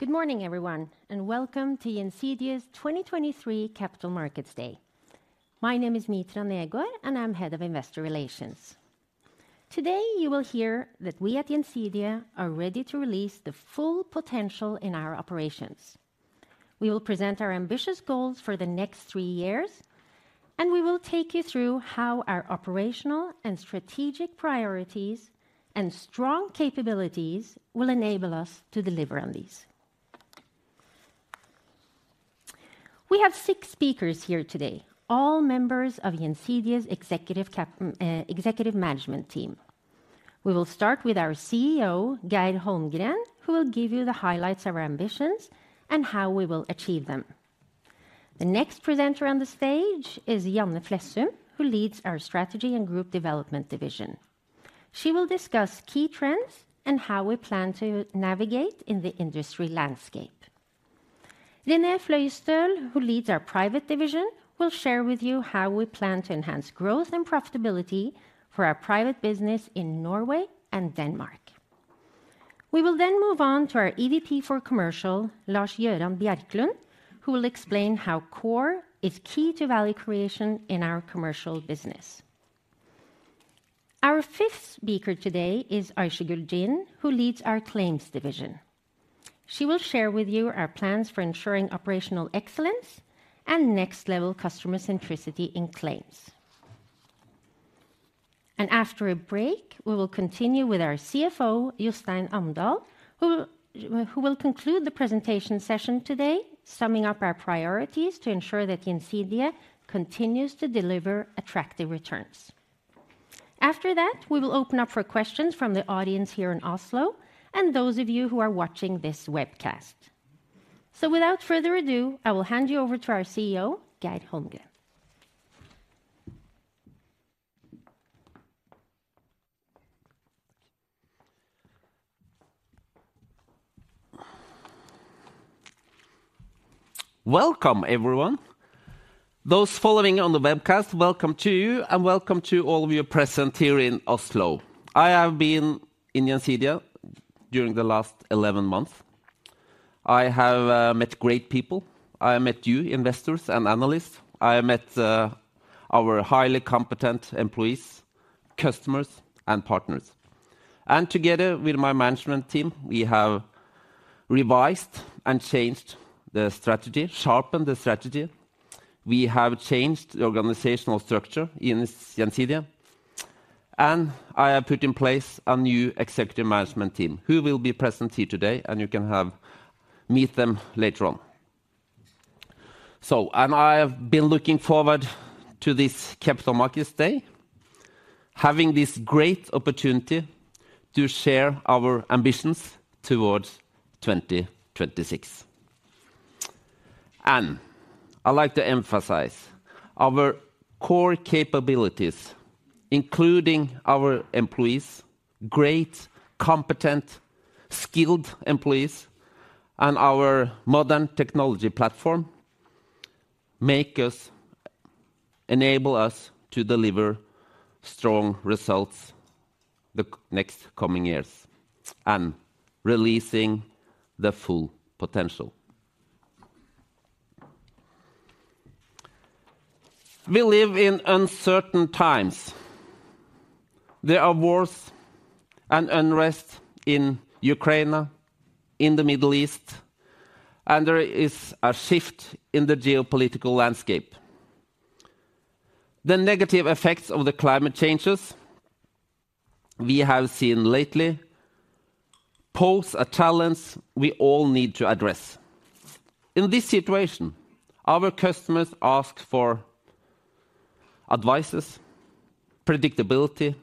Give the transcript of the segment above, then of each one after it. Good morning, everyone, and welcome to Gjensidige's 2023 Capital Markets Day. My name is Mitra Hagen Negård, and I'm Head of Investor Relations. Today, you will hear that we at Gjensidige are ready to release the full potential in our operations. We will present our ambitious goals for the next three years, and we will take you through how our operational and strategic priorities and strong capabilities will enable us to deliver on these. We have six speakers here today, all members of Gjensidige's executive management team. We will start with our CEO, Geir Holmgren, who will give you the highlights of our ambitions and how we will achieve them. The next presenter on the stage is Janne Flessum, who leads our Strategy and Group Development division. She will discuss key trends and how we plan to navigate in the industry landscape. René Fløystøl, who leads our private division, will share with you how we plan to enhance growth and profitability for our private business in Norway and Denmark. We will then move on to our EVP for Commercial, Lars Gøran Bjerklund, who will explain how core is key to value creation in our commercial business. Our fifth speaker today is Aysegül Cin, who leads our Claims division. She will share with you our plans for ensuring operational excellence and next-level customer centricity in claims. After a break, we will continue with our CFO, Jostein Amdal, who will conclude the presentation session today, summing up our priorities to ensure that Gjensidige continues to deliver attractive returns. After that, we will open up for questions from the audience here in Oslo and those of you who are watching this webcast. Without further ado, I will hand you over to our CEO, Geir Holmgren. Welcome, everyone. Those following on the webcast, welcome to you, and welcome to all of you present here in Oslo. I have been in Gjensidige during the last 11 months. I have met great people. I met you, investors and analysts. I met our highly competent employees, customers, and partners. And together with my management team, we have revised and changed the strategy, sharpened the strategy. We have changed the organizational structure in Gjensidige, and I have put in place a new executive management team who will be present here today, and you can meet them later on. I have been looking forward to this Capital Markets Day, having this great opportunity to share our ambitions towards 2026. I like to emphasize our core capabilities, including our employees, great, competent, skilled employees, and our modern technology platform, make us, enable us to deliver strong results the coming years and releasing the full potential. We live in uncertain times. There are wars and unrest in Ukraine, in the Middle East, and there is a shift in the geopolitical landscape. The negative effects of the climate changes we have seen lately pose a challenge we all need to address. In this situation, our customers ask for advices, predictability,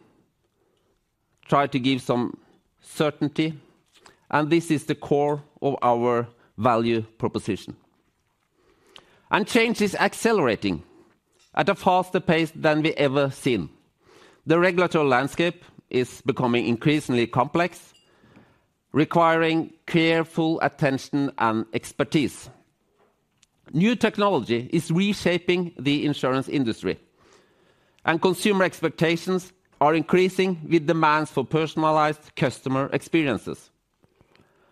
try to give some certainty, and this is the core of our value proposition. Change is accelerating at a faster pace than we ever seen. The regulatory landscape is becoming increasingly complex, requiring careful attention and expertise. New technology is reshaping the insurance industry, and consumer expectations are increasing with demands for personalized customer experiences.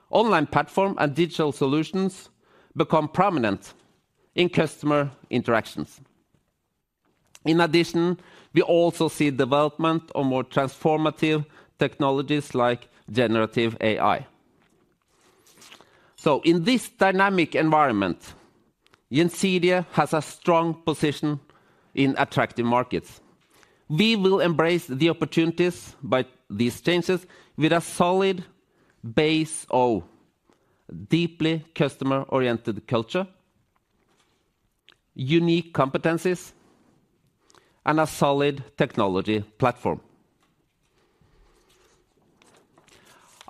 Online platforms and digital solutions become prominent in customer interactions. In addition, we also see development of more transformative technologies like Generative AI. So in this dynamic environment, Gjensidige has a strong position in attractive markets. We will embrace the opportunities by these changes with a solid base of deeply customer-oriented culture, unique competencies, and a solid technology platform.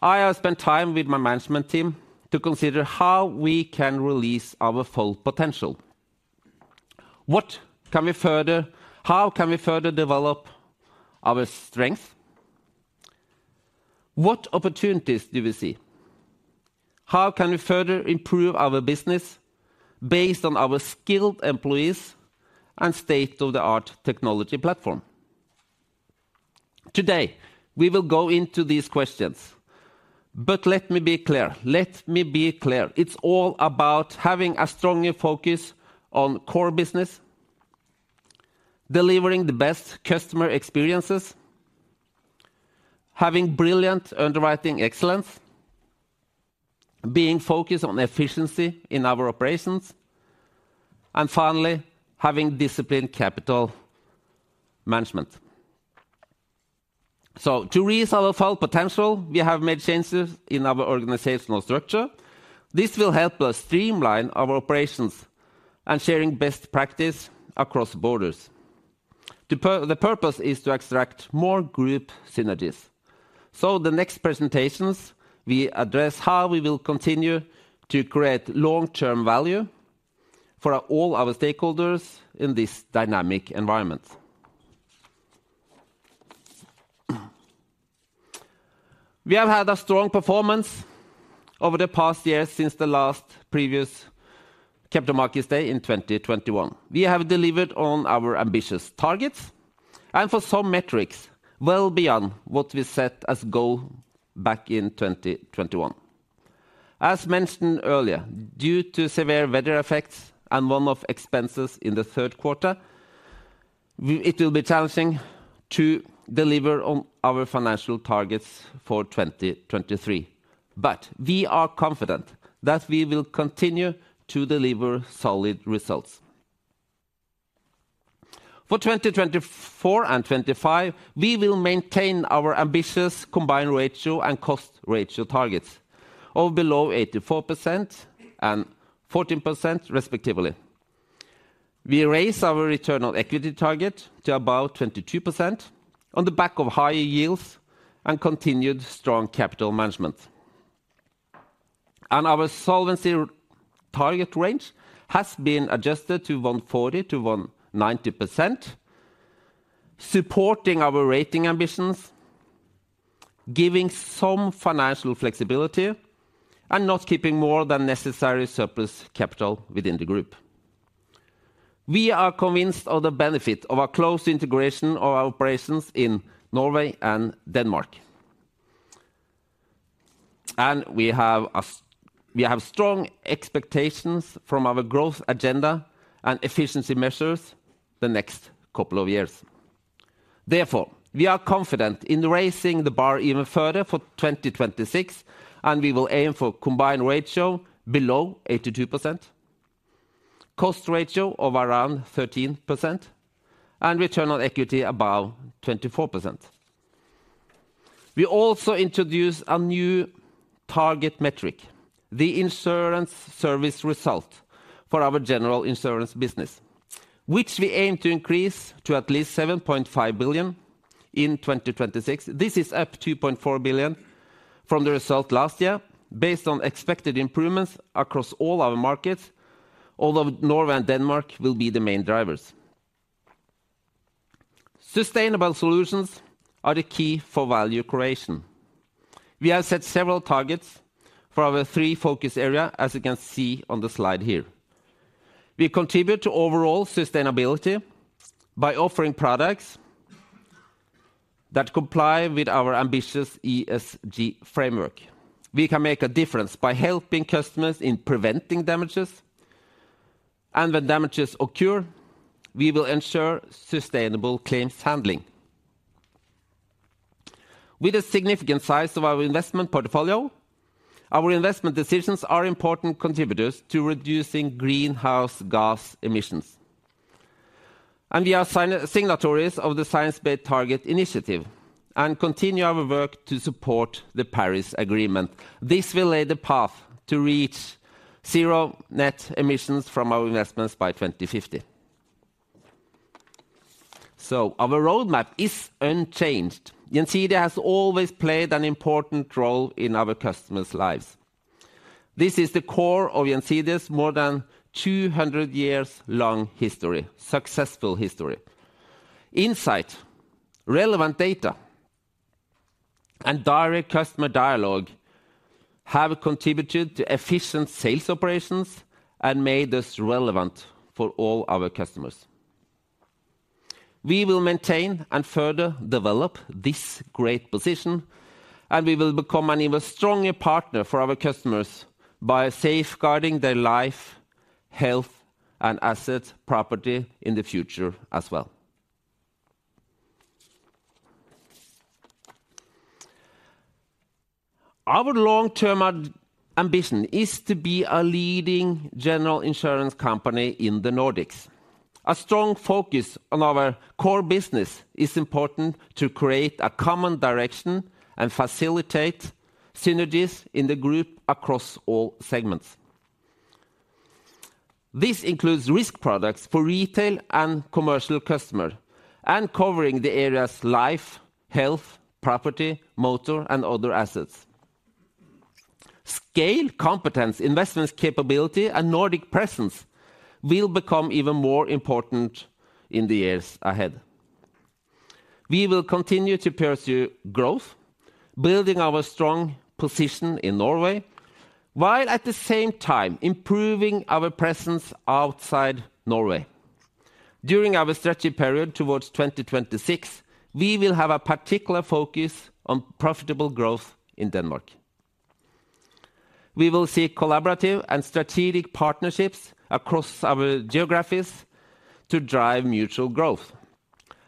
I have spent time with my management team to consider how we can release our full potential. What can we further? How can we further develop our strength? What opportunities do we see? How can we further improve our business based on our skilled employees and state-of-the-art technology platform?... Today, we will go into these questions. But let me be clear, let me be clear, it's all about having a stronger focus on core business, delivering the best customer experiences, having brilliant underwriting excellence, being focused on efficiency in our operations, and finally, having disciplined capital management. So to reach our full potential, we have made changes in our organizational structure. This will help us streamline our operations and sharing best practice across borders. The purpose is to extract more group synergies. So the next presentations, we address how we will continue to create long-term value for all our stakeholders in this dynamic environment. We have had a strong performance over the past years, since the last previous Capital Markets Day in 2021. We have delivered on our ambitious targets, and for some metrics, well beyond what we set as goal back in 2021. As mentioned earlier, due to severe weather effects and one-off expenses in the third quarter, we it will be challenging to deliver on our financial targets for 2023, but we are confident that we will continue to deliver solid results. For 2024 and 2025, we will maintain our ambitious combined ratio and cost ratio targets of below 84% and 14%, respectively. We raise our return on equity target to about 22% on the back of higher yields and continued strong capital management. And our solvency target range has been adjusted to 140%-190%, supporting our rating ambitions, giving some financial flexibility, and not keeping more than necessary surplus capital within the group. We are convinced of the benefit of a close integration of our operations in Norway and Denmark. And we have strong expectations from our growth agenda and efficiency measures the next couple of years. Therefore, we are confident in raising the bar even further for 2026, and we will aim for combined ratio below 82%, cost ratio of around 13%, and return on equity above 24%. We also introduce a new target metric, the insurance service result, for our general insurance business, which we aim to increase to at least 7.5 billion in 2026. This is up 2.4 billion from the result last year, based on expected improvements across all our markets, although Norway and Denmark will be the main drivers. Sustainable solutions are the key for value creation. We have set several targets for our three focus area, as you can see on the slide here. We contribute to overall sustainability by offering products that comply with our ambitious ESG framework. We can make a difference by helping customers in preventing damages, and when damages occur, we will ensure sustainable claims handling. With the significant size of our investment portfolio, our investment decisions are important contributors to reducing greenhouse gas emissions. And we are signatories of the Science Based Targets initiative and continue our work to support the Paris Agreement. This will lay the path to reach zero net emissions from our investments by 2050. So our roadmap is unchanged. Gjensidige has always played an important role in our customers' lives. This is the core of Gjensidige's more than 200 years long history, successful history. Insight, relevant data, and direct customer dialogue have contributed to efficient sales operations and made us relevant for all our customers. We will maintain and further develop this great position, and we will become an even stronger partner for our customers by safeguarding their life, health, and assets, property in the future as well. Our long-term ambition is to be a leading general insurance company in the Nordics. A strong focus on our core business is important to create a common direction and facilitate synergies in the group across all segments. This includes risk products for retail and commercial customers, and covering the areas life, health, property, motor, and other assets. Scale, competence, investment capability, and Nordic presence will become even more important in the years ahead. We will continue to pursue growth, building our strong position in Norway, while at the same time improving our presence outside Norway. During our strategy period towards 2026, we will have a particular focus on profitable growth in Denmark. We will seek collaborative and strategic partnerships across our geographies to drive mutual growth.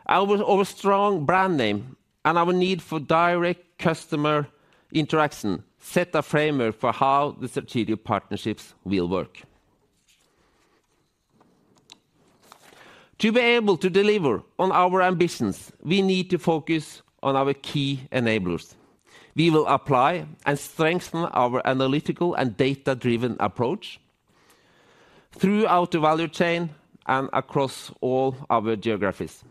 Our strong brand name and our need for direct customer interaction set a framework for how the strategic partnerships will work. To be able to deliver on our ambitions, we need to focus on our key enablers. We will apply and strengthen our analytical and data-driven approach throughout the value chain and across all our geographies.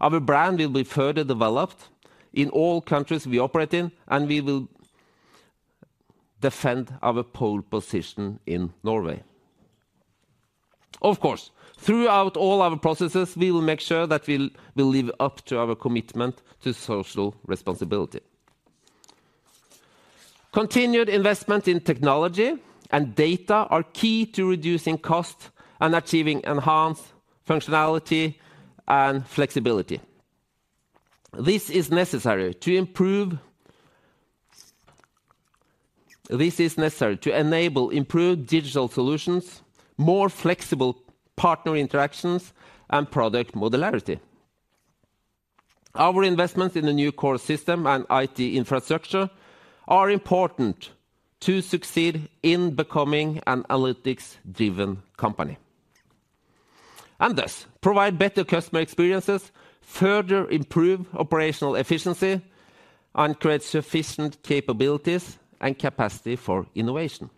Our brand will be further developed in all countries we operate in, and we will defend our pole position in Norway. Of course, throughout all our processes, we will make sure that we'll live up to our commitment to social responsibility. Continued investment in technology and data are key to reducing costs and achieving enhanced functionality and flexibility. This is necessary to enable improved digital solutions, more flexible partner interactions, and product modularity. Our investments in the new core system and IT infrastructure are important to succeed in becoming an analytics-driven company, and thus provide better customer experiences, further improve operational efficiency, and create sufficient capabilities and capacity for innovation.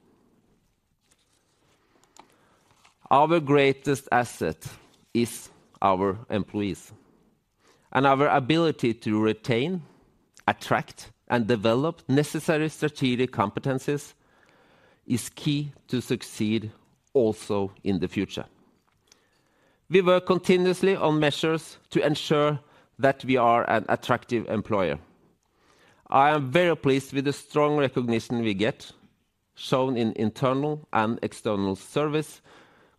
Our greatest asset is our employees, and our ability to retain, attract, and develop necessary strategic competencies is key to succeed also in the future. We work continuously on measures to ensure that we are an attractive employer. I am very pleased with the strong recognition we get, shown in internal and external service,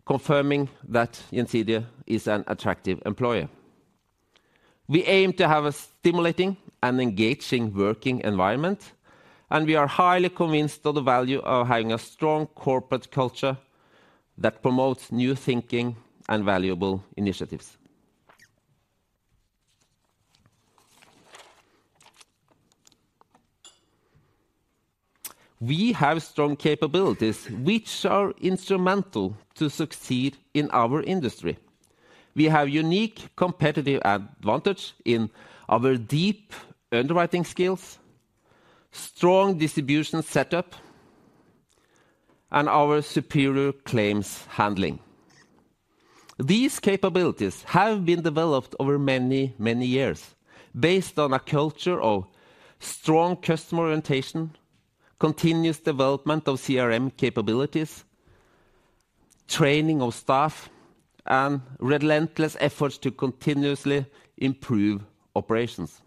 confirming that Gjensidige is an attractive employer. We aim to have a stimulating and engaging working environment, and we are highly convinced of the value of having a strong corporate culture that promotes new thinking and valuable initiatives. We have strong capabilities, which are instrumental to succeed in our industry. We have unique competitive advantage in our deep underwriting skills, strong distribution setup, and our superior claims handling. These capabilities have been developed over many, many years, based on a culture of strong customer orientation, continuous development of CRM capabilities, training of staff, and relentless efforts to continuously improve operations.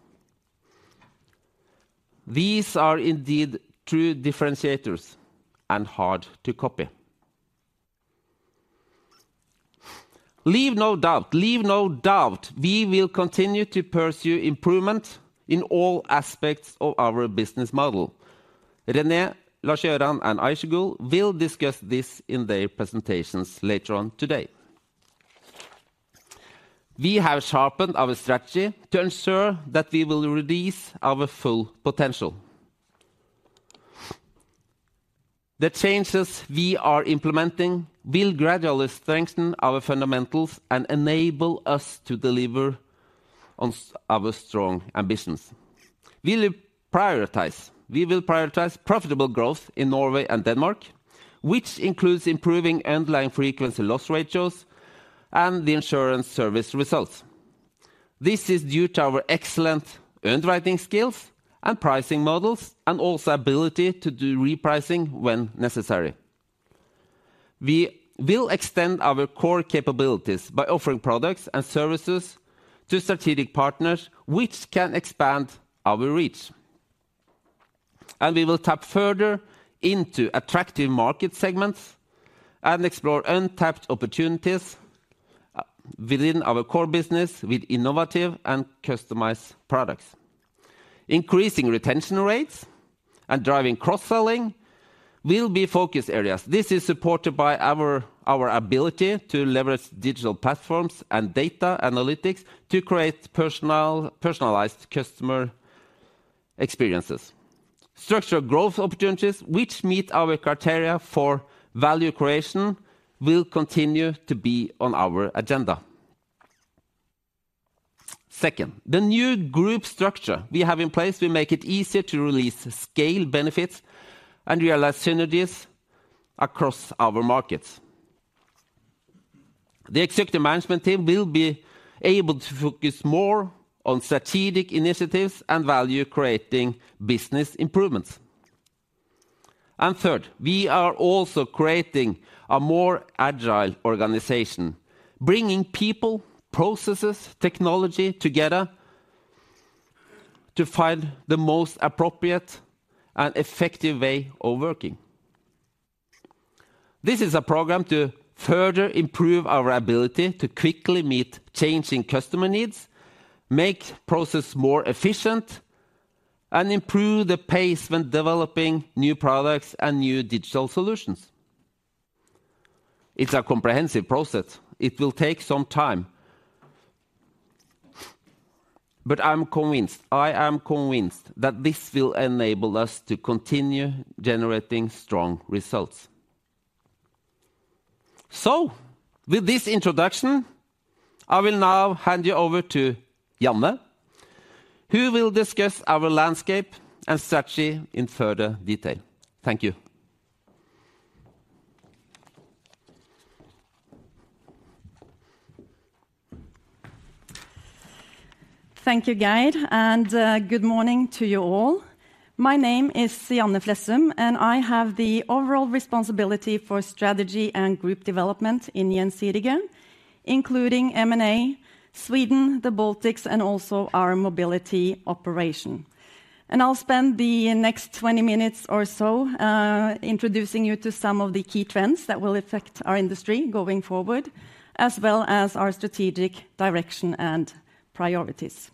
These are indeed true differentiators and hard to copy. Leave no doubt, leave no doubt, we will continue to pursue improvement in all aspects of our business model. René, Lars Gøran, and Aysegül will discuss this in their presentations later on today. We have sharpened our strategy to ensure that we will release our full potential. The changes we are implementing will gradually strengthen our fundamentals and enable us to deliver on our strong ambitions. We will prioritize, we will prioritize profitable growth in Norway and Denmark, which includes improving underlying frequency loss ratios and the insurance service results. This is due to our excellent underwriting skills and pricing models, and also ability to do repricing when necessary. We will extend our core capabilities by offering products and services to strategic partners, which can expand our reach. And we will tap further into attractive market segments and explore untapped opportunities within our core business with innovative and customized products. Increasing retention rates and driving cross-selling will be focus areas. This is supported by our ability to leverage digital platforms and data analytics to create personalized customer experiences. Structural growth opportunities, which meet our criteria for value creation, will continue to be on our agenda. Second, the new group structure we have in place will make it easier to release scale benefits and realize synergies across our markets. The executive management team will be able to focus more on strategic initiatives and value-creating business improvements. And third, we are also creating a more agile organization, bringing people, processes, technology together, to find the most appropriate and effective way of working. This is a program to further improve our ability to quickly meet changing customer needs, make process more efficient, and improve the pace when developing new products and new digital solutions. It's a comprehensive process. It will take some time, but I'm convinced, I am convinced that this will enable us to continue generating strong results. So with this introduction, I will now hand you over to Janne, who will discuss our landscape and strategy in further detail. Thank you. Thank you, Geir, and good morning to you all. My name is Janne Flessum, and I have the overall responsibility for strategy and group development in Gjensidige, including M&A, Sweden, the Baltics, and also our mobility operation. I'll spend the next 20 minutes or so introducing you to some of the key trends that will affect our industry going forward, as well as our strategic direction and priorities.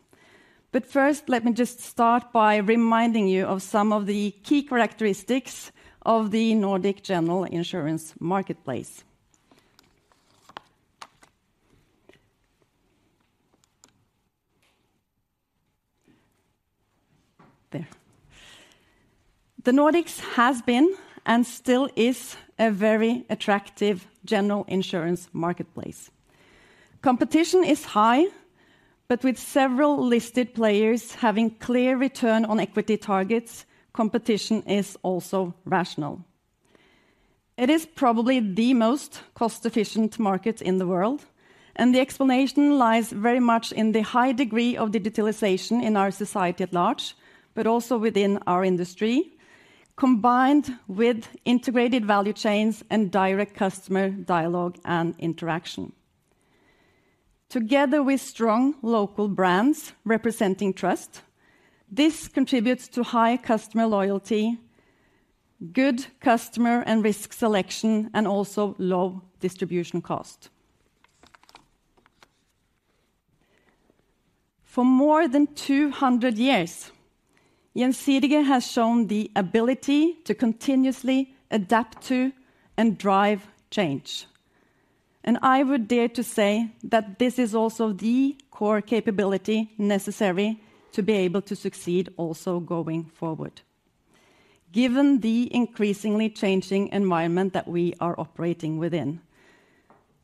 First, let me just start by reminding you of some of the key characteristics of the Nordic general insurance marketplace. The Nordics has been, and still is, a very attractive general insurance marketplace. Competition is high, but with several listed players having clear return on equity targets, competition is also rational. It is probably the most cost-efficient market in the world, and the explanation lies very much in the high degree of digitalization in our society at large, but also within our industry, combined with integrated value chains and direct customer dialogue and interaction. Together with strong local brands representing trust, this contributes to high customer loyalty, good customer and risk selection, and also low distribution cost. For more than 200 years, Gjensidige has shown the ability to continuously adapt to and drive change. I would dare to say that this is also the core capability necessary to be able to succeed also going forward, given the increasingly changing environment that we are operating within.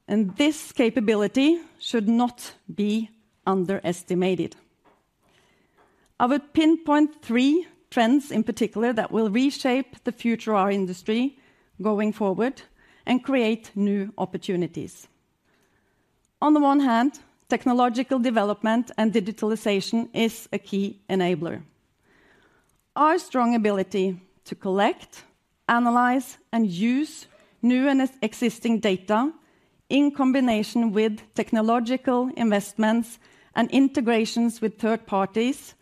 This capability should not be underestimated. I would pinpoint three trends in particular that will reshape the future of our industry going forward and create new opportunities. On the one hand, technological development and digitalization is a key enabler. Our strong ability to collect, analyze, and use new and existing data in combination with technological investments and integrations with third parties,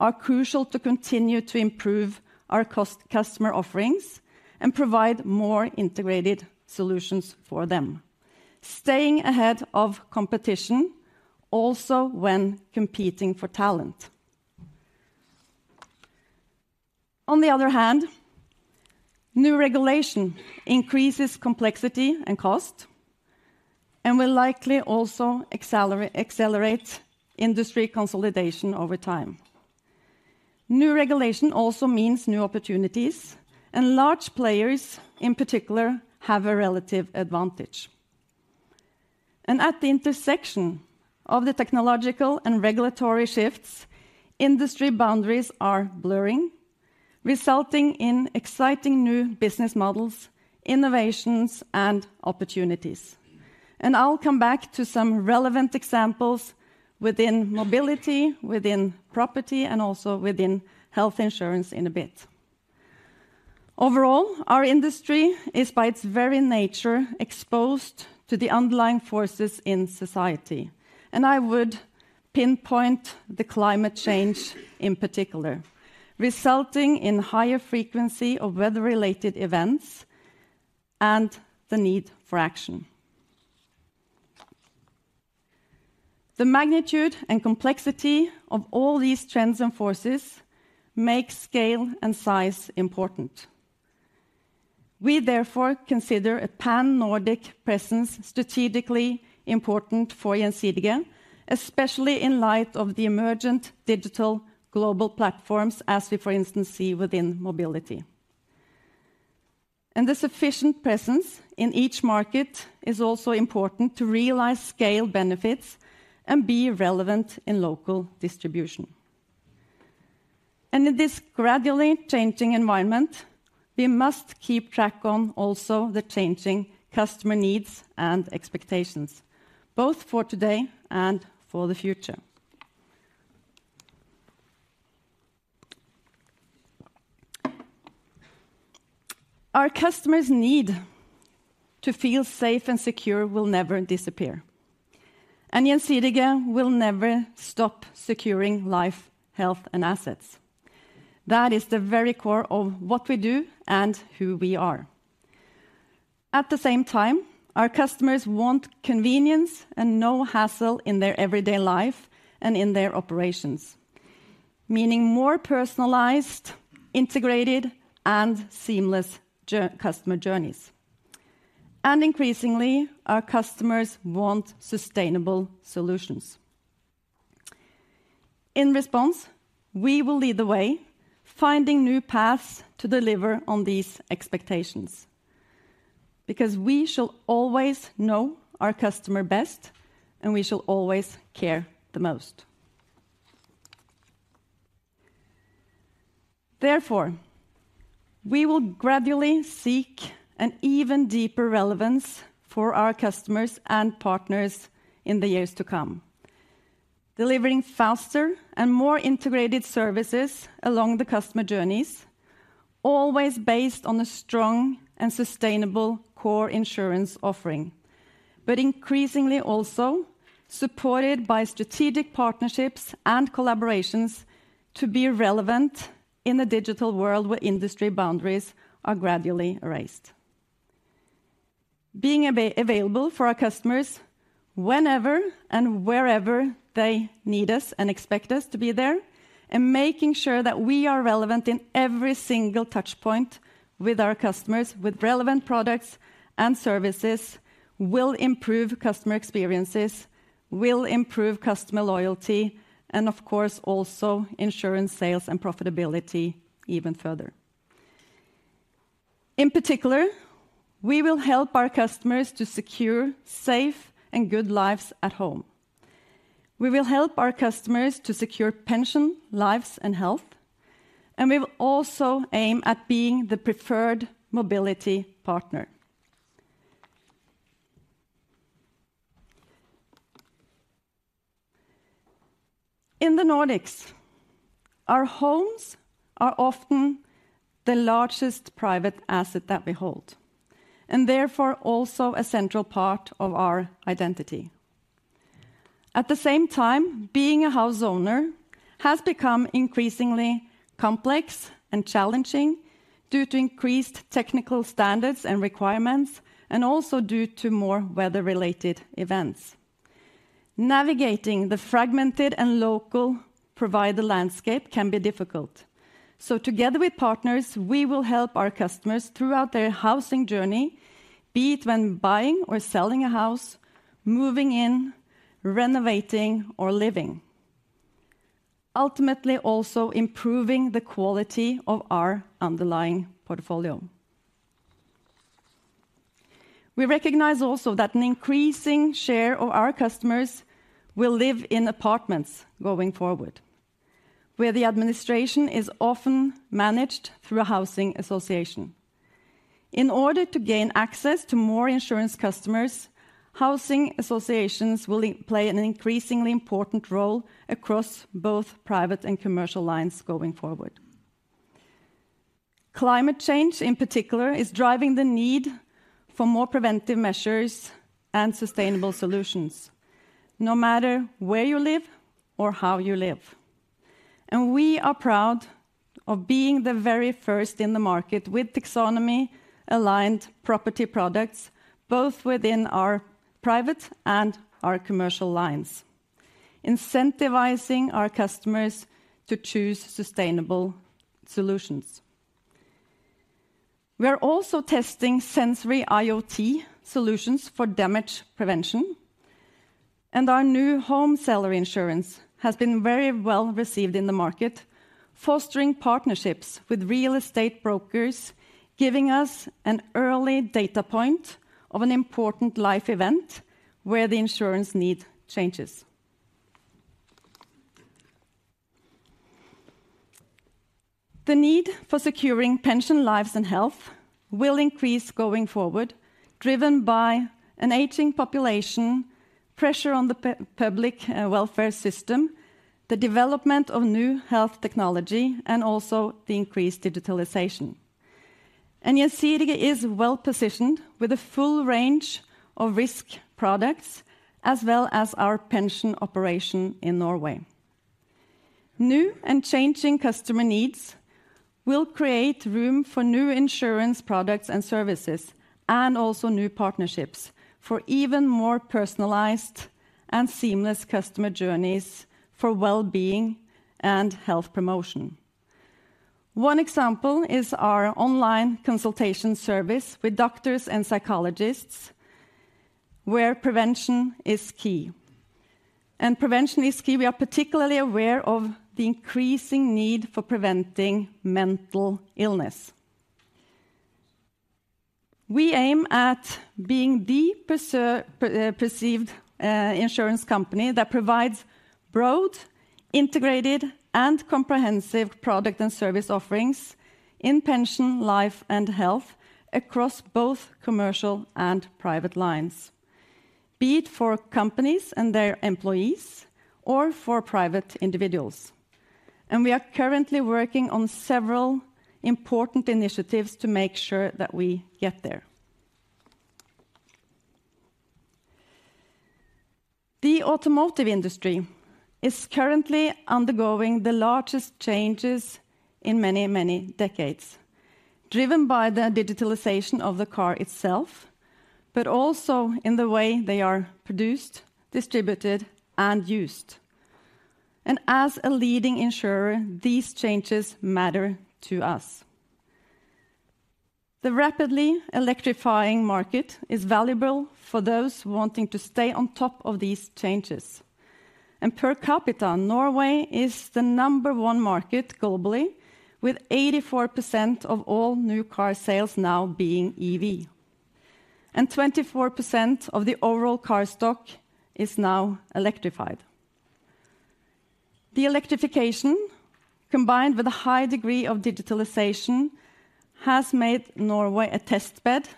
are crucial to continue to improve our customer offerings and provide more integrated solutions for them. Staying ahead of competition also when competing for talent. On the other hand, new regulation increases complexity and cost, and will likely also accelerate industry consolidation over time. New regulation also means new opportunities, and large players, in particular, have a relative advantage. At the intersection of the technological and regulatory shifts, industry boundaries are blurring, resulting in exciting new business models, innovations, and opportunities. I'll come back to some relevant examples within mobility, within property, and also within health insurance in a bit. Overall, our industry is, by its very nature, exposed to the underlying forces in society. I would pinpoint the climate change in particular, resulting in higher frequency of weather-related events and the need for action. The magnitude and complexity of all these trends and forces make scale and size important. We therefore consider a Pan-Nordic presence strategically important for Gjensidige, especially in light of the emergent digital global platforms, as we, for instance, see within mobility. The sufficient presence in each market is also important to realize scale benefits and be relevant in local distribution. In this gradually changing environment, we must keep track on also the changing customer needs and expectations, both for today and for the future. Our customers' need to feel safe and secure will never disappear, and Gjensidige will never stop securing life, health, and assets. That is the very core of what we do and who we are. At the same time, our customers want convenience and no hassle in their everyday life and in their operations, meaning more personalized, integrated, and seamless customer journeys. Increasingly, our customers want sustainable solutions. In response, we will lead the way, finding new paths to deliver on these expectations, because we shall always know our customer best, and we shall always care the most. Therefore, we will gradually seek an even deeper relevance for our customers and partners in the years to come. Delivering faster and more integrated services along the customer journeys, always based on a strong and sustainable core insurance offering, but increasingly also supported by strategic partnerships and collaborations to be relevant in the digital world where industry boundaries are gradually erased. Being available for our customers whenever and wherever they need us and expect us to be there, and making sure that we are relevant in every single touch point with our customers, with relevant products and services, will improve customer experiences, will improve customer loyalty, and of course, also insurance sales and profitability even further. In particular, we will help our customers to secure safe and good lives at home. We will help our customers to secure pension, lives, and health, and we will also aim at being the preferred mobility partner. In the Nordics, our homes are often the largest private asset that we hold, and therefore, also a central part of our identity. At the same time, being a house owner has become increasingly complex and challenging due to increased technical standards and requirements, and also due to more weather-related events. Navigating the fragmented and local provider landscape can be difficult. So together with partners, we will help our customers throughout their housing journey, be it when buying or selling a house, moving in, renovating, or living. Ultimately, also improving the quality of our underlying portfolio. We recognize also that an increasing share of our customers will live in apartments going forward, where the administration is often managed through a housing association. In order to gain access to more insurance customers, housing associations will play an increasingly important role across both private and commercial lines going forward. Climate change, in particular, is driving the need for more preventive measures and sustainable solutions, no matter where you live or how you live. We are proud of being the very first in the market with taxonomy-aligned property products, both within our private and our commercial lines, incentivizing our customers to choose sustainable solutions. We are also testing sensory IoT solutions for damage prevention, and our new home seller insurance has been very well received in the market, fostering partnerships with real estate brokers, giving us an early data point of an important life event where the insurance need changes. The need for securing pension, lives, and health will increase going forward, driven by an aging population, pressure on the public welfare system, the development of new health technology, and also the increased digitalization. Gjensidige is well positioned with a full range of risk products, as well as our pension operation in Norway. New and changing customer needs will create room for new insurance products and services, and also new partnerships for even more personalized and seamless customer journeys for well-being and health promotion. One example is our online consultation service with doctors and psychologists, where prevention is key. And prevention is key. We are particularly aware of the increasing need for preventing mental illness. We aim at being the perceived insurance company that provides broad, integrated, and comprehensive product and service offerings in pension, life, and health across both commercial and private lines, be it for companies and their employees or for private individuals. We are currently working on several important initiatives to make sure that we get there. The automotive industry is currently undergoing the largest changes in many, many decades, driven by the digitalization of the car itself, but also in the way they are produced, distributed, and used. As a leading insurer, these changes matter to us. The rapidly electrifying market is valuable for those wanting to stay on top of these changes. Per capita, Norway is the number one market globally, with 84% of all new car sales now being EV, and 24% of the overall car stock is now electrified. The electrification, combined with a high degree of digitalization, has made Norway a test bed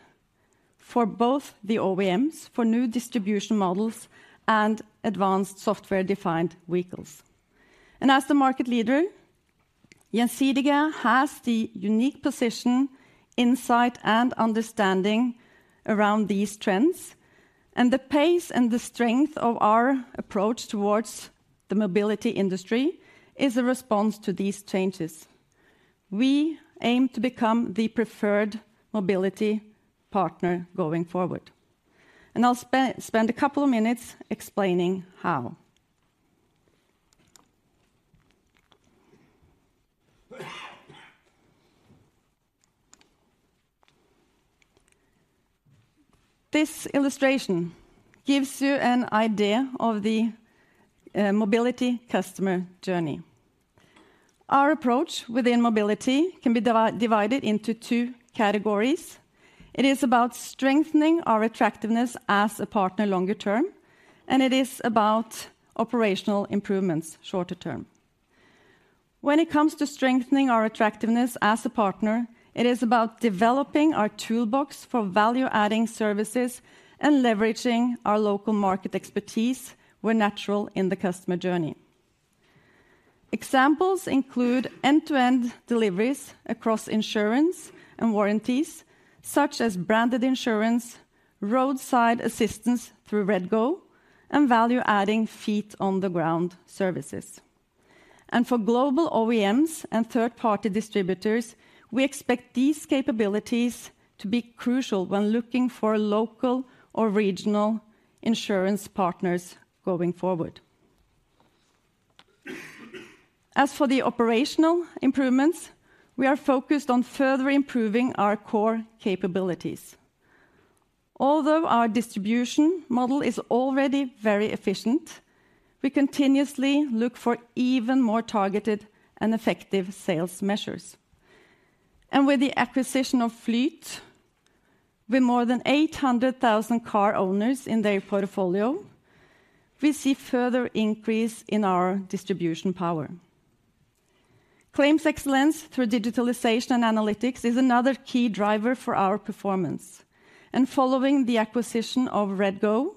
for both the OEMs, for new distribution models, and advanced software-defined vehicles. As the market leader, Gjensidige has the unique position, insight, and understanding around these trends, and the pace and the strength of our approach towards the mobility industry is a response to these changes. We aim to become the preferred mobility partner going forward, and I'll spend a couple of minutes explaining how. This illustration gives you an idea of the mobility customer journey. Our approach within mobility can be divided into two categories. It is about strengthening our attractiveness as a partner longer term, and it is about operational improvements, shorter term. When it comes to strengthening our attractiveness as a partner, it is about developing our toolbox for value-adding services and leveraging our local market expertise where natural in the customer journey. Examples include end-to-end deliveries across insurance and warranties, such as branded insurance, roadside assistance through REDGO, and value-adding feet-on-the-ground services. For global OEMs and third-party distributors, we expect these capabilities to be crucial when looking for local or regional insurance partners going forward. As for the operational improvements, we are focused on further improving our core capabilities. Although our distribution model is already very efficient, we continuously look for even more targeted and effective sales measures. With the acquisition of Flyt, with more than 800,000 car owners in their portfolio, we see further increase in our distribution power. Claims excellence through digitalization and analytics is another key driver for our performance, and following the acquisition of REDGO,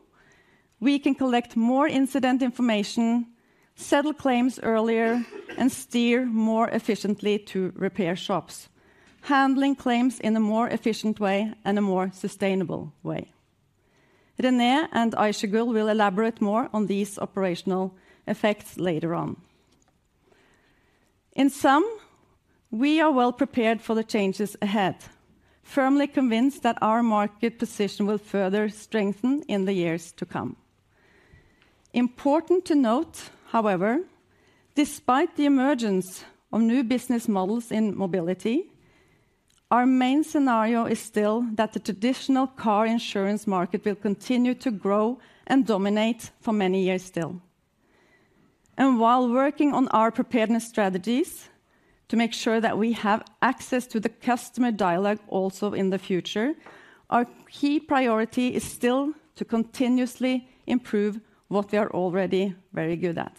we can collect more incident information, settle claims earlier, and steer more efficiently to repair shops, handling claims in a more efficient way and a more sustainable way. René and Aysegül will elaborate more on these operational effects later on. In sum, we are well prepared for the changes ahead, firmly convinced that our market position will further strengthen in the years to come. Important to note, however, despite the emergence of new business models in mobility, our main scenario is still that the traditional car insurance market will continue to grow and dominate for many years still. While working on our preparedness strategies to make sure that we have access to the customer dialogue also in the future, our key priority is still to continuously improve what we are already very good at.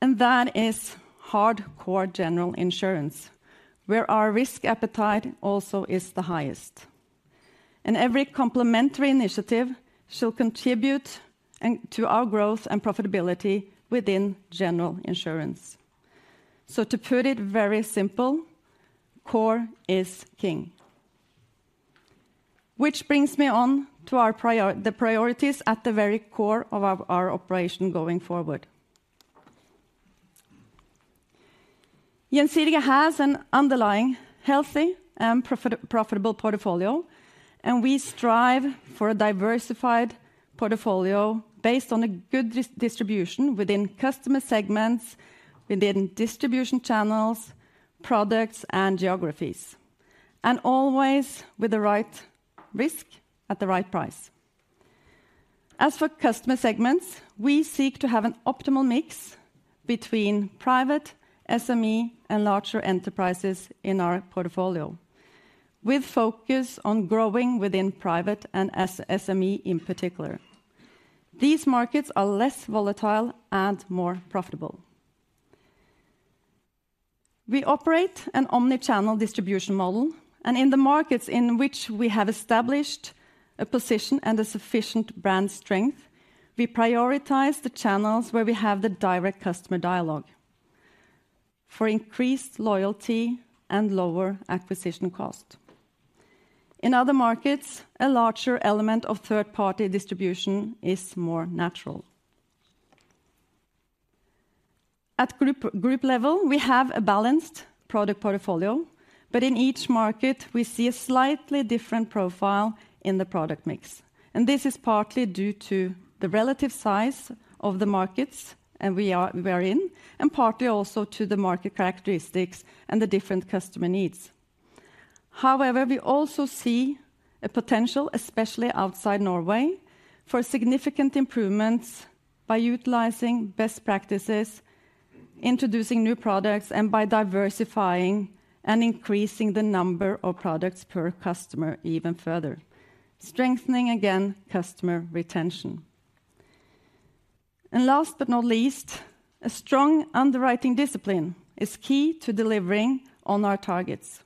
That is hardcore general insurance, where our risk appetite also is the highest. Every complementary initiative shall contribute to our growth and profitability within general insurance. To put it very simple, core is king. Which brings me on to our priorities. The priorities at the very core of our operation going forward. Gjensidige has an underlying healthy and profitable portfolio, and we strive for a diversified portfolio based on a good distribution within customer segments, within distribution channels, products, and geographies, and always with the right risk at the right price. As for customer segments, we seek to have an optimal mix between private, SME, and larger enterprises in our portfolio, with focus on growing within private and SME in particular. These markets are less volatile and more profitable. We operate an omni-channel distribution model, and in the markets in which we have established a position and a sufficient brand strength, we prioritize the channels where we have the direct customer dialogue for increased loyalty and lower acquisition cost. In other markets, a larger element of third-party distribution is more natural. At group level, we have a balanced product portfolio, but in each market we see a slightly different profile in the product mix. And this is partly due to the relative size of the markets we are in, and partly also to the market characteristics and the different customer needs. However, we also see a potential, especially outside Norway, for significant improvements by utilizing best practices, introducing new products, and by diversifying and increasing the number of products per customer even further, strengthening again customer retention. And last but not least, a strong underwriting discipline is key to delivering on our targets.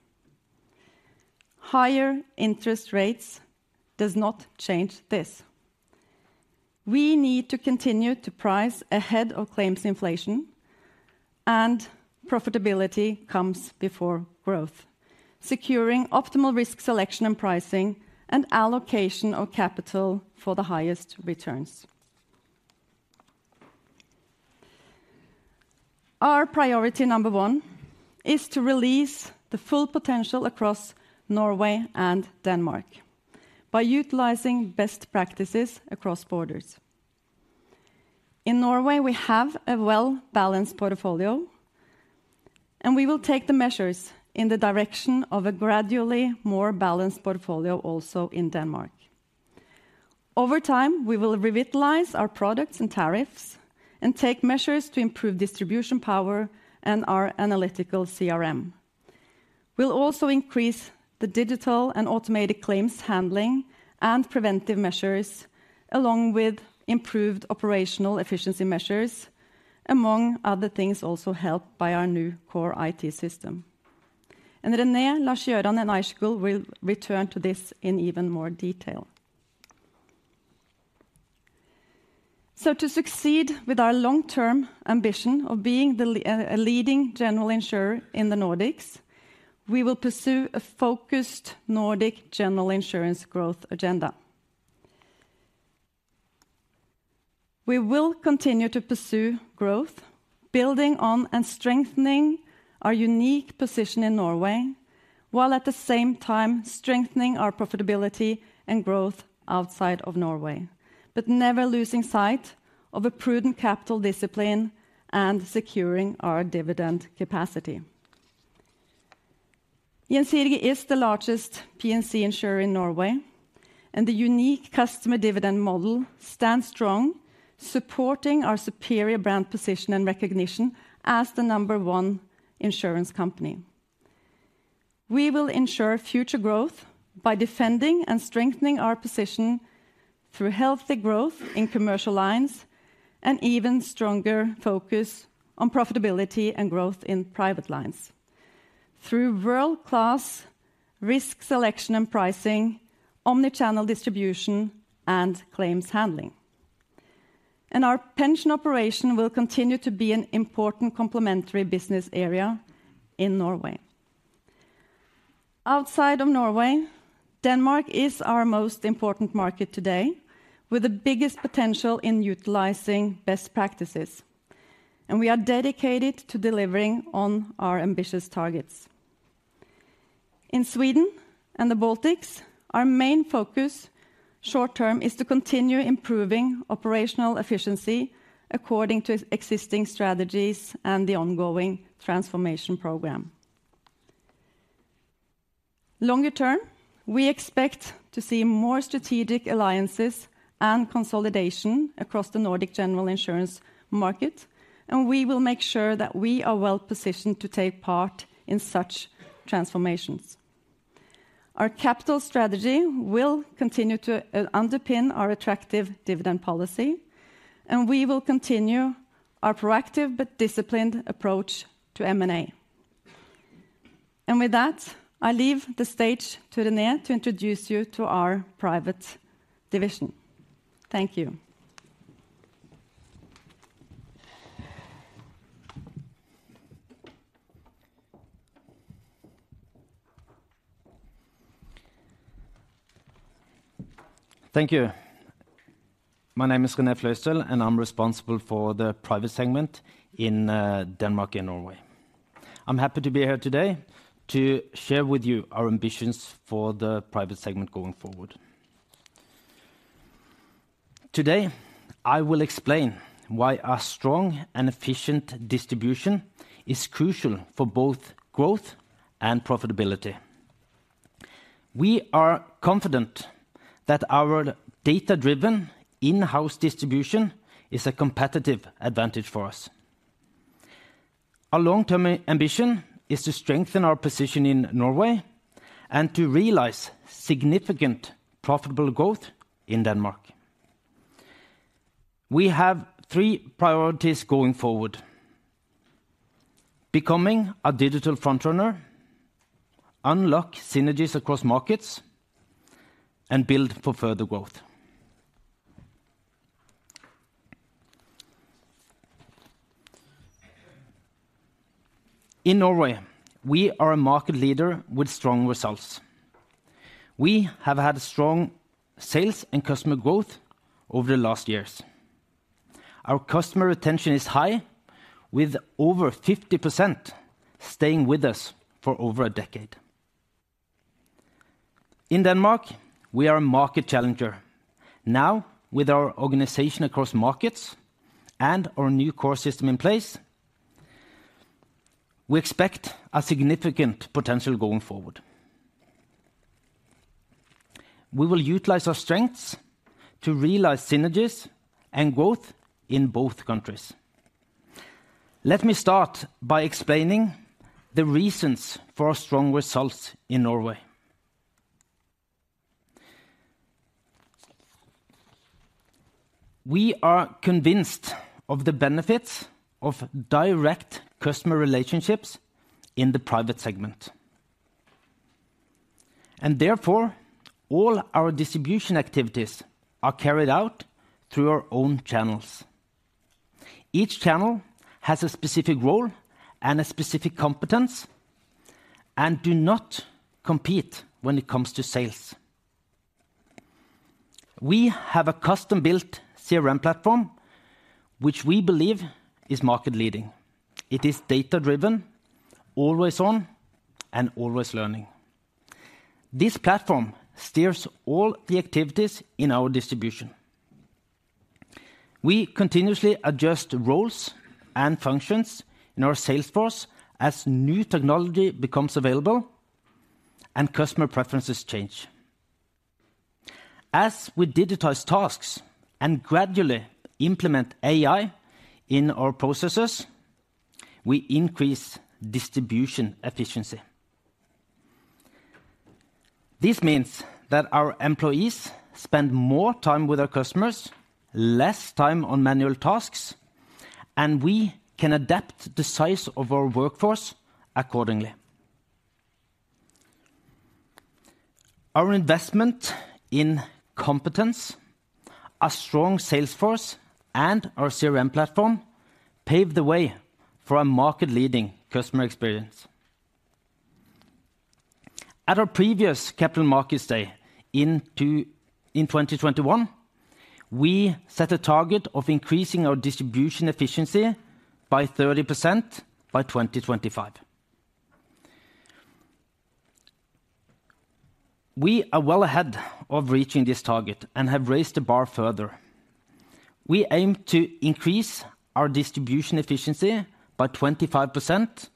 Higher interest rates does not change this. We need to continue to price ahead of claims inflation, and profitability comes before growth, securing optimal risk selection and pricing, and allocation of capital for the highest returns. Our priority number one is to release the full potential across Norway and Denmark by utilizing best practices across borders. In Norway, we have a well-balanced portfolio, and we will take the measures in the direction of a gradually more balanced portfolio also in Denmark. Over time, we will revitalize our products and tariffs and take measures to improve distribution power and our analytical CRM. We'll also increase the digital and automated claims handling and preventive measures, along with improved operational efficiency measures, among other things, also helped by our new core IT system. René, Lars Gøran, and Aysegül will return to this in even more detail. So to succeed with our long-term ambition of being a leading general insurer in the Nordics, we will pursue a focused Nordic general insurance growth agenda. We will continue to pursue growth, building on and strengthening our unique position in Norway, while at the same time strengthening our profitability and growth outside of Norway, but never losing sight of a prudent capital discipline and securing our dividend capacity. Gjensidige is the largest P&C insurer in Norway, and the unique customer dividend model stands strong, supporting our superior brand position and recognition as the number one insurance company. We will ensure future growth by defending and strengthening our position through healthy growth in commercial lines, and even stronger focus on profitability and growth in private lines through world-class risk selection and pricing, omni-channel distribution, and claims handling. Our pension operation will continue to be an important complementary business area in Norway. Outside of Norway, Denmark is our most important market today, with the biggest potential in utilizing best practices, and we are dedicated to delivering on our ambitious targets. In Sweden and the Baltics, our main focus short term is to continue improving operational efficiency according to existing strategies and the ongoing transformation program. Longer term, we expect to see more strategic alliances and consolidation across the Nordic General Insurance market, and we will make sure that we are well positioned to take part in such transformations. Our capital strategy will continue to underpin our attractive dividend policy, and we will continue our proactive but disciplined approach to M&A. And with that, I leave the stage to René to introduce you to our private division. Thank you. Thank you. My name is René Fløystøl, and I'm responsible for the private segment in Denmark and Norway. I'm happy to be here today to share with you our ambitions for the private segment going forward. Today, I will explain why a strong and efficient distribution is crucial for both growth and profitability. We are confident that our data-driven in-house distribution is a competitive advantage for us. Our long-term ambition is to strengthen our position in Norway and to realize significant profitable growth in Denmark. We have three priorities going forward: becoming a digital front runner, unlock synergies across markets, and build for further growth. In Norway, we are a market leader with strong results. We have had strong sales and customer growth over the last years. Our customer retention is high, with over 50% staying with us for over a decade. In Denmark, we are a market challenger. Now, with our organization across markets and our new core system in place, we expect a significant potential going forward. We will utilize our strengths to realize synergies and growth in both countries. Let me start by explaining the reasons for our strong results in Norway. We are convinced of the benefits of direct customer relationships in the private segment, and therefore, all our distribution activities are carried out through our own channels. Each channel has a specific role and a specific competence, and do not compete when it comes to sales. We have a custom-built CRM platform, which we believe is market leading. It is data-driven, always on, and always learning. This platform steers all the activities in our distribution. We continuously adjust roles and functions in our sales force as new technology becomes available and customer preferences change. As we digitize tasks and gradually implement AI in our processes, we increase distribution efficiency. This means that our employees spend more time with our customers, less time on manual tasks, and we can adapt the size of our workforce accordingly. Our investment in competence, a strong sales force, and our CRM platform pave the way for a market-leading customer experience. At our previous Capital Markets Day in 2021, we set a target of increasing our distribution efficiency by 30% by 2025. We are well ahead of reaching this target and have raised the bar further. We aim to increase our distribution efficiency by 25%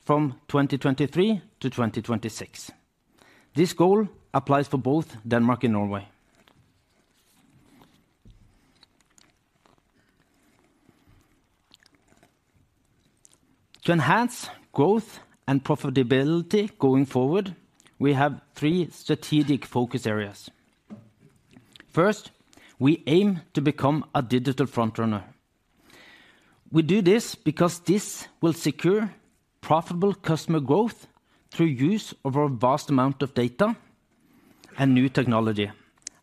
from 2023 to 2026. This goal applies for both Denmark and Norway. To enhance growth and profitability going forward, we have three strategic focus areas. First, we aim to become a digital front runner. We do this because this will secure profitable customer growth through use of our vast amount of data and new technology,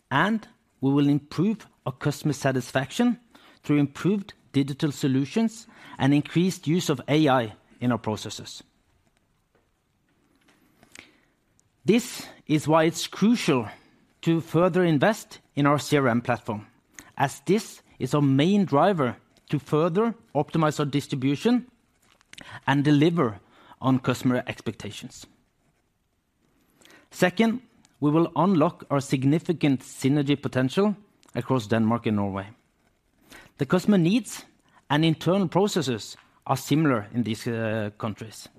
and we will improve our customer satisfaction through improved digital solutions and increased use of AI in our processes. This is why it's crucial to further invest in our CRM platform, as this is our main driver to further optimize our distribution and deliver on customer expectations. Second, we will unlock our significant synergy potential across Denmark and Norway. The customer needs and internal processes are similar in these countries.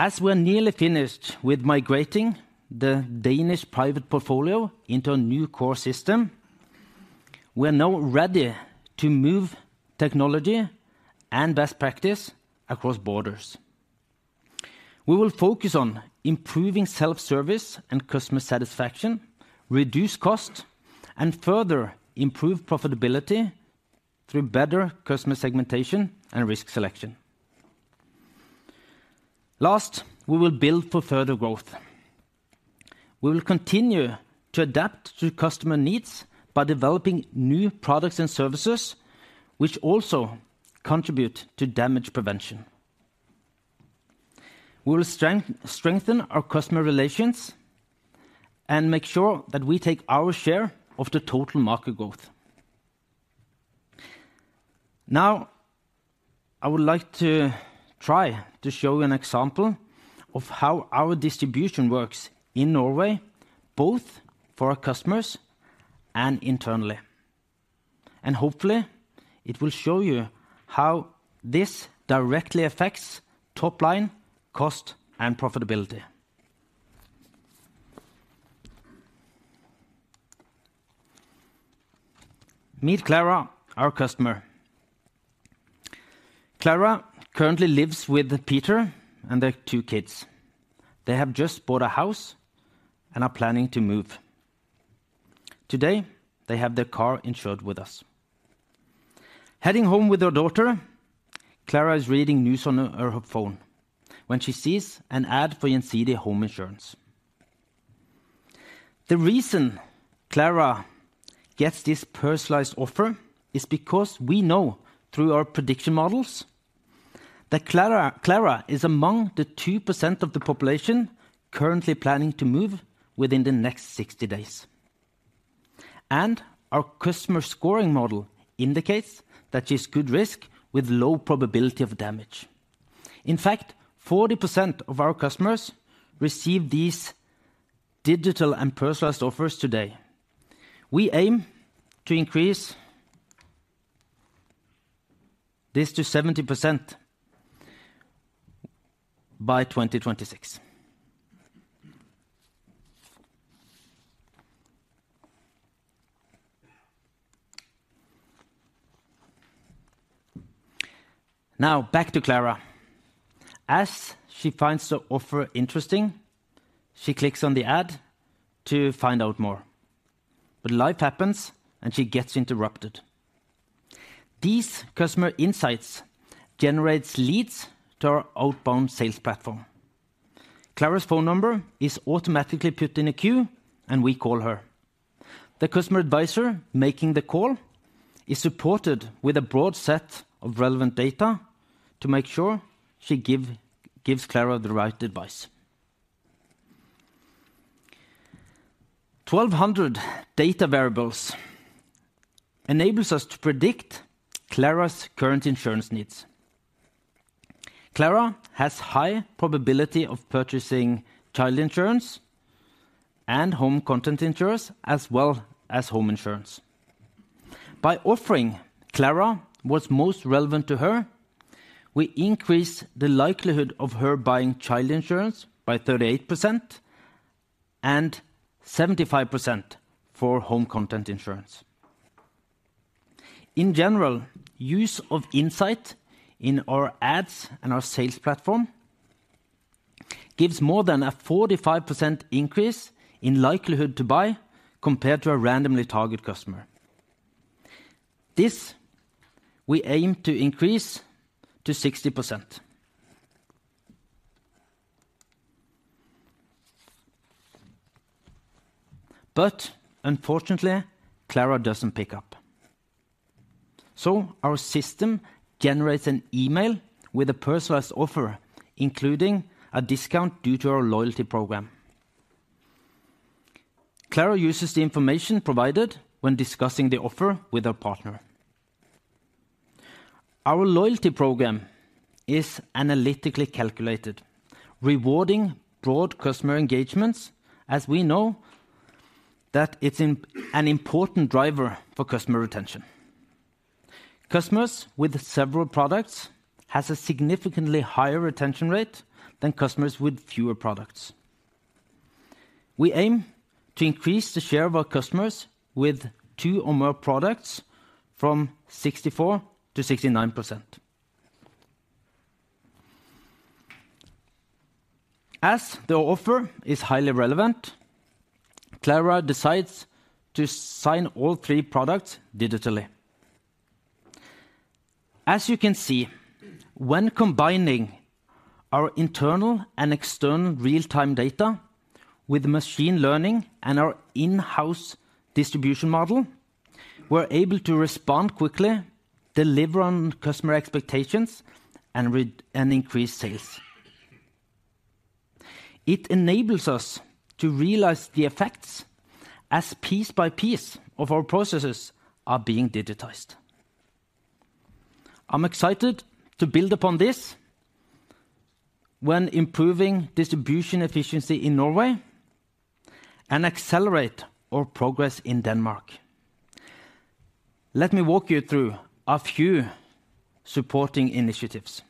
As we're nearly finished with migrating the Danish private portfolio into a new core system, we're now ready to move technology and best practice across borders. We will focus on improving self-service and customer satisfaction, reduce cost, and further improve profitability through better customer segmentation and risk selection. Last, we will build for further growth. We will continue to adapt to customer needs by developing new products and services, which also contribute to damage prevention. We will strengthen our customer relations and make sure that we take our share of the total market growth. Now, I would like to try to show an example of how our distribution works in Norway, both for our customers and internally. And hopefully, it will show you how this directly affects top line, cost, and profitability. Meet Clara, our customer. Clara currently lives with Peter and their two kids. They have just bought a house and are planning to move. Today, they have their car insured with us. Heading home with her daughter, Clara is reading news on her phone when she sees an ad for Gjensidige home insurance. The reason Clara gets this personalized offer is because we know through our prediction models that Clara, Clara is among the 2% of the population currently planning to move within the next 60 days. Our customer scoring model indicates that she's good risk with low probability of damage. In fact, 40% of our customers receive these digital and personalized offers today. We aim to increase this to 70% by 2026. Now, back to Clara. As she finds the offer interesting, she clicks on the ad to find out more. Life happens, and she gets interrupted. These customer insights generates leads to our outbound sales platform. Clara's phone number is automatically put in a queue, and we call her. The customer advisor making the call is supported with a broad set of relevant data to make sure she give, gives Clara the right advice. 1,200 data variables enables us to predict Clara's current insurance needs. Clara has high probability of purchasing child insurance and home content insurance, as well as home insurance. By offering Clara what's most relevant to her, we increase the likelihood of her buying child insurance by 38% and 75% for home content insurance. In general, use of insight in our ads and our sales platform gives more than a 45% increase in likelihood to buy compared to a randomly targeted customer. This, we aim to increase to 60%. But unfortunately, Clara doesn't pick up, so our system generates an email with a personalized offer, including a discount due to our loyalty program. Clara uses the information provided when discussing the offer with her partner. Our loyalty program is analytically calculated, rewarding broad customer engagements as we know that it's an important driver for customer retention. Customers with several products has a significantly higher retention rate than customers with fewer products. We aim to increase the share of our customers with two or more products from 64% to 69%. As the offer is highly relevant, Clara decides to sign all three products digitally. As you can see, when combining our internal and external real-time data with machine learning and our in-house distribution model, we're able to respond quickly, deliver on customer expectations, and increase sales. It enables us to realize the effects as piece by piece of our processes are being digitized. I'm excited to build upon this when improving distribution efficiency in Norway and accelerate our progress in Denmark. Let me walk you through a few supporting initiatives.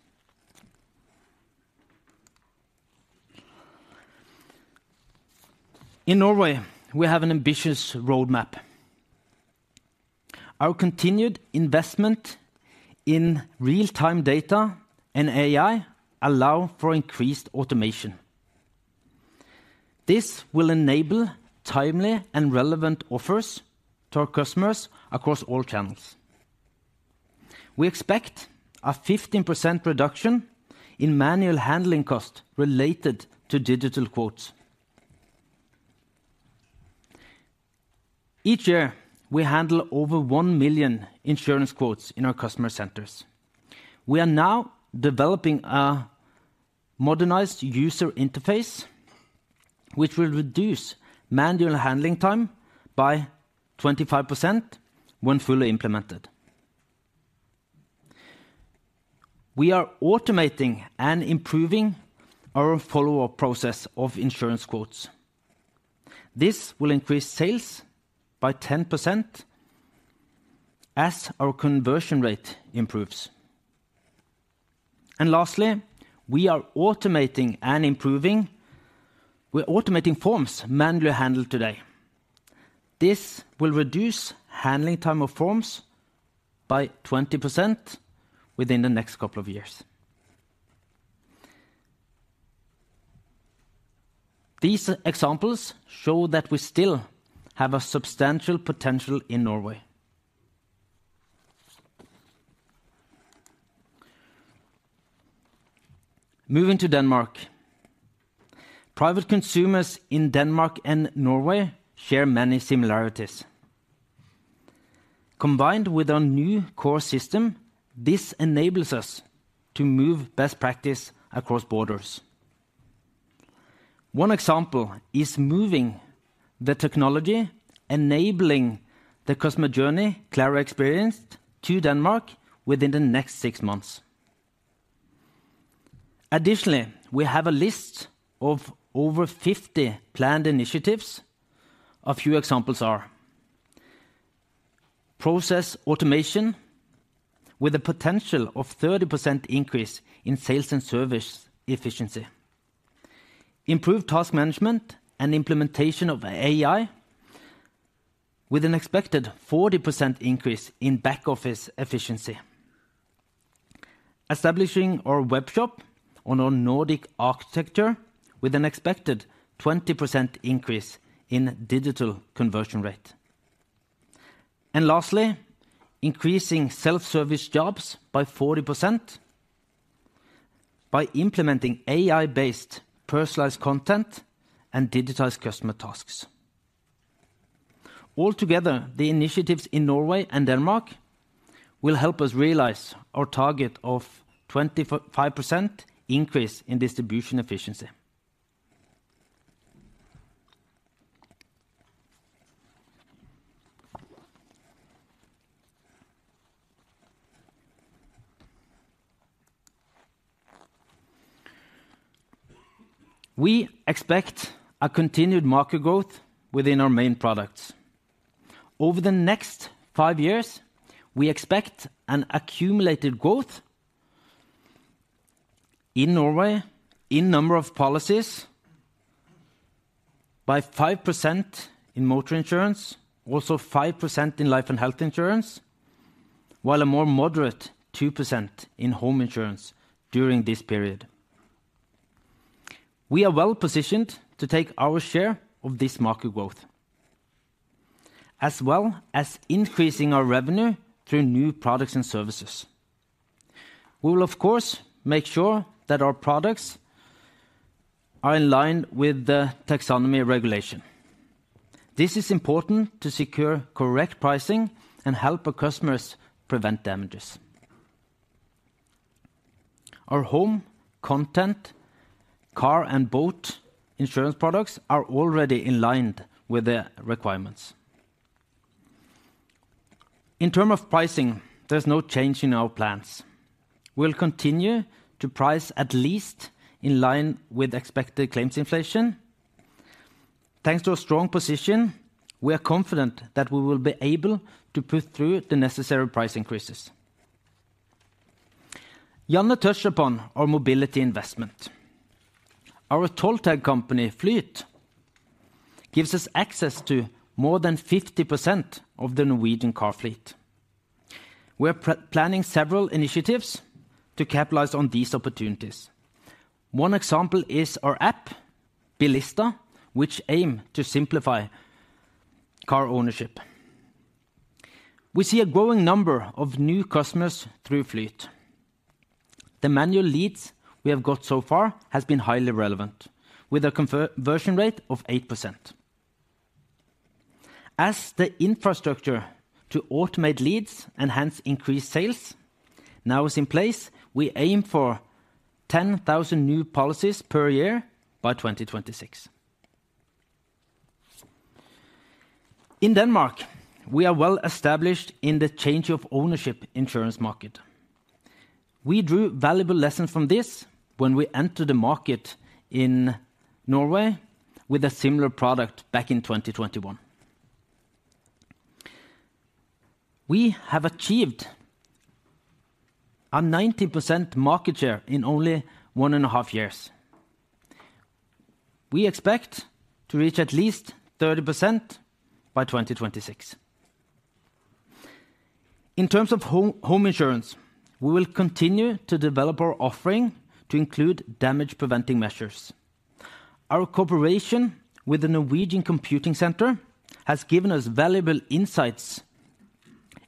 In Norway, we have an ambitious roadmap. Our continued investment in real-time data and AI allow for increased automation. This will enable timely and relevant offers to our customers across all channels. We expect a 15% reduction in manual handling cost related to digital quotes. Each year, we handle over 1 million insurance quotes in our customer centers. We are now developing a modernized user interface, which will reduce manual handling time by 25% when fully implemented. We are automating and improving our follow-up process of insurance quotes. This will increase sales by 10% as our conversion rate improves. And lastly, we are automating and improving. We're automating forms manually handled today. This will reduce handling time of forms by 20% within the next couple of years. These examples show that we still have a substantial potential in Norway. Moving to Denmark. Private consumers in Denmark and Norway share many similarities. Combined with our new core system, this enables us to move best practice across borders. One example is moving the technology, enabling the customer journey Clara experienced to Denmark within the next six months. Additionally, we have a list of over 50 planned initiatives. A few examples are: process automation, with a potential of 30% increase in sales and service efficiency. Improved task management and implementation of AI, with an expected 40% increase in back office efficiency. Establishing our webshop on our Nordic architecture with an expected 20% increase in digital conversion rate. And lastly, increasing self-service jobs by 40% by implementing AI-based personalized content and digitized customer tasks. Altogether, the initiatives in Norway and Denmark will help us realize our target of 25% increase in distribution efficiency. We expect a continued market growth within our main products. Over the next five years, we expect an accumulated growth in Norway in number of policies by 5% in motor insurance, also 5% in life and health insurance, while a more moderate 2% in home insurance during this period. We are well positioned to take our share of this market growth, as well as increasing our revenue through new products and services. We will, of course, make sure that our products are in line with the taxonomy regulation. This is important to secure correct pricing and help our customers prevent damages. Our home, content, car, and boat insurance products are already in line with the requirements. In terms of pricing, there is no change in our plans. We'll continue to price at least in line with expected claims inflation. Thanks to a strong position, we are confident that we will be able to put through the necessary price increases. Janne touched upon our mobility investment. Our toll tag company, Flyt, gives us access to more than 50% of the Norwegian car fleet. We are planning several initiatives to capitalize on these opportunities. One example is our app, Bilista, which aim to simplify car ownership. We see a growing number of new customers through Flyt. The manual leads we have got so far has been highly relevant, with a conversion rate of 8%. As the infrastructure to automate leads and hence increase sales now is in place, we aim for 10,000 new policies per year by 2026. In Denmark, we are well established in the change of ownership insurance market. We drew valuable lessons from this when we entered the market in Norway with a similar product back in 2021. We have achieved a 90% market share in only one and a half years. We expect to reach at least 30% by 2026. In terms of home, home insurance, we will continue to develop our offering to include damage preventing measures. Our cooperation with the Norwegian Computing Center has given us valuable insights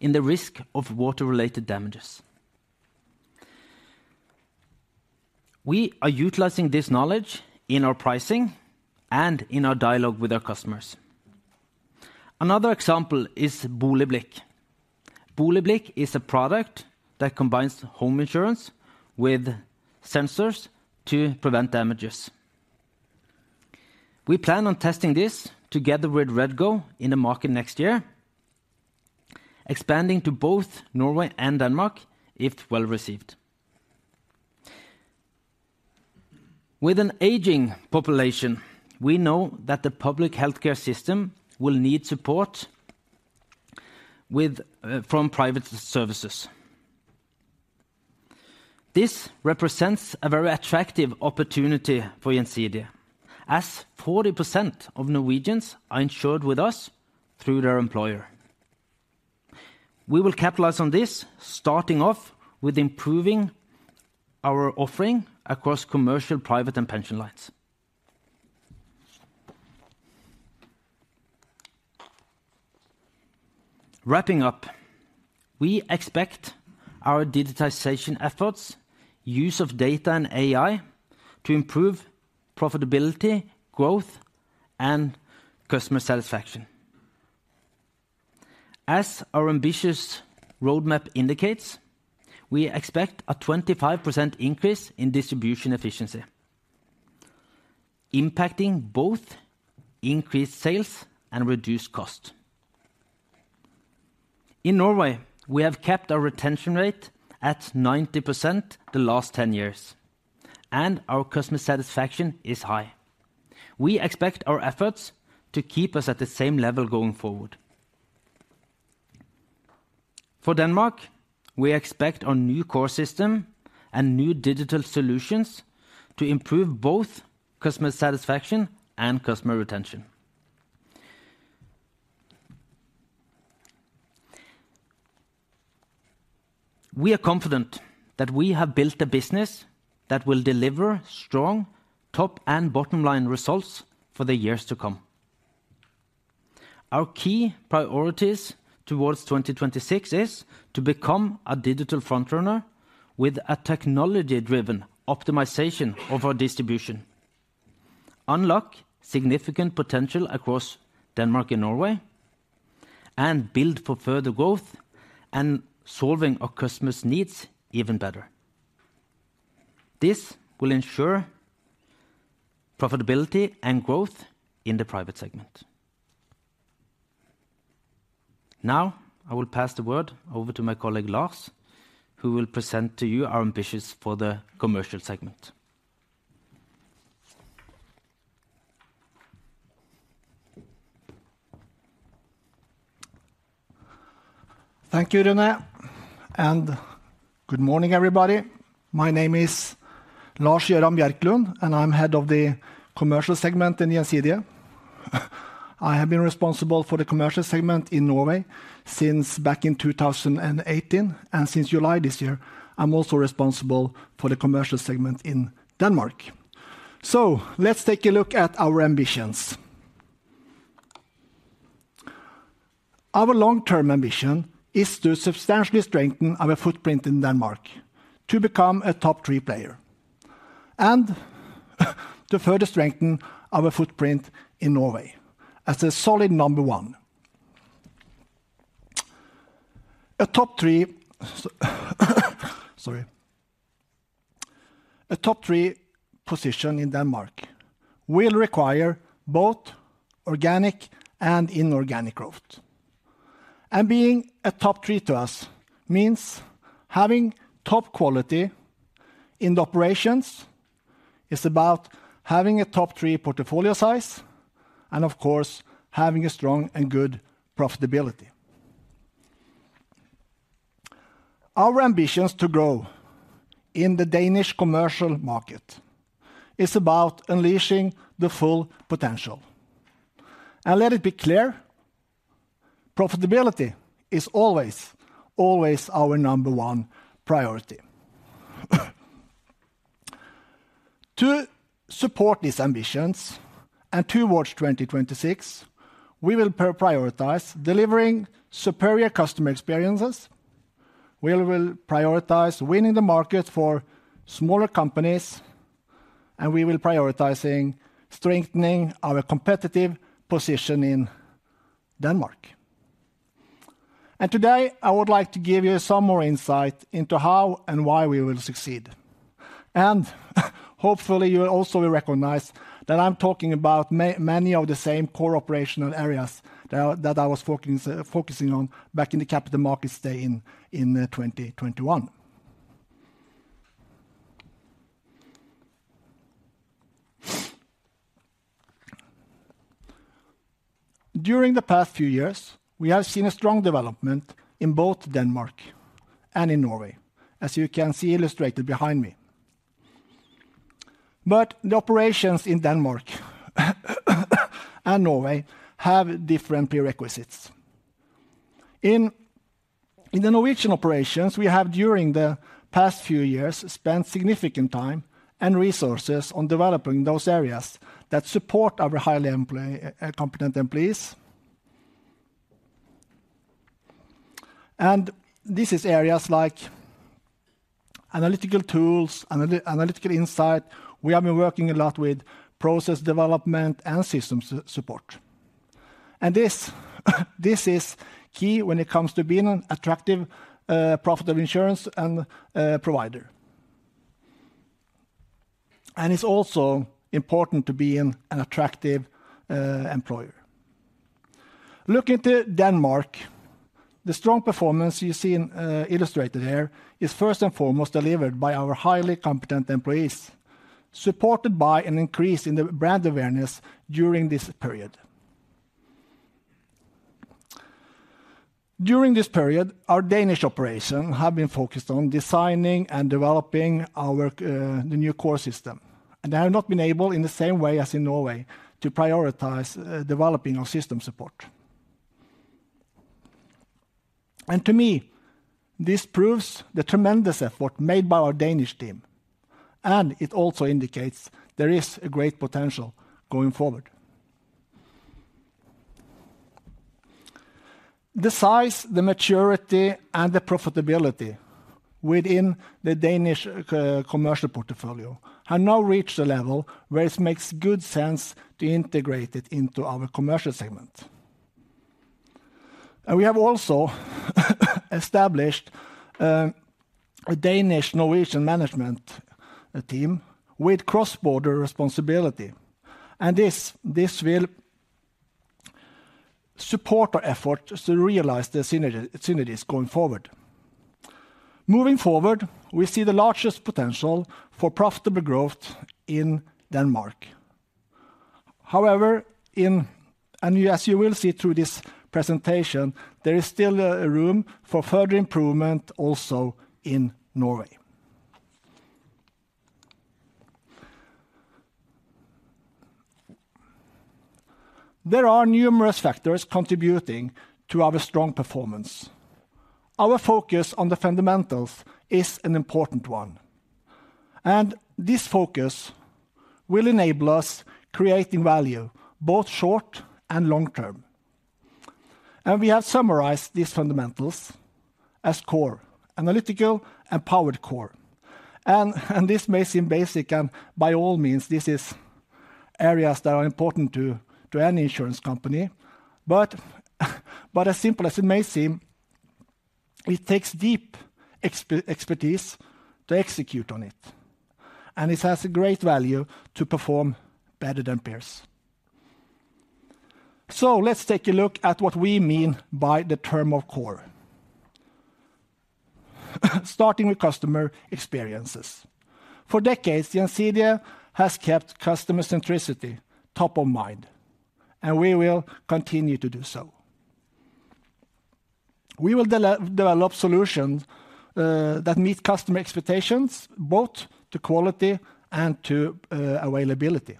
in the risk of water-related damages. We are utilizing this knowledge in our pricing and in our dialogue with our customers. Another example is Boligblikk. Boligblikk is a product that combines home insurance with sensors to prevent damages. We plan on testing this together with REDGO in the market next year, expanding to both Norway and Denmark, if well received. With an aging population, we know that the public healthcare system will need support with from private services. This represents a very attractive opportunity for Gjensidige, as 40% of Norwegians are insured with us through their employer. We will capitalize on this, starting off with improving our offering across commercial, private, and pension lines. Wrapping up, we expect our digitization efforts, use of data and AI, to improve profitability, growth, and customer satisfaction. As our ambitious roadmap indicates, we expect a 25% increase in distribution efficiency, impacting both increased sales and reduced cost. In Norway, we have kept our retention rate at 90% the last 10 years, and our customer satisfaction is high. We expect our efforts to keep us at the same level going forward. For Denmark, we expect our new core system and new digital solutions to improve both customer satisfaction and customer retention. We are confident that we have built a business that will deliver strong top and bottom line results for the years to come. Our key priorities towards 2026 is to become a digital front runner with a technology-driven optimization of our distribution, unlock significant potential across Denmark and Norway, and build for further growth and solving our customers' needs even better. This will ensure profitability and growth in the private segment. Now, I will pass the word over to my colleague, Lars, who will present to you our ambitions for the commercial segment. Thank you, René, and good morning, everybody. My name is Lars Gøran Bjerklund, and I'm head of the commercial segment in Gjensidige. I have been responsible for the commercial segment in Norway since back in 2018, and since July this year, I'm also responsible for the commercial segment in Denmark. So let's take a look at our ambitions. Our long-term ambition is to substantially strengthen our footprint in Denmark to become a top three player, and to further strengthen our footprint in Norway as a solid number one. A top three... Sorry. A top three position in Denmark will require both organic and inorganic growth. And being a top three to us means having top quality in the operations, it's about having a top three portfolio size, and of course, having a strong and good profitability. Our ambitions to grow in the Danish commercial market is about unleashing the full potential. Let it be clear, profitability is always, always our number one priority. To support these ambitions and towards 2026, we will prioritize delivering superior customer experiences, we will prioritize winning the market for smaller companies, and we will prioritizing strengthening our competitive position in Denmark. Today, I would like to give you some more insight into how and why we will succeed. Hopefully, you will also recognize that I'm talking about many of the same core operational areas that I was focusing on back in the Capital Markets Day in 2021. During the past few years, we have seen a strong development in both Denmark and in Norway, as you can see illustrated behind me. But the operations in Denmark and Norway have different prerequisites. In the Norwegian operations, we have, during the past few years, spent significant time and resources on developing those areas that support our highly competent employees. And this is areas like analytical tools, analytical insight. We have been working a lot with process development and system support. And this is key when it comes to being an attractive, profitable insurance and provider. And it's also important to being an attractive employer. Looking to Denmark, the strong performance you see in illustrated here is first and foremost delivered by our highly competent employees, supported by an increase in the brand awareness during this period. During this period, our Danish operation have been focused on designing and developing our the new core system, and they have not been able, in the same way as in Norway, to prioritize developing our system support. To me, this proves the tremendous effort made by our Danish team, and it also indicates there is a great potential going forward. The size, the maturity, and the profitability within the Danish commercial portfolio have now reached a level where it makes good sense to integrate it into our commercial segment. We have also established a Danish-Norwegian management team with cross-border responsibility, and this will support our efforts to realize the synergies going forward. Moving forward, we see the largest potential for profitable growth in Denmark. However, and as you will see through this presentation, there is still room for further improvement also in Norway. There are numerous factors contributing to our strong performance. Our focus on the fundamentals is an important one, and this focus will enable us creating value, both short and long term. We have summarized these fundamentals as core, analytical, and powered core. This may seem basic, and by all means, these are areas that are important to any insurance company, but as simple as it may seem, it takes deep expertise to execute on it, and it has great value to perform better than peers. So let's take a look at what we mean by the term of core. Starting with customer experiences. For decades, Gjensidige has kept customer centricity top of mind, and we will continue to do so. We will develop solutions that meet customer expectations, both to quality and to availability.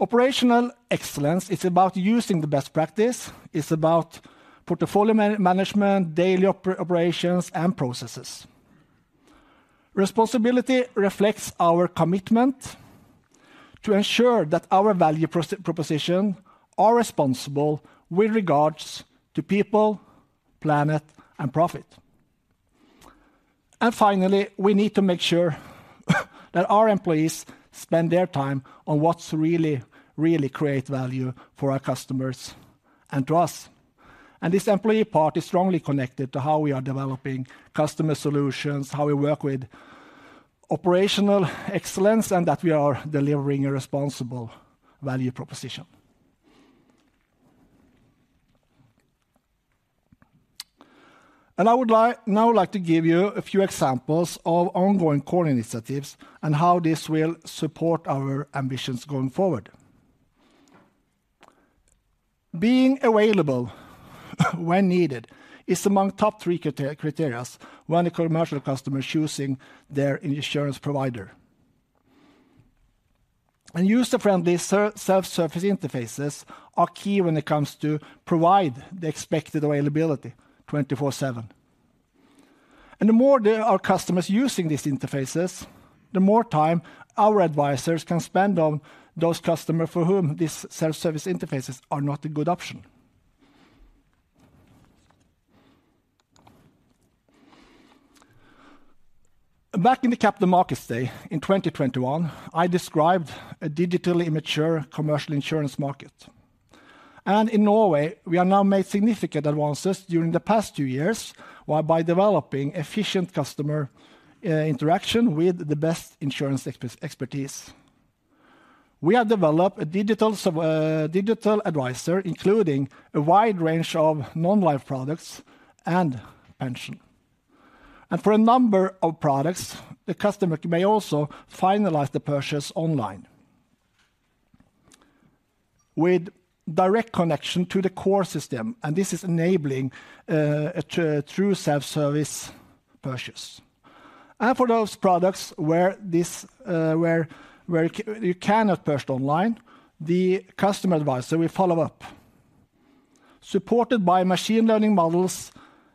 Operational excellence is about using the best practice. It's about portfolio management, daily operations, and processes. Responsibility reflects our commitment to ensure that our value proposition are responsible with regards to people, planet, and profit. Finally, we need to make sure that our employees spend their time on what's really, really create value for our customers and to us. This employee part is strongly connected to how we are developing customer solutions, how we work with operational excellence, and that we are delivering a responsible value proposition. I would like now like to give you a few examples of ongoing core initiatives and how this will support our ambitions going forward. Being available when needed is among top three criteria when a commercial customer is choosing their insurance provider. User-friendly self-service interfaces are key when it comes to provide the expected availability 24/7. The more there are customers using these interfaces, the more time our advisors can spend on those customers for whom these self-service interfaces are not a good option. Back in the Capital Markets Day in 2021, I described a digitally immature commercial insurance market. In Norway, we are now made significant advances during the past two years, while by developing efficient customer interaction with the best insurance expertise. We have developed a digital advisor, including a wide range of non-life products and pension. For a number of products, the customer may also finalize the purchase online. With direct connection to the core system, and this is enabling a true self-service purchase. For those products where this, where you cannot purchase online, the customer advisor will follow up. Supported by machine learning models,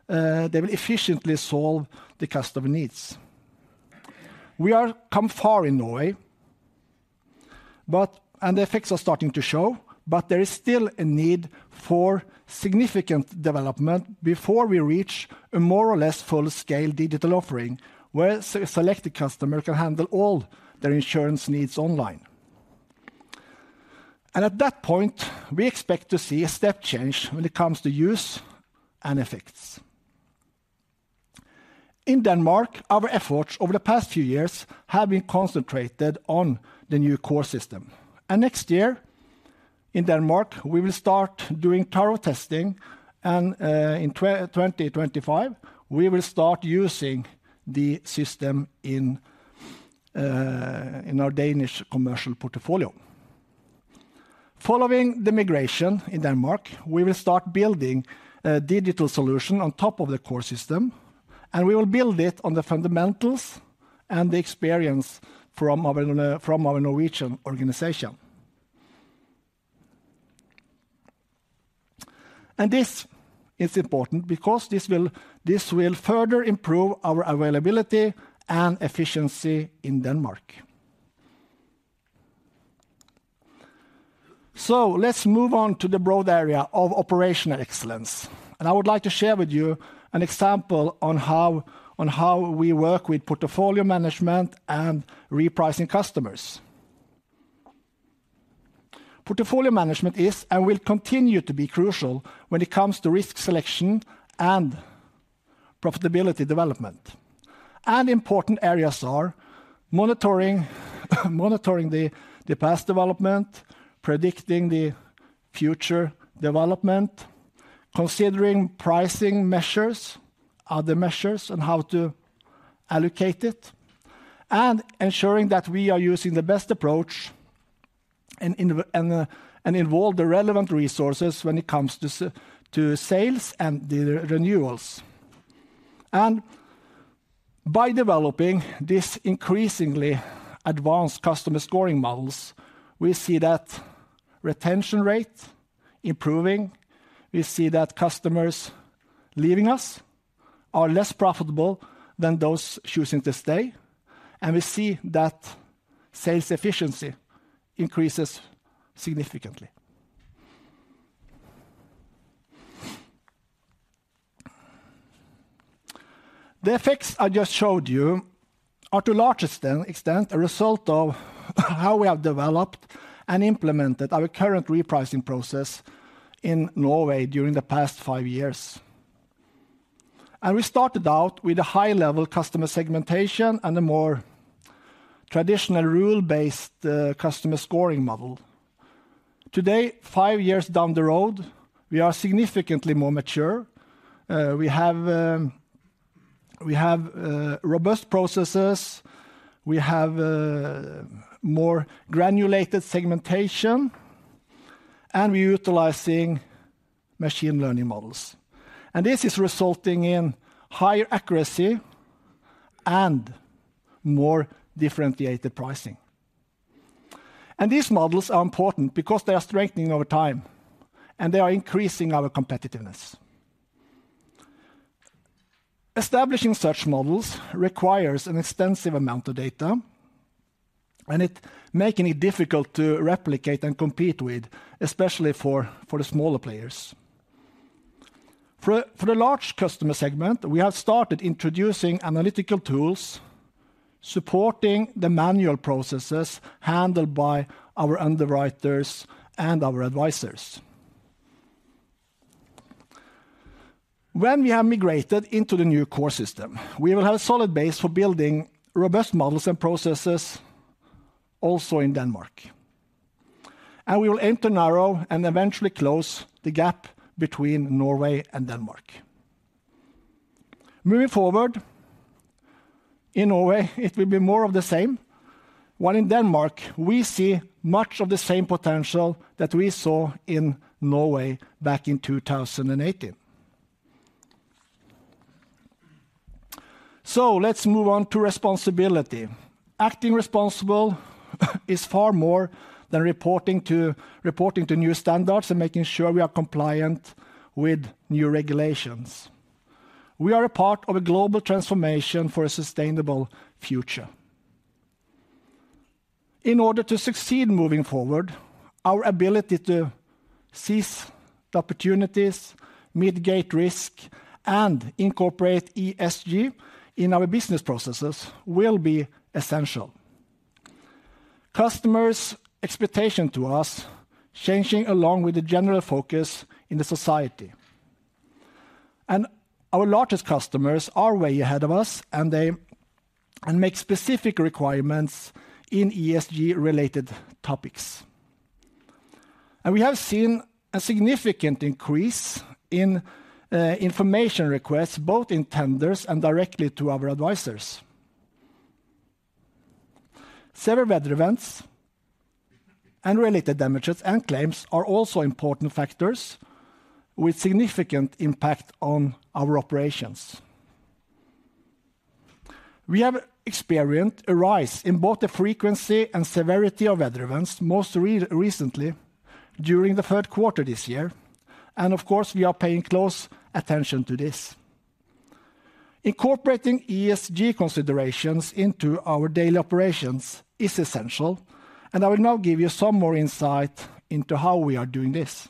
they will efficiently solve the customer needs. We have come far in Norway, but... The effects are starting to show, but there is still a need for significant development before we reach a more or less full-scale digital offering, where selected customer can handle all their insurance needs online. And at that point, we expect to see a step change when it comes to use and effects. In Denmark, our efforts over the past few years have been concentrated on the new core system. And next year, in Denmark, we will start doing thorough testing, and in 2025, we will start using the system in our Danish commercial portfolio. Following the migration in Denmark, we will start building a digital solution on top of the core system, and we will build it on the fundamentals and the experience from our Norwegian organization. This is important because this will further improve our availability and efficiency in Denmark. Let's move on to the broad area of operational excellence, and I would like to share with you an example on how we work with portfolio management and repricing customers. Portfolio management is, and will continue to be, crucial when it comes to risk selection and profitability development. Important areas are: monitoring the past development, predicting the future development, considering pricing measures, other measures, and how to allocate it, and ensuring that we are using the best approach and involve the relevant resources when it comes to sales and the renewals. By developing these increasingly advanced customer scoring models, we see that retention rate improving. We see that customers leaving us are less profitable than those choosing to stay, and we see that sales efficiency increases significantly. The effects I just showed you are, to largest extent, a result of how we have developed and implemented our current repricing process in Norway during the past five years. We started out with a high-level customer segmentation and a more traditional rule-based customer scoring model. Today, five years down the road, we are significantly more mature. We have robust processes, we have more granulated segmentation, and we're utilizing machine learning models. This is resulting in higher accuracy and more differentiated pricing. These models are important because they are strengthening over time, and they are increasing our competitiveness. Establishing such models requires an extensive amount of data, and it making it difficult to replicate and compete with, especially for the smaller players. For the large customer segment, we have started introducing analytical tools, supporting the manual processes handled by our underwriters and our advisors. When we have migrated into the new core system, we will have a solid base for building robust models and processes also in Denmark. And we will aim to narrow and eventually close the gap between Norway and Denmark. Moving forward, in Norway, it will be more of the same. While in Denmark, we see much of the same potential that we saw in Norway back in 2018. So let's move on to responsibility. Acting responsible is far more than reporting to new standards and making sure we are compliant with new regulations. We are a part of a global transformation for a sustainable future. In order to succeed moving forward, our ability to seize the opportunities, mitigate risk, and incorporate ESG in our business processes will be essential. Customers' expectation to us changing along with the general focus in the society. Our largest customers are way ahead of us, and they make specific requirements in ESG-related topics. We have seen a significant increase in information requests, both in tenders and directly to our advisors. Several weather events and related damages and claims are also important factors with significant impact on our operations. We have experienced a rise in both the frequency and severity of weather events, most recently, during the third quarter this year, and of course, we are paying close attention to this. Incorporating ESG considerations into our daily operations is essential, and I will now give you some more insight into how we are doing this.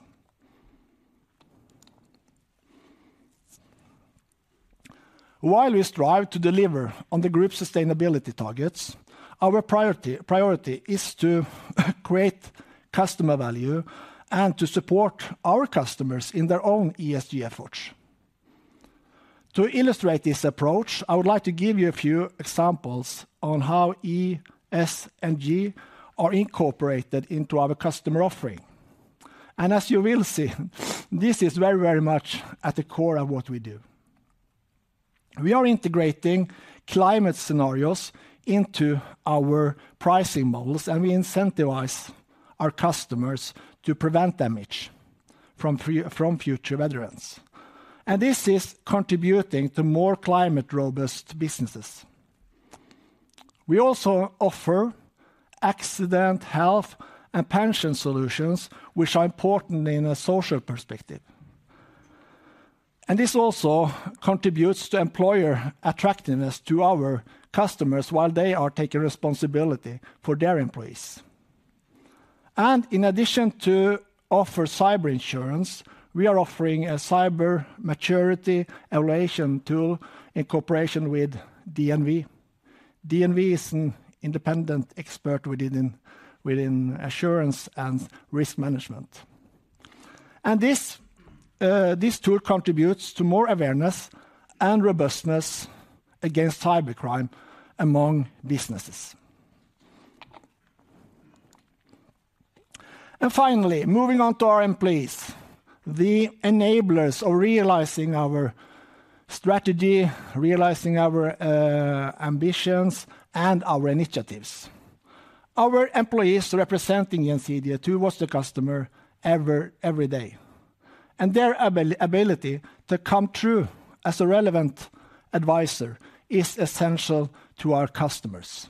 While we strive to deliver on the group sustainability targets, our priority is to create customer value and to support our customers in their own ESG efforts. To illustrate this approach, I would like to give you a few examples on how E, S, and G are incorporated into our customer offering. As you will see, this is very, very much at the core of what we do. We are integrating climate scenarios into our pricing models, and we incentivize our customers to prevent damage from future events. This is contributing to more climate-robust businesses. We also offer accident, health, and pension solutions, which are important in a social perspective. This also contributes to employer attractiveness to our customers while they are taking responsibility for their employees. In addition to offer cyber insurance, we are offering a cyber maturity evaluation tool in cooperation with DNV. DNV is an independent expert within assurance and risk management. This tool contributes to more awareness and robustness against cybercrime among businesses. Finally, moving on to our employees, the enablers of realizing our strategy, realizing our ambitions and our initiatives. Our employees representing Gjensidige towards the customer every day, and their ability to come through as a relevant advisor is essential to our customers.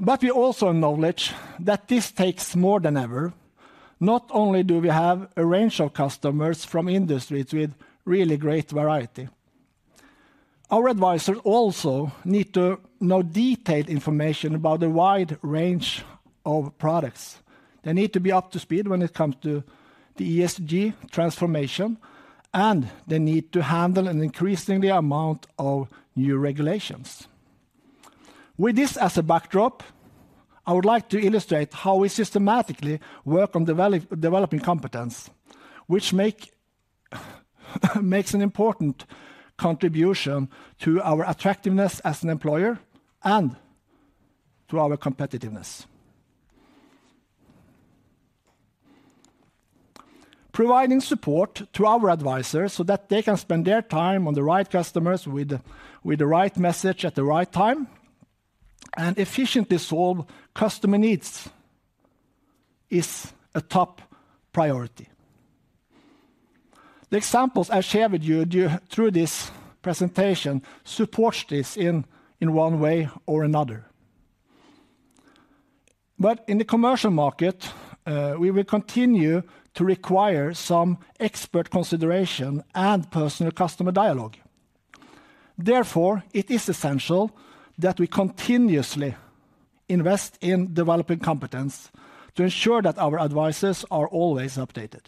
But we also acknowledge that this takes more than ever. Not only do we have a range of customers from industries with really great variety, our advisors also need to know detailed information about the wide range of products. They need to be up to speed when it comes to the ESG transformation, and they need to handle an increasingly amount of new regulations. With this as a backdrop, I would like to illustrate how we systematically work on developing competence, which makes an important contribution to our attractiveness as an employer and to our competitiveness. Providing support to our advisors so that they can spend their time on the right customers with the right message at the right time and efficiently solve customer needs is a top priority. The examples I share with you through this presentation support this in one way or another. But in the commercial market, we will continue to require some expert consideration and personal customer dialogue. Therefore, it is essential that we continuously invest in developing competence to ensure that our advisors are always updated.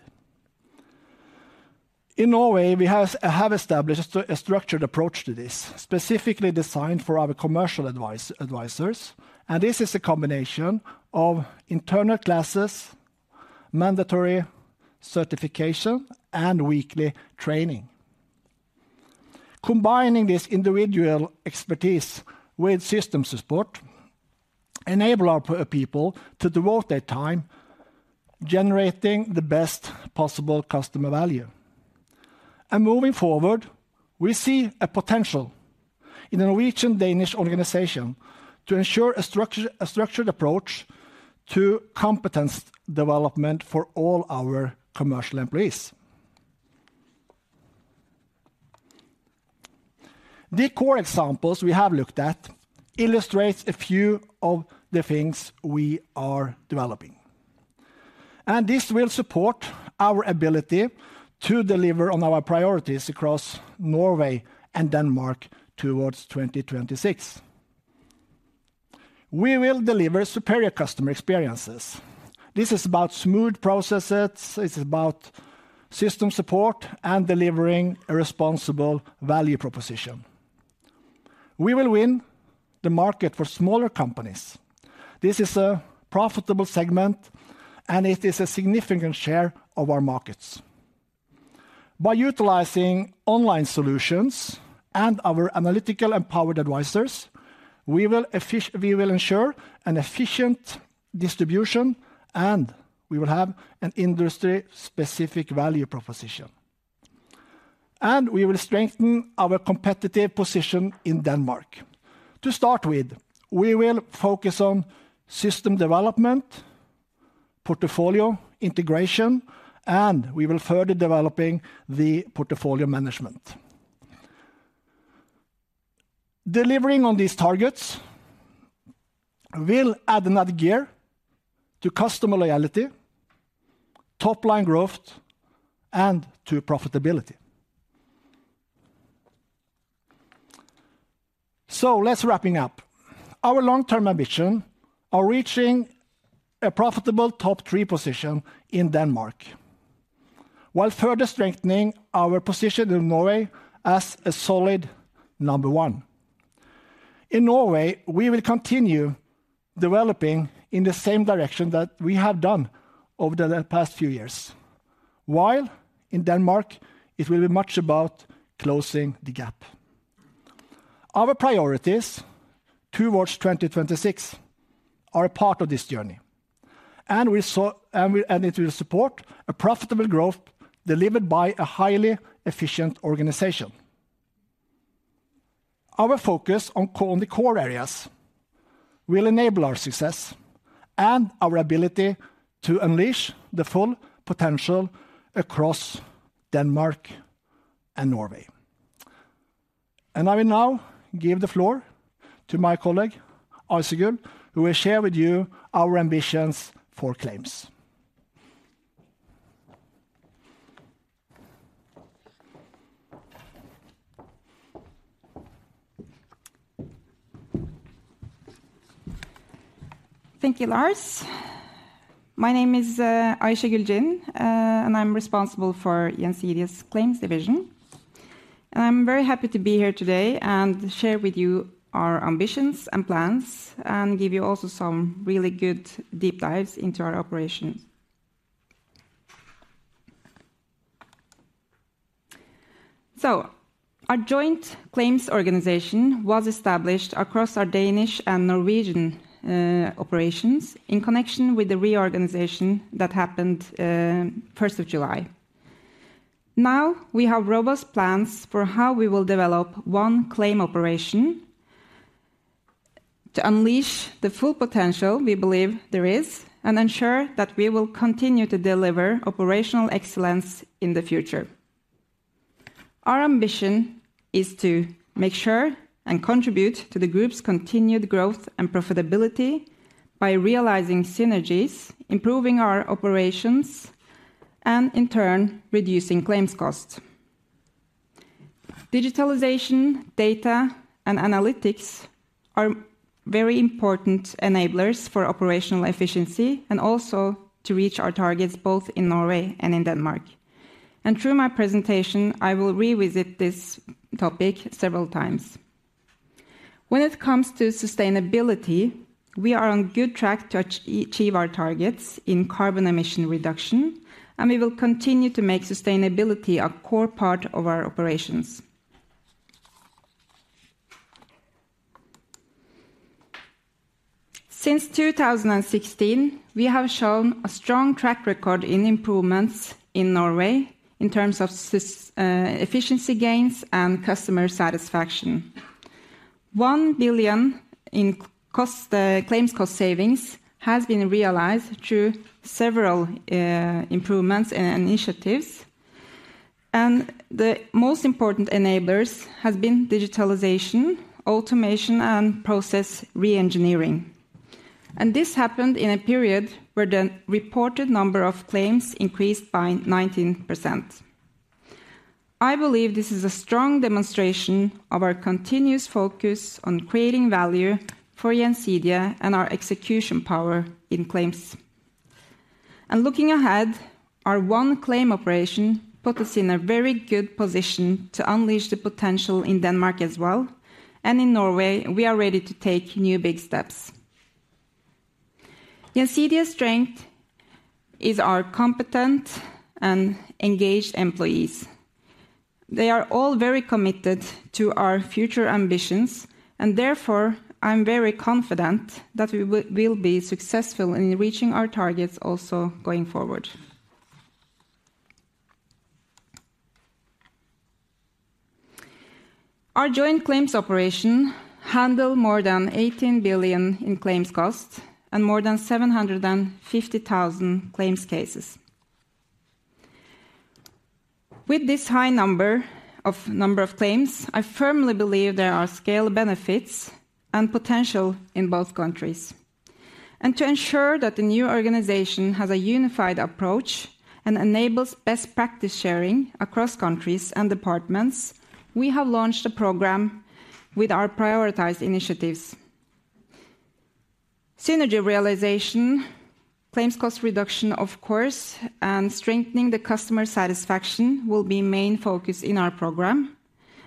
In Norway, we have established a structured approach to this, specifically designed for our commercial advisors, and this is a combination of internal classes, mandatory certification, and weekly training. Combining this individual expertise with system support enable our people to devote their time, generating the best possible customer value. Moving forward, we see a potential in the Norwegian-Danish organization to ensure a structured approach to competence development for all our commercial employees. The core examples we have looked at illustrates a few of the things we are developing, and this will support our ability to deliver on our priorities across Norway and Denmark towards 2026. We will deliver superior customer experiences. This is about smooth processes, it's about system support, and delivering a responsible value proposition. We will win the market for smaller companies. This is a profitable segment, and it is a significant share of our markets. By utilizing online solutions and our analytical empowered advisors, we will ensure an efficient distribution, and we will have an industry-specific value proposition, and we will strengthen our competitive position in Denmark. To start with, we will focus on system development, portfolio integration, and we will further developing the portfolio management. Delivering on these targets will add another gear to customer loyalty, top-line growth, and to profitability. So let's wrapping up. Our long-term ambition are reaching a profitable top three position in Denmark, while further strengthening our position in Norway as a solid number one. In Norway, we will continue developing in the same direction that we have done over the past few years, while in Denmark it will be much about closing the gap. Our priorities towards 2026 are a part of this journey, and it will support a profitable growth delivered by a highly efficient organization. Our focus on the core areas will enable our success and our ability to unleash the full potential across Denmark and Norway. I will now give the floor to my colleague, Aysegül, who will share with you our ambitions for claims. Thank you, Lars. My name is Aysegül Cin, and I'm responsible for Gjensidige's Claims Division. I'm very happy to be here today and share with you our ambitions and plans, and give you also some really good deep dives into our operations. Our joint claims organization was established across our Danish and Norwegian operations in connection with the reorganization that happened 1st of July. Now, we have robust plans for how we will develop one claim operation to unleash the full potential we believe there is, and ensure that we will continue to deliver operational excellence in the future. Our ambition is to make sure and contribute to the group's continued growth and profitability by realizing synergies, improving our operations, and in turn, reducing claims costs. Digitalization, data, and analytics are very important enablers for operational efficiency and also to reach our targets, both in Norway and in Denmark. Through my presentation, I will revisit this topic several times. When it comes to sustainability, we are on good track to achieve our targets in carbon emission reduction, and we will continue to make sustainability a core part of our operations. Since 2016, we have shown a strong track record in improvements in Norway in terms of efficiency gains and customer satisfaction. 1 billion in cost, claims cost savings has been realized through several improvements and initiatives, and the most important enablers has been digitalization, automation, and process reengineering. This happened in a period where the reported number of claims increased by 19%. I believe this is a strong demonstration of our continuous focus on creating value for Gjensidige and our execution power in claims. Looking ahead, our one claim operation put us in a very good position to unleash the potential in Denmark as well, and in Norway, we are ready to take new big steps. Gjensidige's strength is our competent and engaged employees. They are all very committed to our future ambitions, and therefore, I'm very confident that we will be successful in reaching our targets also going forward. Our joint claims operation handle more than 18 billion in claims costs and more than 750,000 claims cases. With this high number of claims, I firmly believe there are scale benefits and potential in both countries. To ensure that the new organization has a unified approach and enables best practice sharing across countries and departments, we have launched a program with our prioritized initiatives. Synergy realization, claims cost reduction, of course, and strengthening the customer satisfaction will be main focus in our program,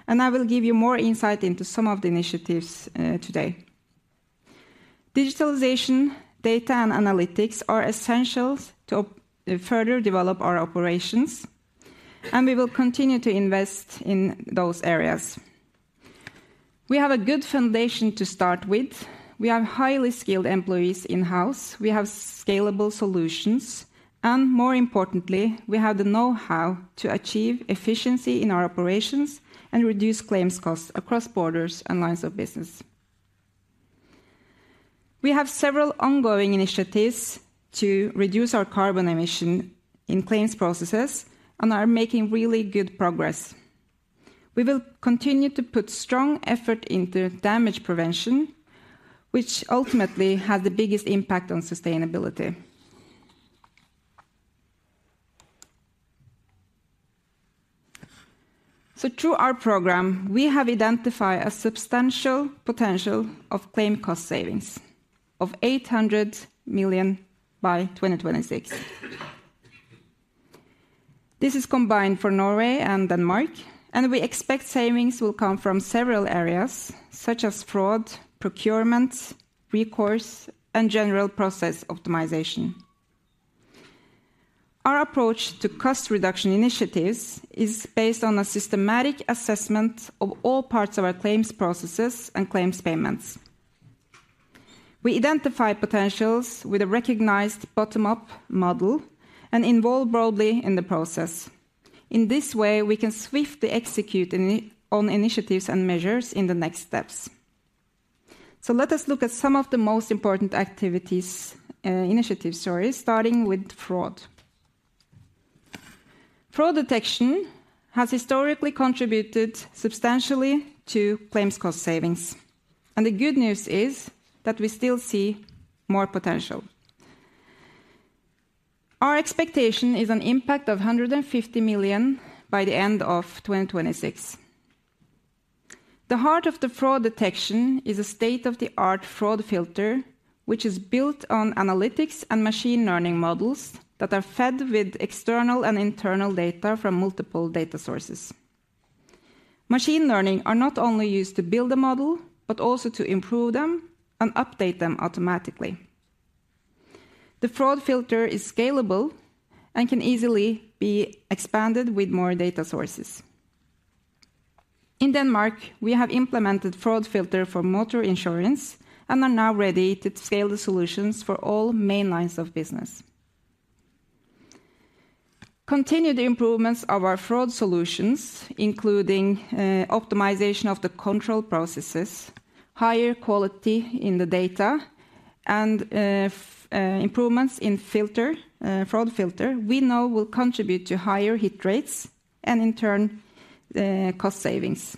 and I will give you more insight into some of the initiatives today. Digitalization, data, and analytics are essentials to further develop our operations, and we will continue to invest in those areas. We have a good foundation to start with. We have highly skilled employees in-house. We have scalable solutions, and more importantly, we have the know-how to achieve efficiency in our operations and reduce claims costs across borders and lines of business. We have several ongoing initiatives to reduce our carbon emission in claims processes and are making really good progress. We will continue to put strong effort into damage prevention, which ultimately has the biggest impact on sustainability. So through our program, we have identified a substantial potential of claim cost savings of 800 million by 2026. This is combined for Norway and Denmark, and we expect savings will come from several areas, such as fraud, procurement, recourse, and general process optimization. Our approach to cost reduction initiatives is based on a systematic assessment of all parts of our claims processes and claims payments. We identify potentials with a recognized bottom-up model and involve broadly in the process. In this way, we can swiftly execute in, on initiatives and measures in the next steps. So let us look at some of the most important activities, initiative stories, starting with fraud. Fraud detection has historically contributed substantially to claims cost savings, and the good news is that we still see more potential. Our expectation is an impact of 150 million by the end of 2026. The heart of the fraud detection is a state-of-the-art fraud filter, which is built on analytics and machine learning models that are fed with external and internal data from multiple data sources. Machine learning are not only used to build a model, but also to improve them and update them automatically. The fraud filter is scalable and can easily be expanded with more data sources. In Denmark, we have implemented fraud filter for motor insurance and are now ready to scale the solutions for all main lines of business. Continued improvements of our fraud solutions, including optimization of the control processes, higher quality in the data, and improvements in fraud filter, we know will contribute to higher hit rates and in turn, cost savings.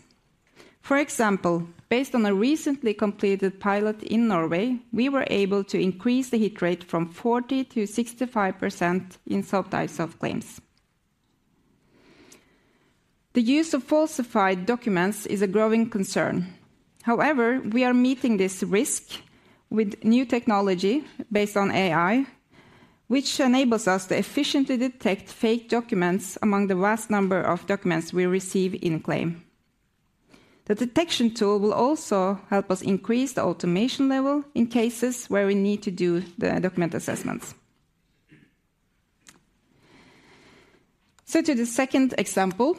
For example, based on a recently completed pilot in Norway, we were able to increase the hit rate from 40% to 65% in subtype of claims. The use of falsified documents is a growing concern. However, we are meeting this risk with new technology based on AI, which enables us to efficiently detect fake documents among the vast number of documents we receive in claims. The detection tool will also help us increase the automation level in cases where we need to do the document assessments. So to the second example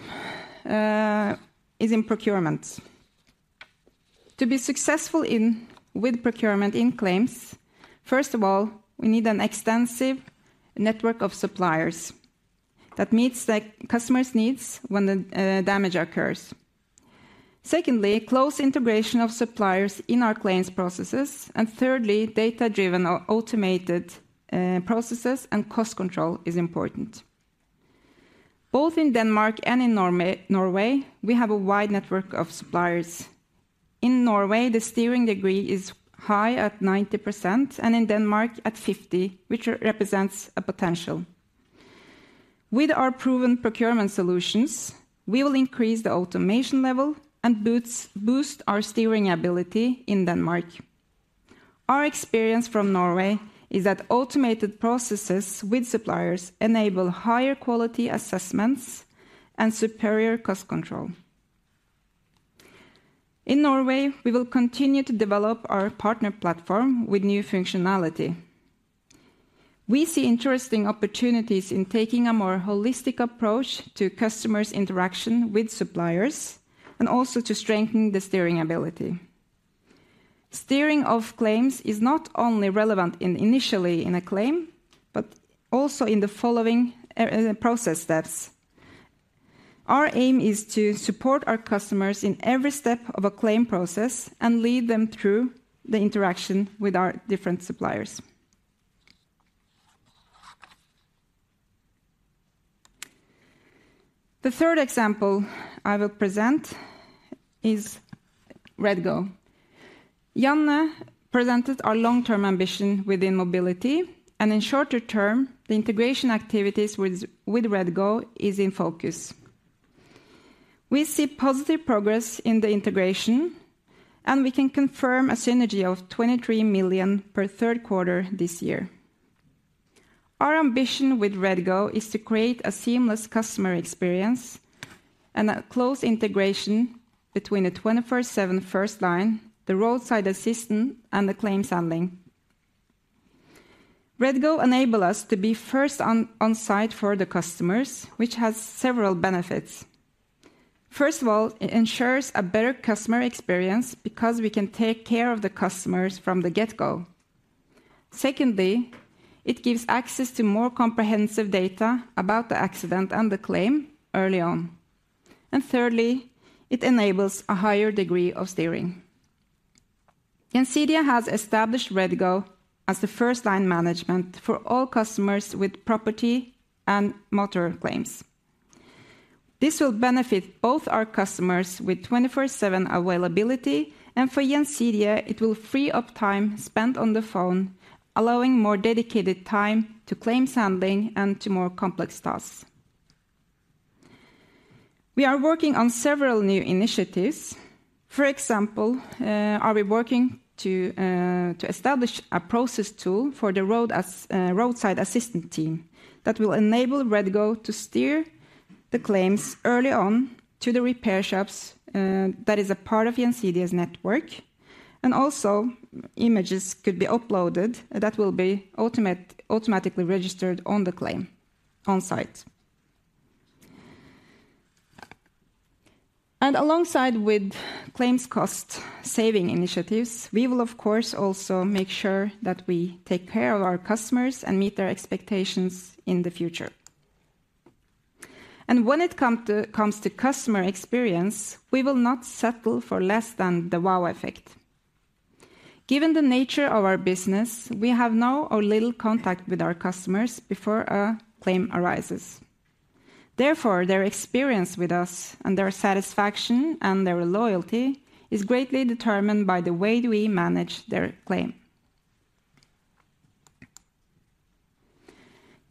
is in procurement. To be successful in, with procurement in claims, first of all, we need an extensive network of suppliers that meets the customer's needs when the damage occurs. Secondly, close integration of suppliers in our claims processes, and thirdly, data-driven or automated processes and cost control is important. Both in Denmark and in Norway, we have a wide network of suppliers. In Norway, the steering degree is high at 90%, and in Denmark at 50%, which represents a potential. With our proven procurement solutions, we will increase the automation level and boost our steering ability in Denmark. Our experience from Norway is that automated processes with suppliers enable higher quality assessments and superior cost control. In Norway, we will continue to develop our partner platform with new functionality. We see interesting opportunities in taking a more holistic approach to customers' interaction with suppliers, and also to strengthen the steering ability. Steering of claims is not only relevant in initially in a claim, but also in the following, process steps. Our aim is to support our customers in every step of a claim process and lead them through the interaction with our different suppliers. The third example I will present is REDGO. Janne presented our long-term ambition within mobility, and in shorter term, the integration activities with, with REDGO is in focus. We see positive progress in the integration, and we can confirm a synergy of 23 million for third quarter this year. Our ambition with REDGO is to create a seamless customer experience and a close integration between the 24/7 first line, the roadside assistant, and the claims handling. REDGO enables us to be first on site for the customers, which has several benefits. First of all, it ensures a better customer experience because we can take care of the customers from the get-go. Secondly, it gives access to more comprehensive data about the accident and the claim early on. And thirdly, it enables a higher degree of steering. Gjensidige has established REDGO as the first line management for all customers with property and motor claims. This will benefit both our customers with 24/7 availability, and for Gjensidige, it will free up time spent on the phone, allowing more dedicated time to claims handling and to more complex tasks. We are working on several new initiatives. For example, we are working to establish a process tool for the roadside assistance team that will enable REDGO to steer the claims early on to the repair shops, that is a part of Gjensidige's network, and also images could be uploaded that will be automatically registered on the claim on site. And alongside with claims cost saving initiatives, we will of course also make sure that we take care of our customers and meet their expectations in the future. And when it comes to customer experience, we will not settle for less than the wow effect. Given the nature of our business, we have no or little contact with our customers before a claim arises. Therefore, their experience with us and their satisfaction and their loyalty is greatly determined by the way we manage their claim.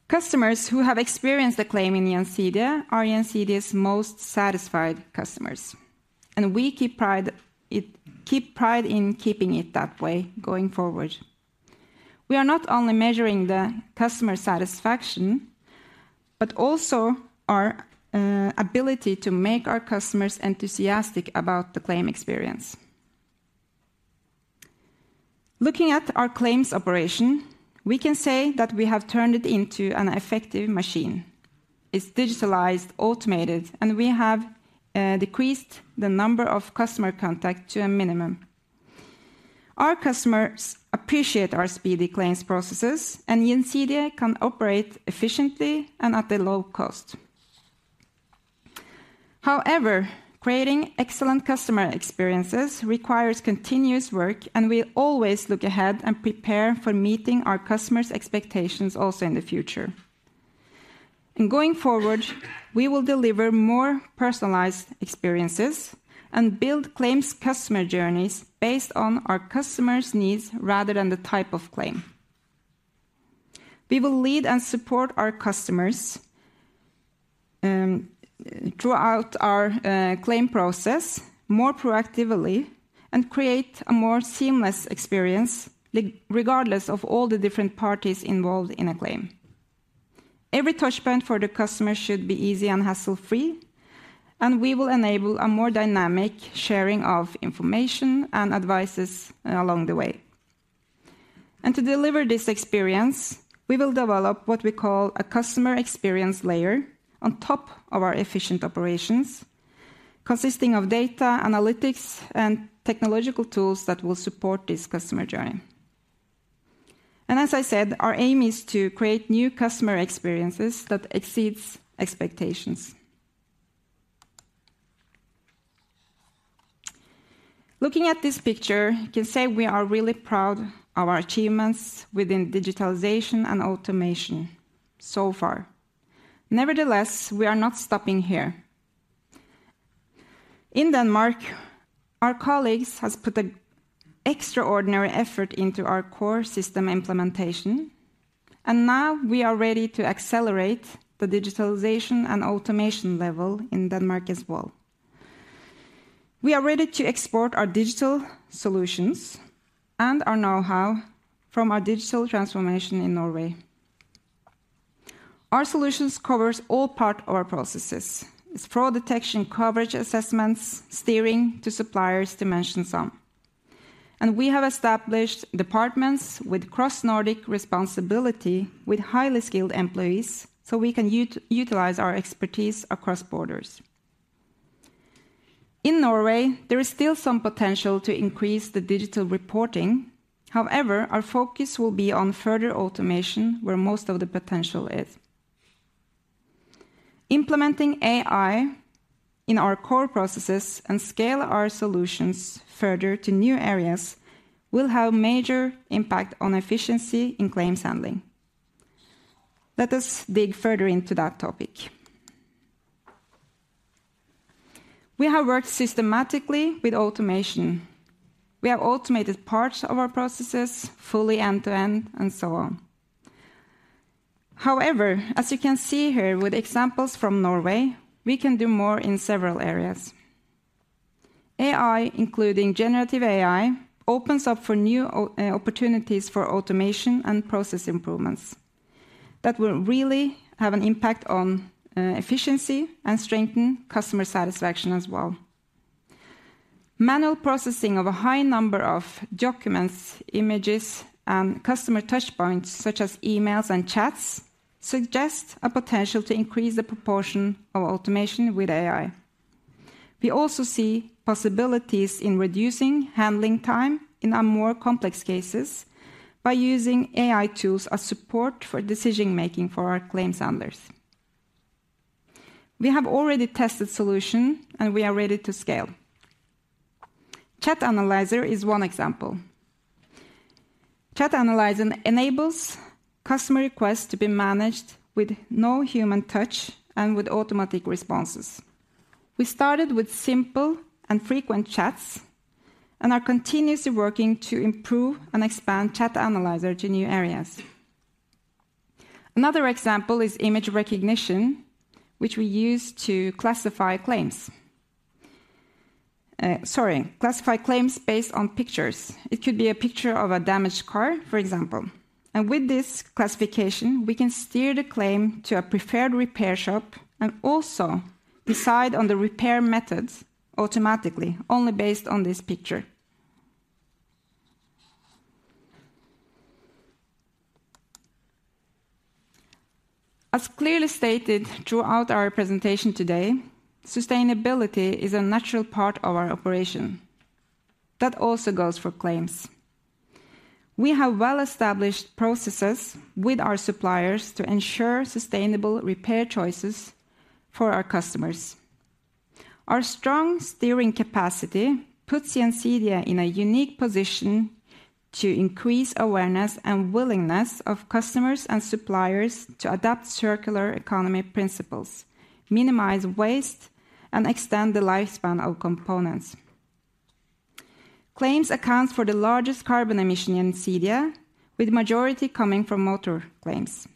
Customers who have experienced a claim in Gjensidige are Gjensidige's most satisfied customers, and we keep pride in keeping it that way going forward. We are not only measuring the customer satisfaction, but also our ability to make our customers enthusiastic about the claim experience. Looking at our claims operation, we can say that we have turned it into an effective machine. It's digitalized, automated, and we have decreased the number of customer contact to a minimum. Our customers appreciate our speedy claims processes, and Gjensidige can operate efficiently and at a low cost. However, creating excellent customer experiences requires continuous work, and we always look ahead and prepare for meeting our customers' expectations also in the future. In going forward, we will deliver more personalized experiences and build claims customer journeys based on our customers' needs rather than the type of claim. We will lead and support our customers throughout our claim process more proactively and create a more seamless experience, regardless of all the different parties involved in a claim. Every touchpoint for the customer should be easy and hassle-free, and we will enable a more dynamic sharing of information and advices along the way. To deliver this experience, we will develop what we call a customer experience layer on top of our efficient operations, consisting of data, analytics, and technological tools that will support this customer journey. As I said, our aim is to create new customer experiences that exceeds expectations. Looking at this picture, you can say we are really proud of our achievements within digitalization and automation so far. Nevertheless, we are not stopping here. In Denmark, our colleagues has put an extraordinary effort into our core system implementation, and now we are ready to accelerate the digitalization and automation level in Denmark as well. We are ready to export our digital solutions and our know-how from our digital transformation in Norway. Our solutions covers all part of our processes. It's fraud detection, coverage assessments, steering to suppliers, to mention some. We have established departments with cross-Nordic responsibility with highly skilled employees, so we can utilize our expertise across borders. In Norway, there is still some potential to increase the digital reporting. However, our focus will be on further automation, where most of the potential is. Implementing AI in our core processes and scale our solutions further to new areas will have major impact on efficiency in claims handling. Let us dig further into that topic. We have worked systematically with automation. We have automated parts of our processes, fully end-to-end, and so on. However, as you can see here with examples from Norway, we can do more in several areas. AI, including generative AI, opens up for new opportunities for automation and process improvements that will really have an impact on efficiency and strengthen customer satisfaction as well. Manual processing of a high number of documents, images, and customer touch points, such as emails and chats, suggest a potential to increase the proportion of automation with AI. We also see possibilities in reducing handling time in our more complex cases by using AI tools as support for decision making for our claims handlers. We have already tested solution, and we are ready to scale. Chat analyzer is one example. Chat analyzer enables customer requests to be managed with no human touch and with automatic responses. We started with simple and frequent chats and are continuously working to improve and expand chat analyzer to new areas. Another example is image recognition, which we use to classify claims.... Sorry, classify claims based on pictures. It could be a picture of a damaged car, for example. And with this classification, we can steer the claim to a preferred repair shop and also decide on the repair methods automatically, only based on this picture. As clearly stated throughout our presentation today, sustainability is a natural part of our operation. That also goes for claims. We have well-established processes with our suppliers to ensure sustainable repair choices for our customers. Our strong steering capacity puts Gjensidige in a unique position to increase awareness and willingness of customers and suppliers to adapt circular economy principles, minimize waste, and extend the lifespan of components. Claims accounts for the largest carbon emission in Gjensidige, with majority coming from motor claims.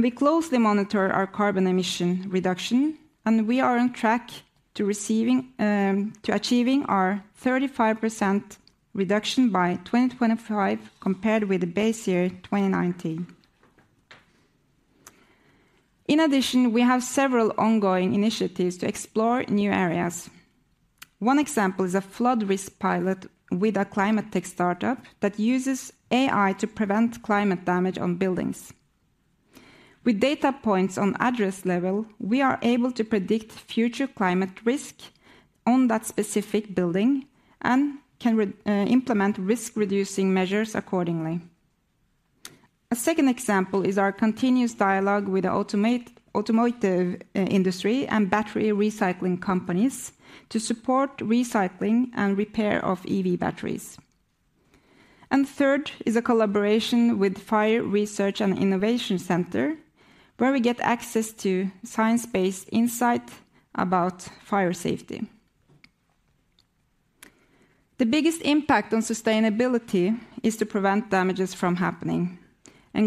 We closely monitor our carbon emission reduction, and we are on track to achieving our 35% reduction by 2025, compared with the base year 2019. In addition, we have several ongoing initiatives to explore new areas. One example is a flood risk pilot with a climate tech startup that uses AI to prevent climate damage on buildings. With data points on address level, we are able to predict future climate risk on that specific building and can re-implement risk-reducing measures accordingly. A second example is our continuous dialogue with the automotive industry and battery recycling companies to support recycling and repair of EV batteries. Third is a collaboration with Fire Research and Innovation Center, where we get access to science-based insight about fire safety. The biggest impact on sustainability is to prevent damages from happening.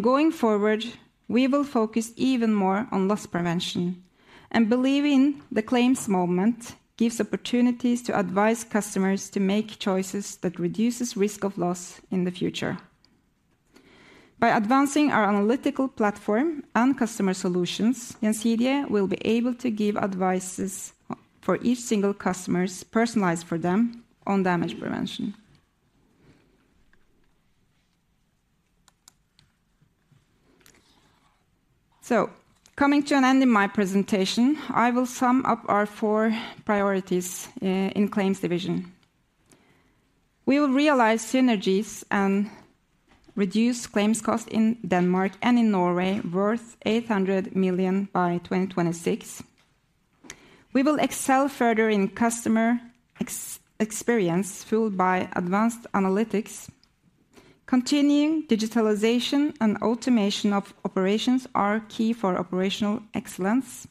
Going forward, we will focus even more on loss prevention and believe in the claims moment gives opportunities to advise customers to make choices that reduces risk of loss in the future. By advancing our analytical platform and customer solutions, Gjensidige will be able to give advices for each single customers, personalized for them on damage prevention. Coming to an end in my presentation, I will sum up our four priorities in claims division. We will realize synergies and reduce claims cost in Denmark and in Norway, worth 800 million by 2026. We will excel further in customer experience, fueled by advanced analytics. Continuing digitalization and automation of operations are key for operational excellence,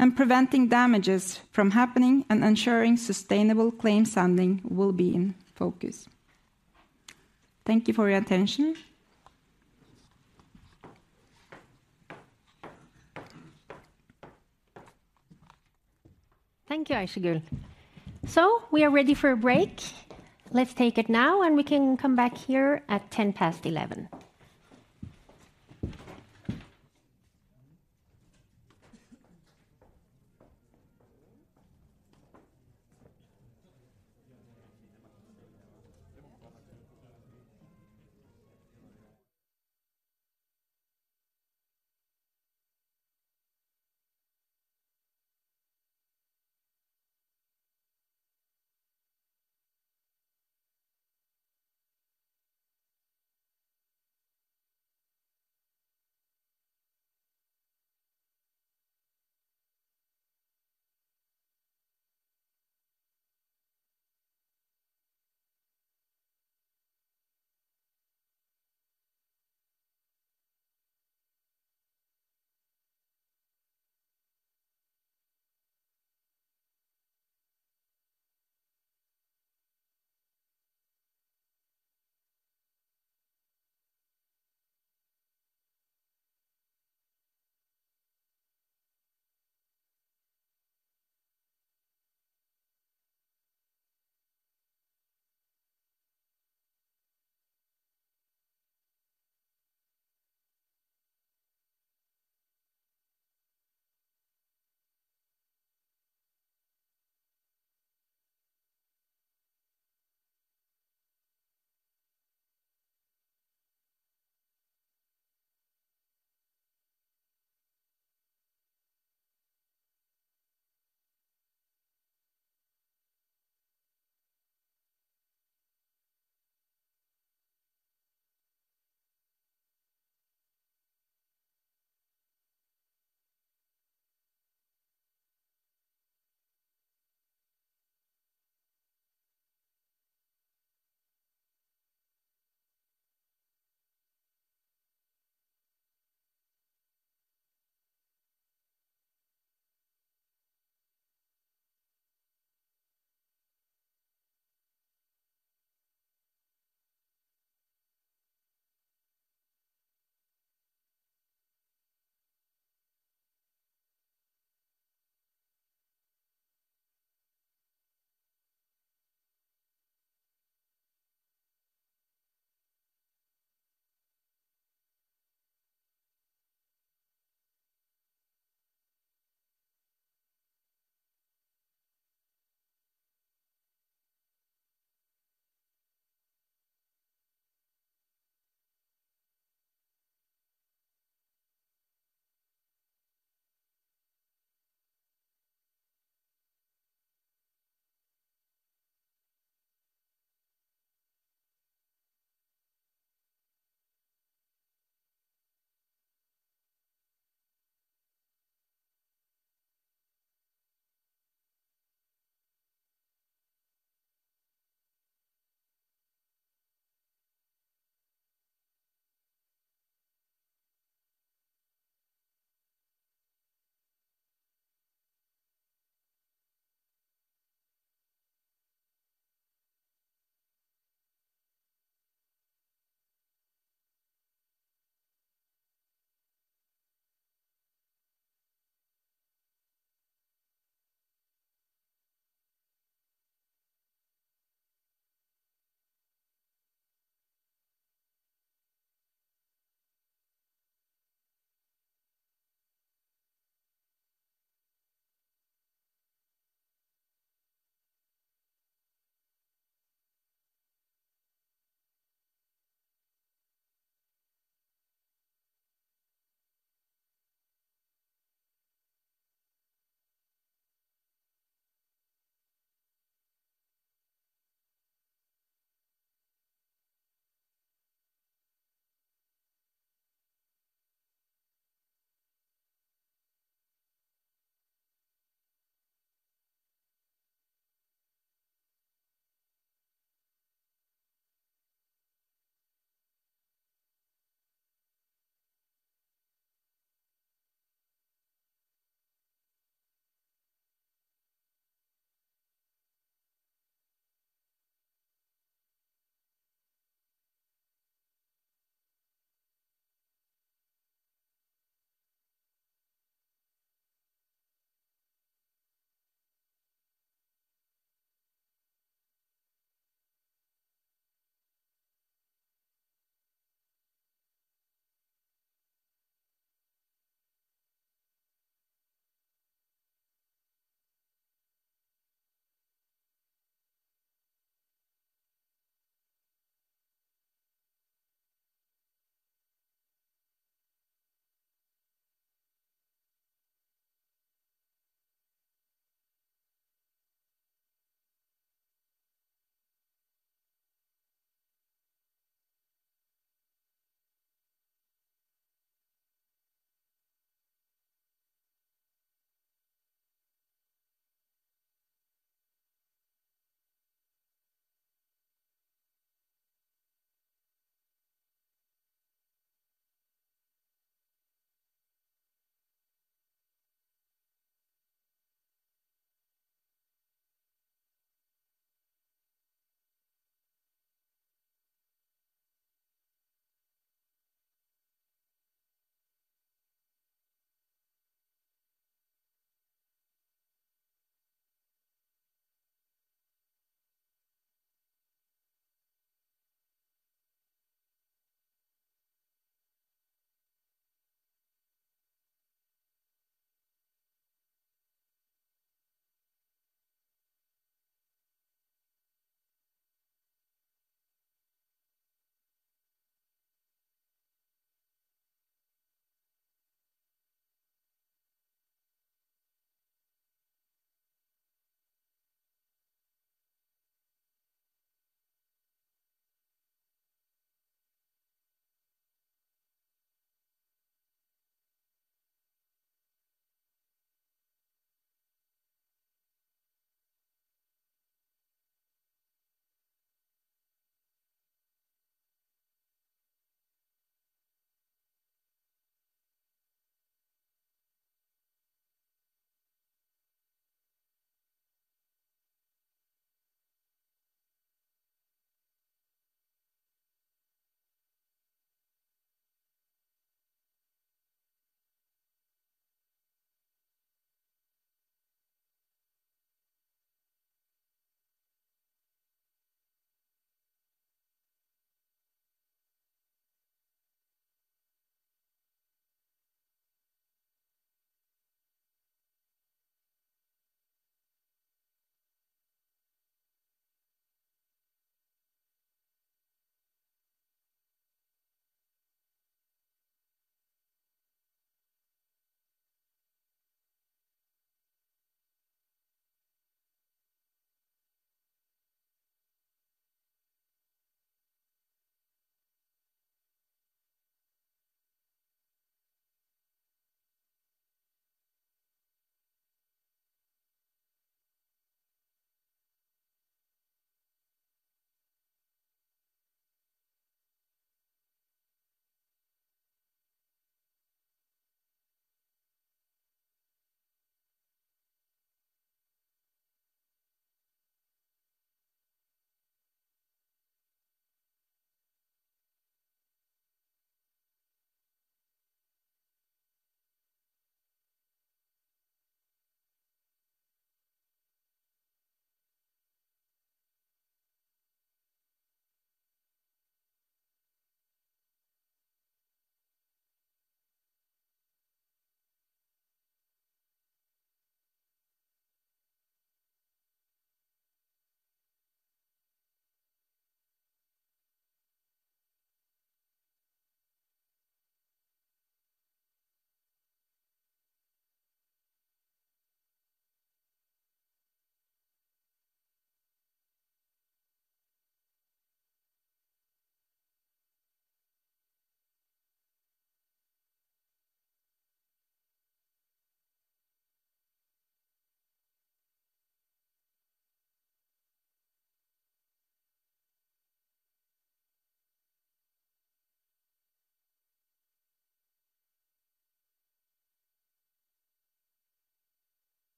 and preventing damages from happening and ensuring sustainable claim handling will be in focus. Thank you for your attention. Thank you, Aysegül. We are ready for a break. Let's take it now, and we can come back here at 11:10A.M.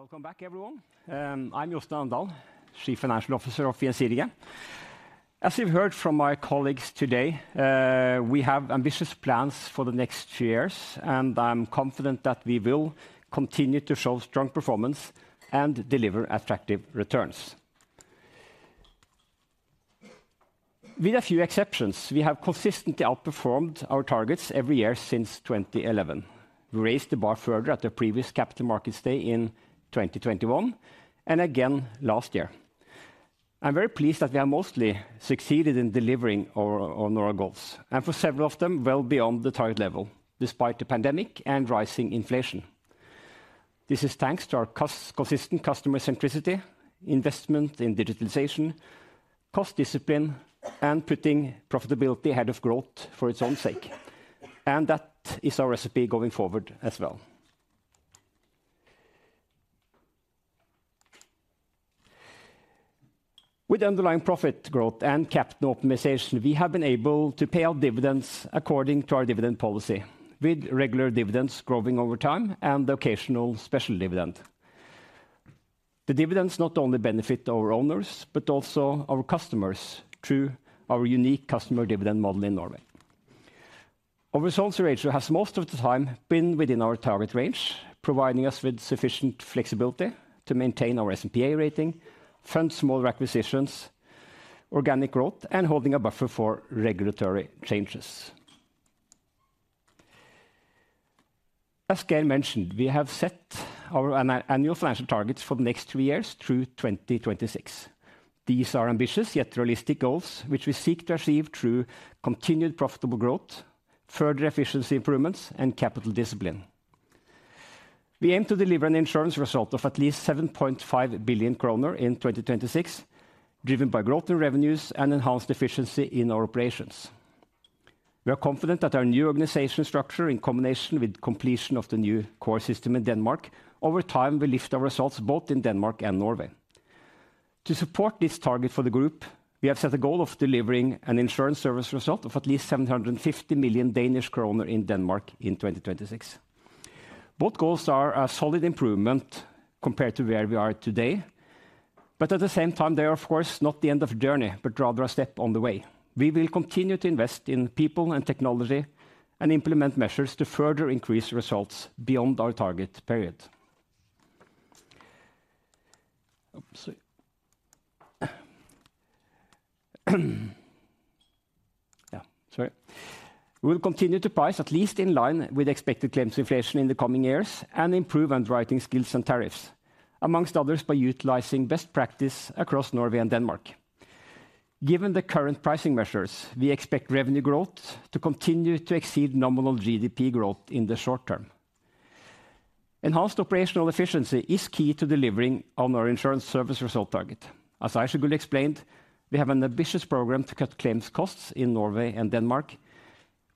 Welcome back, everyone. I'm Jostein Amdal, Chief Financial Officer of Gjensidige. As you've heard from my colleagues today, we have ambitious plans for the next three years, and I'm confident that we will continue to show strong performance and deliver attractive returns. With a few exceptions, we have consistently outperformed our targets every year since 2011. We raised the bar further at the previous Capital Markets Day in 2021, and again last year. I'm very pleased that we have mostly succeeded in delivering on our goals, and for several of them, well beyond the target level, despite the pandemic and rising inflation. This is thanks to our consistent customer centricity, investment in digitalization, cost discipline, and putting profitability ahead of growth for its own sake, and that is our recipe going forward as well. With underlying profit growth and capital optimization, we have been able to pay out dividends according to our dividend policy, with regular dividends growing over time and the occasional special dividend. The dividends not only benefit our owners, but also our customers through our unique customer dividend model in Norway. Our results ratio has, most of the time, been within our target range, providing us with sufficient flexibility to maintain our S&P A rating, fund small acquisitions, organic growth, and holding a buffer for regulatory changes. As Geir mentioned, we have set our annual financial targets for the next two years through 2026. These are ambitious, yet realistic goals, which we seek to achieve through continued profitable growth, further efficiency improvements, and capital discipline. We aim to deliver an insurance result of at least 7.5 billion kroner in 2026, driven by growth in revenues and enhanced efficiency in our operations. We are confident that our new organization structure, in combination with completion of the new core system in Denmark, over time will lift our results both in Denmark and Norway. To support this target for the group, we have set a goal of delivering an insurance service result of at least 750 million Danish kroner in Denmark in 2026. Both goals are a solid improvement compared to where we are today, but at the same time, they are, of course, not the end of journey, but rather a step on the way. We will continue to invest in people and technology and implement measures to further increase results beyond our target period. We will continue to price, at least in line with expected claims inflation in the coming years and improve underwriting skills and tariffs, among others, by utilizing best practice across Norway and Denmark. Given the current pricing measures, we expect revenue growth to continue to exceed nominal GDP growth in the short term. Enhanced operational efficiency is key to delivering on our insurance service result target. As Aysegül explained, we have an ambitious program to cut claims costs in Norway and Denmark.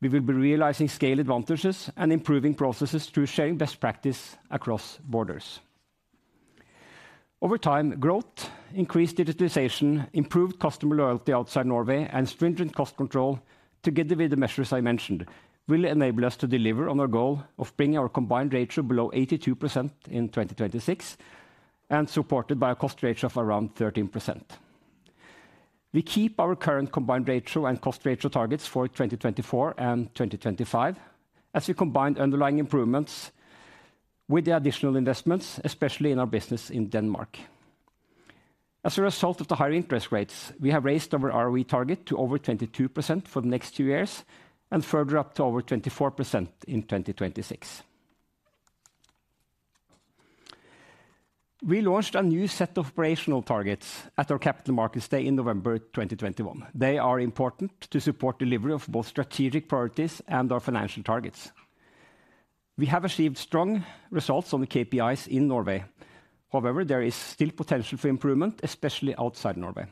We will be realizing scale advantages and improving processes through sharing best practice across borders. Over time, growth, increased digitization, improved customer loyalty outside Norway, and stringent cost control, together with the measures I mentioned, will enable us to deliver on our goal of bringing our combined ratio below 82% in 2026, and supported by a cost ratio of around 13%. We keep our current combined ratio and cost ratio targets for 2024 and 2025, as we combine underlying improvements with the additional investments, especially in our business in Denmark. As a result of the higher interest rates, we have raised our ROE target to over 22% for the next two years, and further up to over 24% in 2026. We launched a new set of operational targets at our Capital Markets Day in November 2021. They are important to support delivery of both strategic priorities and our financial targets. We have achieved strong results on the KPIs in Norway. However, there is still potential for improvement, especially outside Norway.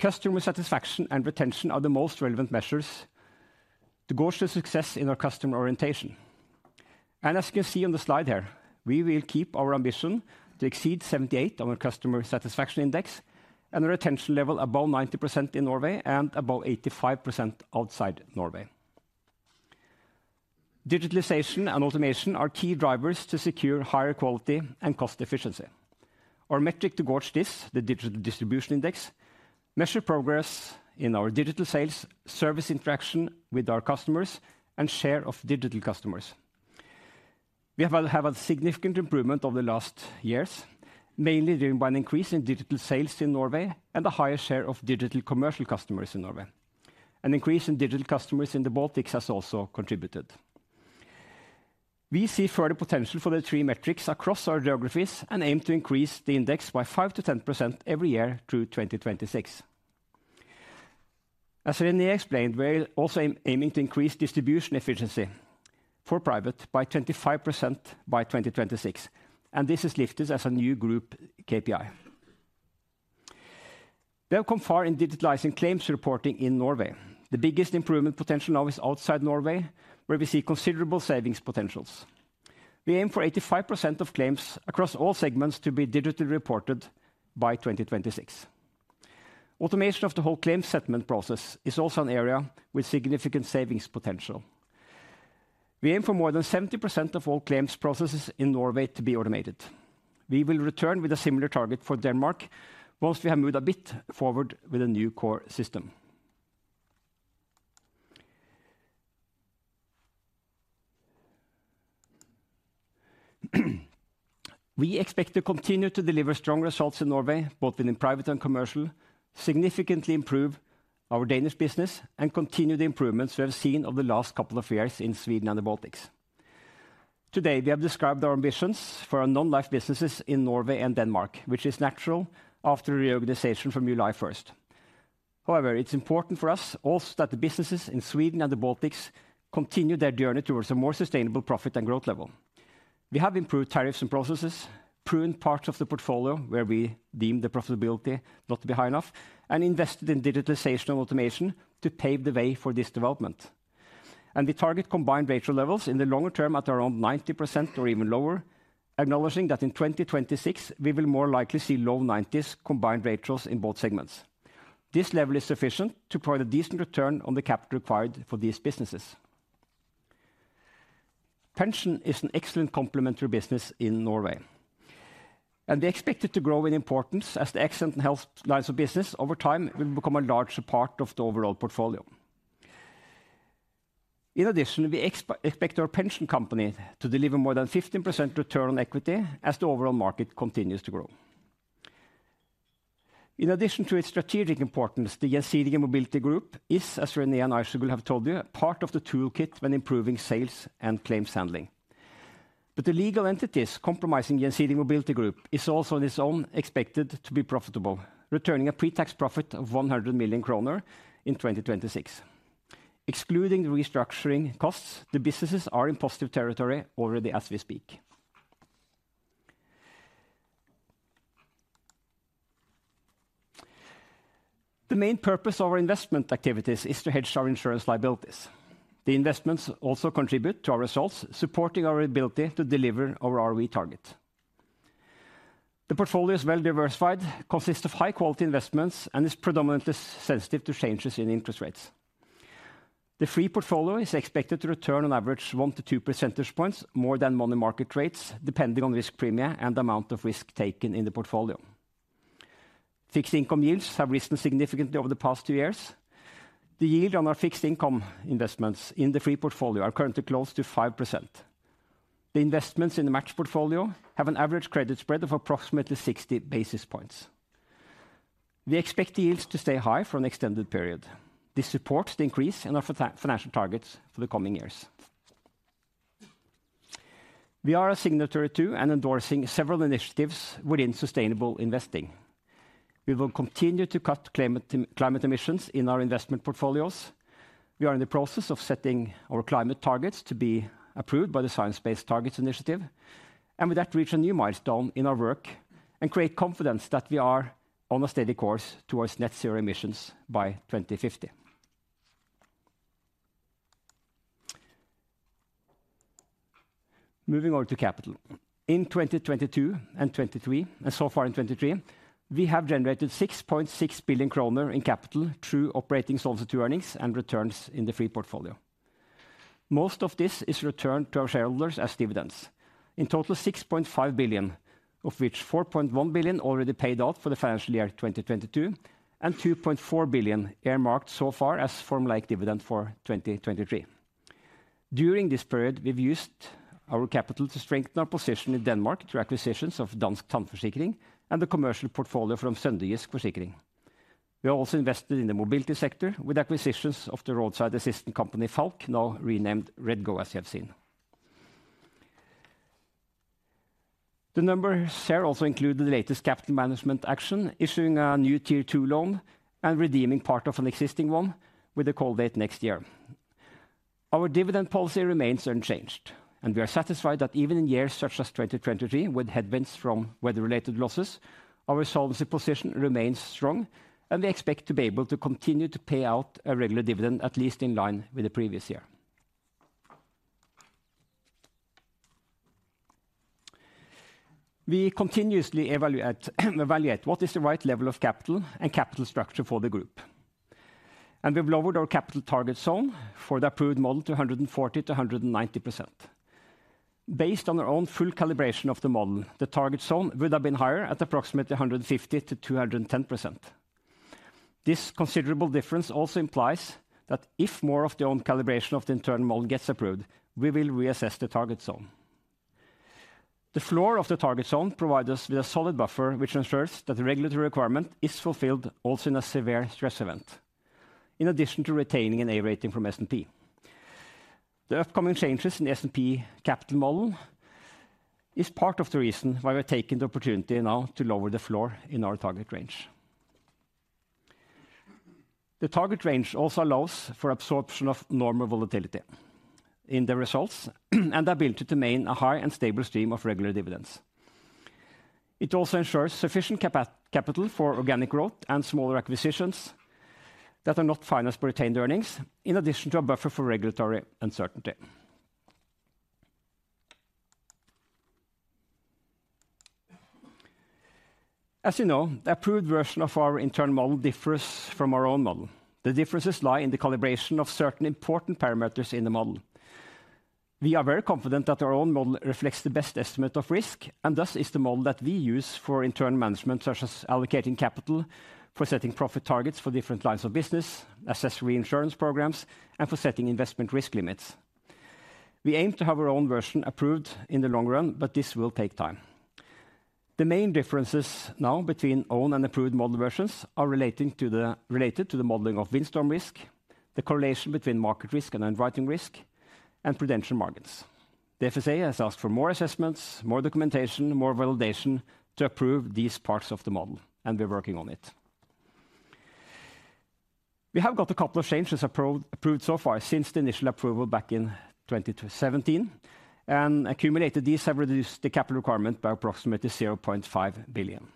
Customer satisfaction and retention are the most relevant measures to gauge the success in our customer orientation. As you can see on the slide here, we will keep our ambition to exceed 78 on our customer satisfaction index and the retention level above 90% in Norway and above 85% outside Norway. Digitalization and automation are key drivers to secure higher quality and cost efficiency. Our metric to gauge this, the digital distribution index, measures progress in our digital sales, service interaction with our customers, and share of digital customers. We have a significant improvement over the last years, mainly driven by an increase in digital sales in Norway and a higher share of digital commercial customers in Norway. An increase in digital customers in the Baltics has also contributed. We see further potential for the three metrics across our geographies and aim to increase the index by 5%-10% every year through 2026. As René explained, we're also aiming to increase distribution efficiency for private by 25% by 2026, and this is lifted as a new group KPI. We have come far in digitalizing claims reporting in Norway. The biggest improvement potential now is outside Norway, where we see considerable savings potentials. We aim for 85% of claims across all segments to be digitally reported by 2026. Automation of the whole claims settlement process is also an area with significant savings potential. We aim for more than 70% of all claims processes in Norway to be automated. We will return with a similar target for Denmark once we have moved a bit forward with a new core system. We expect to continue to deliver strong results in Norway, both in private and commercial, significantly improve our Danish business, and continue the improvements we have seen over the last couple of years in Sweden and the Baltics. Today, we have described our ambitions for our non-life businesses in Norway and Denmark, which is natural after the reorganization from July 1st. However, it's important for us also that the businesses in Sweden and the Baltics continue their journey towards a more sustainable profit and growth level. We have improved tariffs and processes, pruned parts of the portfolio where we deemed the profitability not to be high enough, and invested in digitalization and automation to pave the way for this development. We target combined ratio levels in the longer term at around 90% or even lower, acknowledging that in 2026, we will more likely see low 90%s combined ratios in both segments. This level is sufficient to provide a decent return on the capital required for these businesses. Pension is an excellent complementary business in Norway, and we expect it to grow in importance as the accident and health lines of business over time will become a larger part of the overall portfolio. In addition, we expect our pension company to deliver more than 15% return on equity as the overall market continues to grow. In addition to its strategic importance, the Gjensidige Mobility Group is, as René and I will have told you, part of the toolkit when improving sales and claims handling. But the legal entities comprising Gjensidige Mobility Group is also on its own, expected to be profitable, returning a pre-tax profit of 100 million kroner in 2026. Excluding the restructuring costs, the businesses are in positive territory already as we speak. The main purpose of our investment activities is to hedge our insurance liabilities. The investments also contribute to our results, supporting our ability to deliver our ROE target. The portfolio is well diversified, consists of high-quality investments, and is predominantly sensitive to changes in interest rates. The free portfolio is expected to return on average, one to two percentage points, more than money market rates, depending on risk premia and the amount of risk taken in the portfolio. Fixed income yields have risen significantly over the past two years. The yield on our fixed income investments in the free portfolio are currently close to 5%. The investments in the match portfolio have an average credit spread of approximately 60 basis points. We expect yields to stay high for an extended period. This supports the increase in our financial targets for the coming years. We are a signatory, too, and endorsing several initiatives within sustainable investing. We will continue to cut climate emissions in our investment portfolios. We are in the process of setting our climate targets to be approved by the Science Based Targets Initiative, and with that, reach a new milestone in our work and create confidence that we are on a steady course towards net zero emissions by 2050. Moving on to capital. In 2022 and 2023, and so far in 2023, we have generated 6.6 billion kroner in capital through operating solvency earnings and returns in the free portfolio. Most of this is returned to our shareholders as dividends. In total, 6.5 billion, of which 4.1 billion already paid out for the financial year 2022, and 2.4 billion earmarked so far as formulaic dividend for 2023. During this period, we've used our capital to strengthen our position in Denmark through acquisitions of Dansk Tandforsikring and the commercial portfolio from Sønderjysk Forsikring. We have also invested in the mobility sector, with acquisitions of the roadside assistant company, Falck, now renamed REDGO as you have seen. The number share also include the latest capital management action, issuing a new Tier 2 loan and redeeming part of an existing one with a call date next year. Our dividend policy remains unchanged, and we are satisfied that even in years such as 2023, with headwinds from weather-related losses, our solvency position remains strong, and we expect to be able to continue to pay out a regular dividend, at least in line with the previous year. We continuously evaluate what is the right level of capital and capital structure for the group. We've lowered our capital target zone for the approved model to 140%-190%. Based on our own full calibration of the model, the target zone would have been higher at approximately 150-210%. This considerable difference also implies that if more of their own calibration of the internal model gets approved, we will reassess the target zone. The floor of the target zone provides us with a solid buffer, which ensures that the regulatory requirement is fulfilled also in a severe stress event, in addition to retaining an A rating from S&P. The upcoming changes in the S&P capital model is part of the reason why we're taking the opportunity now to lower the floor in our target range. The target range also allows for absorption of normal volatility in the results, and the ability to maintain a high and stable stream of regular dividends. It also ensures sufficient capital for organic growth and smaller acquisitions that are not financed by retained earnings, in addition to a buffer for regulatory uncertainty. As you know, the approved version of our internal model differs from our own model. The differences lie in the calibration of certain important parameters in the model. We are very confident that our own model reflects the best estimate of risk, and thus is the model that we use for internal management, such as allocating capital, for setting profit targets for different lines of business, assess reinsurance programs, and for setting investment risk limits. We aim to have our own version approved in the long run, but this will take time. The main differences now between owned and approved model versions are related to the modeling of windstorm risk, the correlation between market risk and underwriting risk, and prudential margins. The FSA has asked for more assessments, more documentation, more validation to approve these parts of the model, and we're working on it. We have got a couple of changes approved so far since the initial approval back in 2017, and accumulated, these have reduced the capital requirement by approximately 500 million.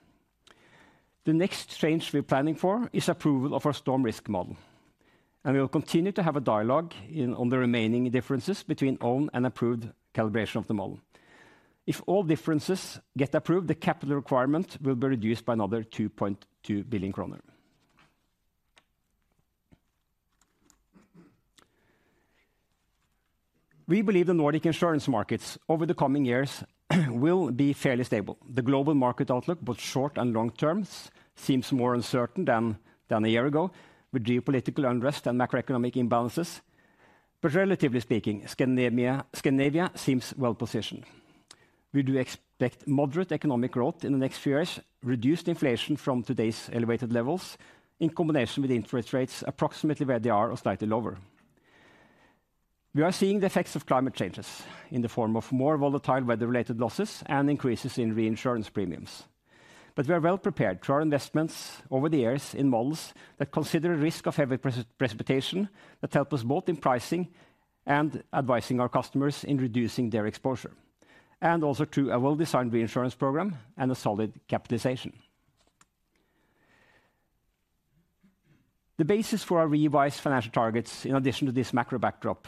The next change we're planning for is approval of our storm risk model, and we will continue to have a dialogue on the remaining differences between owned and approved calibration of the model. If all differences get approved, the capital requirement will be reduced by another 2.2 billion kroner. We believe the Nordic insurance markets over the coming years will be fairly stable. The global market outlook, both short and long term, seems more uncertain than a year ago, with geopolitical unrest and macroeconomic imbalances. But relatively speaking, Scandinavia seems well positioned. We do expect moderate economic growth in the next few years, reduced inflation from today's elevated levels, in combination with interest rates approximately where they are or slightly lower. We are seeing the effects of climate changes in the form of more volatile weather-related losses and increases in reinsurance premiums. But we are well prepared through our investments over the years in models that consider risk of heavy precipitation, that help us both in pricing and advising our customers in reducing their exposure, and also through a well-designed reinsurance program and a solid capitalization. The basis for our revised financial targets, in addition to this macro backdrop,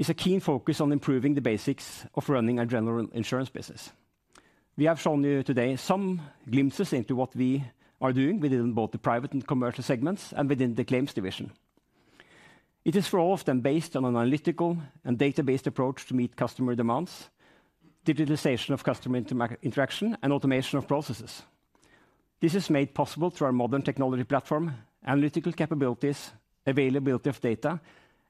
is a keen focus on improving the basics of running a general insurance business. We have shown you today some glimpses into what we are doing within both the private and commercial segments and within the claims division. It is for all of them, based on analytical and data-based approach to meet customer demands, digitalization of customer interaction, and automation of processes. This is made possible through our modern technology platform, analytical capabilities, availability of data,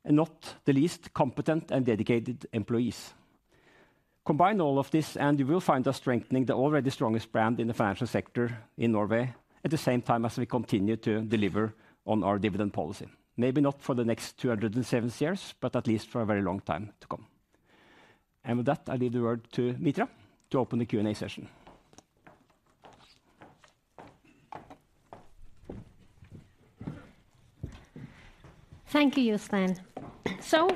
and not the least, competent and dedicated employees. Combine all of this, and you will find us strengthening the already strongest brand in the financial sector in Norway, at the same time as we continue to deliver on our dividend policy. Maybe not for the next 207 years, but at least for a very long time to come. And with that, I leave the word to Mitra to open the Q&A session. Thank you, Jostein.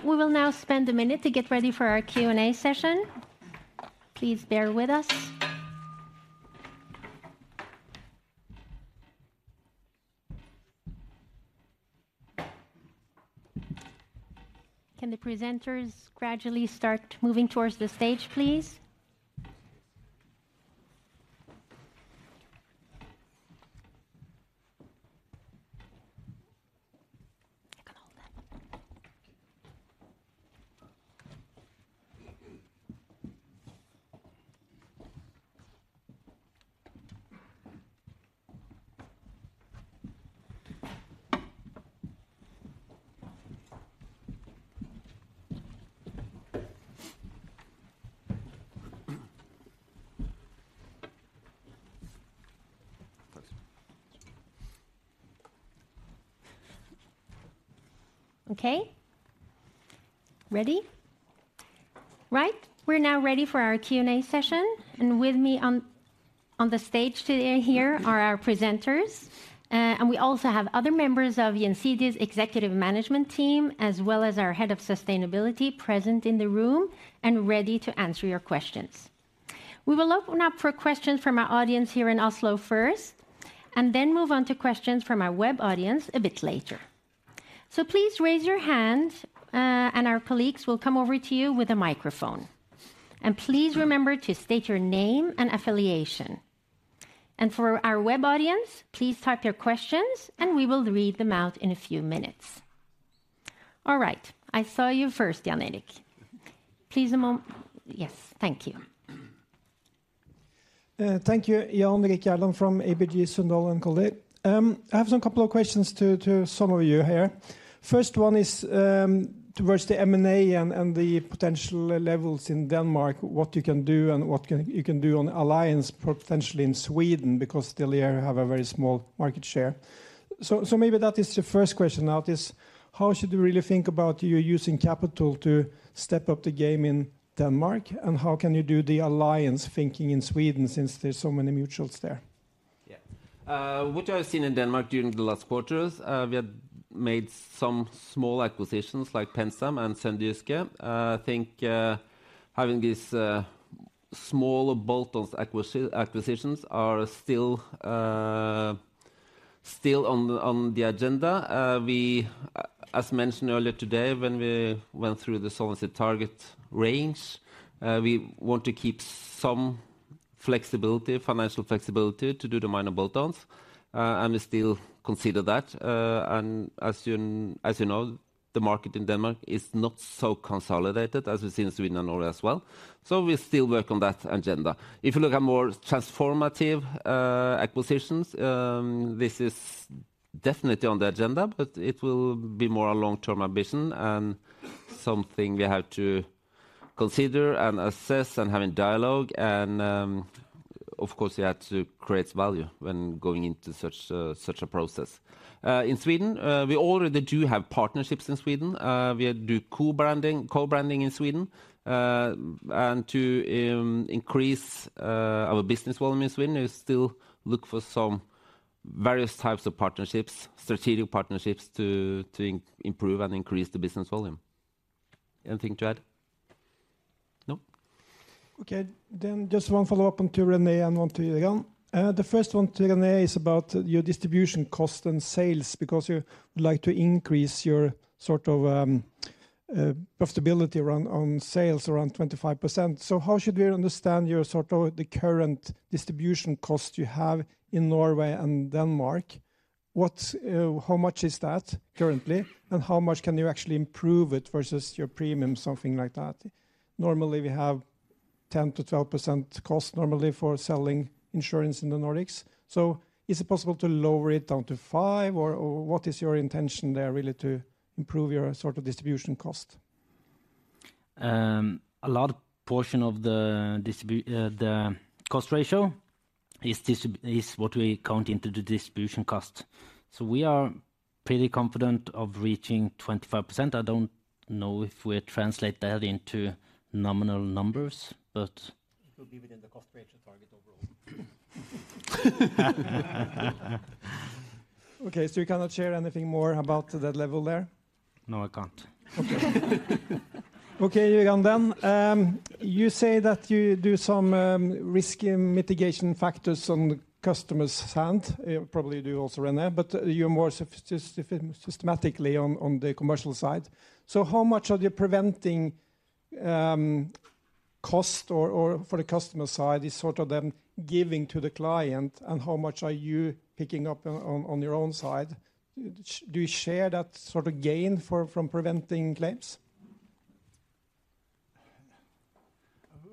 We will now spend a minute to get ready for our Q&A session. Please bear with us. Can the presenters gradually start moving towards the stage, please? Thanks. Okay, ready? Right. We're now ready for our Q&A session, and with me on the stage today here are our presenters. And we also have other members of Gjensidige's executive management team, as well as our head of sustainability, present in the room and ready to answer your questions. We will open up for questions from our audience here in Oslo first, and then move on to questions from our web audience a bit later. So please raise your hand, and our colleagues will come over to you with a microphone. And please remember to state your name and affiliation. And for our web audience, please type your questions, and we will read them out in a few minutes. All right, I saw you first, Jan Erik. Please— Yes, thank you. Thank you. Jan Erik Gjerland from ABG Sundal Collier. I have some couple of questions to some of you here. First one is towards the M&A and the potential levels in Denmark, what you can do and you can do on alliance, potentially in Sweden, because still you have a very small market share. So maybe that is the first question out is: How should you really think about you using capital to step up the game in Denmark, and how can you do the alliance thinking in Sweden, since there's so many mutuals there? Yeah. What I've seen in Denmark during the last quarters, we had made some small acquisitions like PenSam and Sønderjysk. I think having these smaller bolt-ons acquisitions are still on the agenda. As mentioned earlier today, when we went through the solvency target range, we want to keep some flexibility, financial flexibility, to do the minor bolt-ons, and we still consider that. As you know, the market in Denmark is not so consolidated as we see in Sweden and Norway as well, so we still work on that agenda. If you look at more transformative acquisitions, this is definitely on the agenda, but it will be more a long-term ambition and something we have to consider and assess and have in dialogue, and, of course, we have to create value when going into such a, such a process. In Sweden, we already do have partnerships in Sweden. We do co-branding, co-branding in Sweden. And to increase our business volume in Sweden, we still look for some various types of partnerships, strategic partnerships to improve and increase the business volume. Anything to add? No. Okay, then just one follow-up on to René and one to Gøran. The first one to René is about your distribution cost and sales, because you would like to increase your sort of profitability around on sales around 25%. So how should we understand your sort of the current distribution cost you have in Norway and Denmark? What, how much is that currently, and how much can you actually improve it versus your premium, something like that? Normally, we have 10%-12% cost normally for selling insurance in the Nordics. So is it possible to lower it down to 5%, or what is your intention there, really, to improve your sort of distribution cost? A large portion of the cost ratio is what we count into the distribution cost. So we are pretty confident of reaching 25%. I don't know if we translate that into nominal numbers, but it will be within the cost ratio target overall. Okay, so you cannot share anything more about that level there? No, I can't. Okay. Okay, Gøran, then, you say that you do some risk mitigation factors on the customer's hand. You probably do also René, but you're more systematically on the commercial side. So how much are you preventing cost or for the customer side is sort of them giving to the client, and how much are you picking up on your own side? Do you share that sort of gain from preventing claims?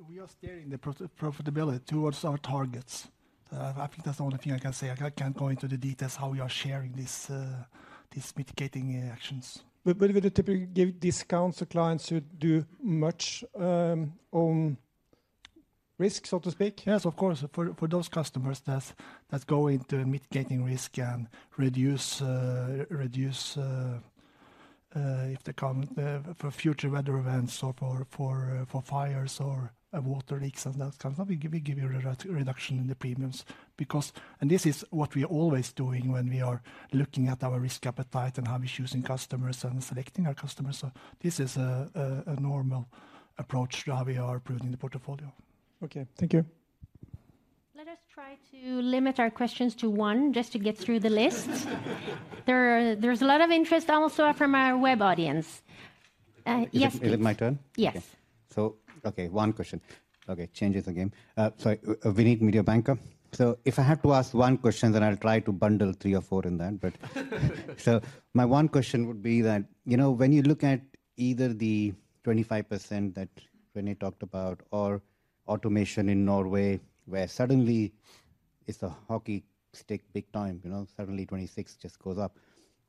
We are steering the profitability towards our targets. I think that's the only thing I can say. I can't go into the details how we are sharing these mitigating actions. But would you typically give discounts to clients who do much own risk, so to speak? Yes, of course. For those customers that's going to mitigating risk and reduce, if they come for future weather events or for fires or water leaks and those kinds, we give you a reduction in the premiums because... And this is what we are always doing when we are looking at our risk appetite and how we're choosing customers and selecting our customers. So this is a normal approach to how we are improving the portfolio. Okay, thank you. Let us try to limit our questions to one, just to get through the list. There, there's a lot of interest also from our web audience. Yes, please. Is it my turn? Yes. Okay. So okay, one question. Okay, changes again. So Vinit, Mediobanca. So if I have to ask one question, then I'll try to bundle three or four in that, but so my one question would be that, you know, when you look at either the 25% that René talked about or automation in Norway, where suddenly it's a hockey stick, big time, you know, suddenly 2026 just goes up.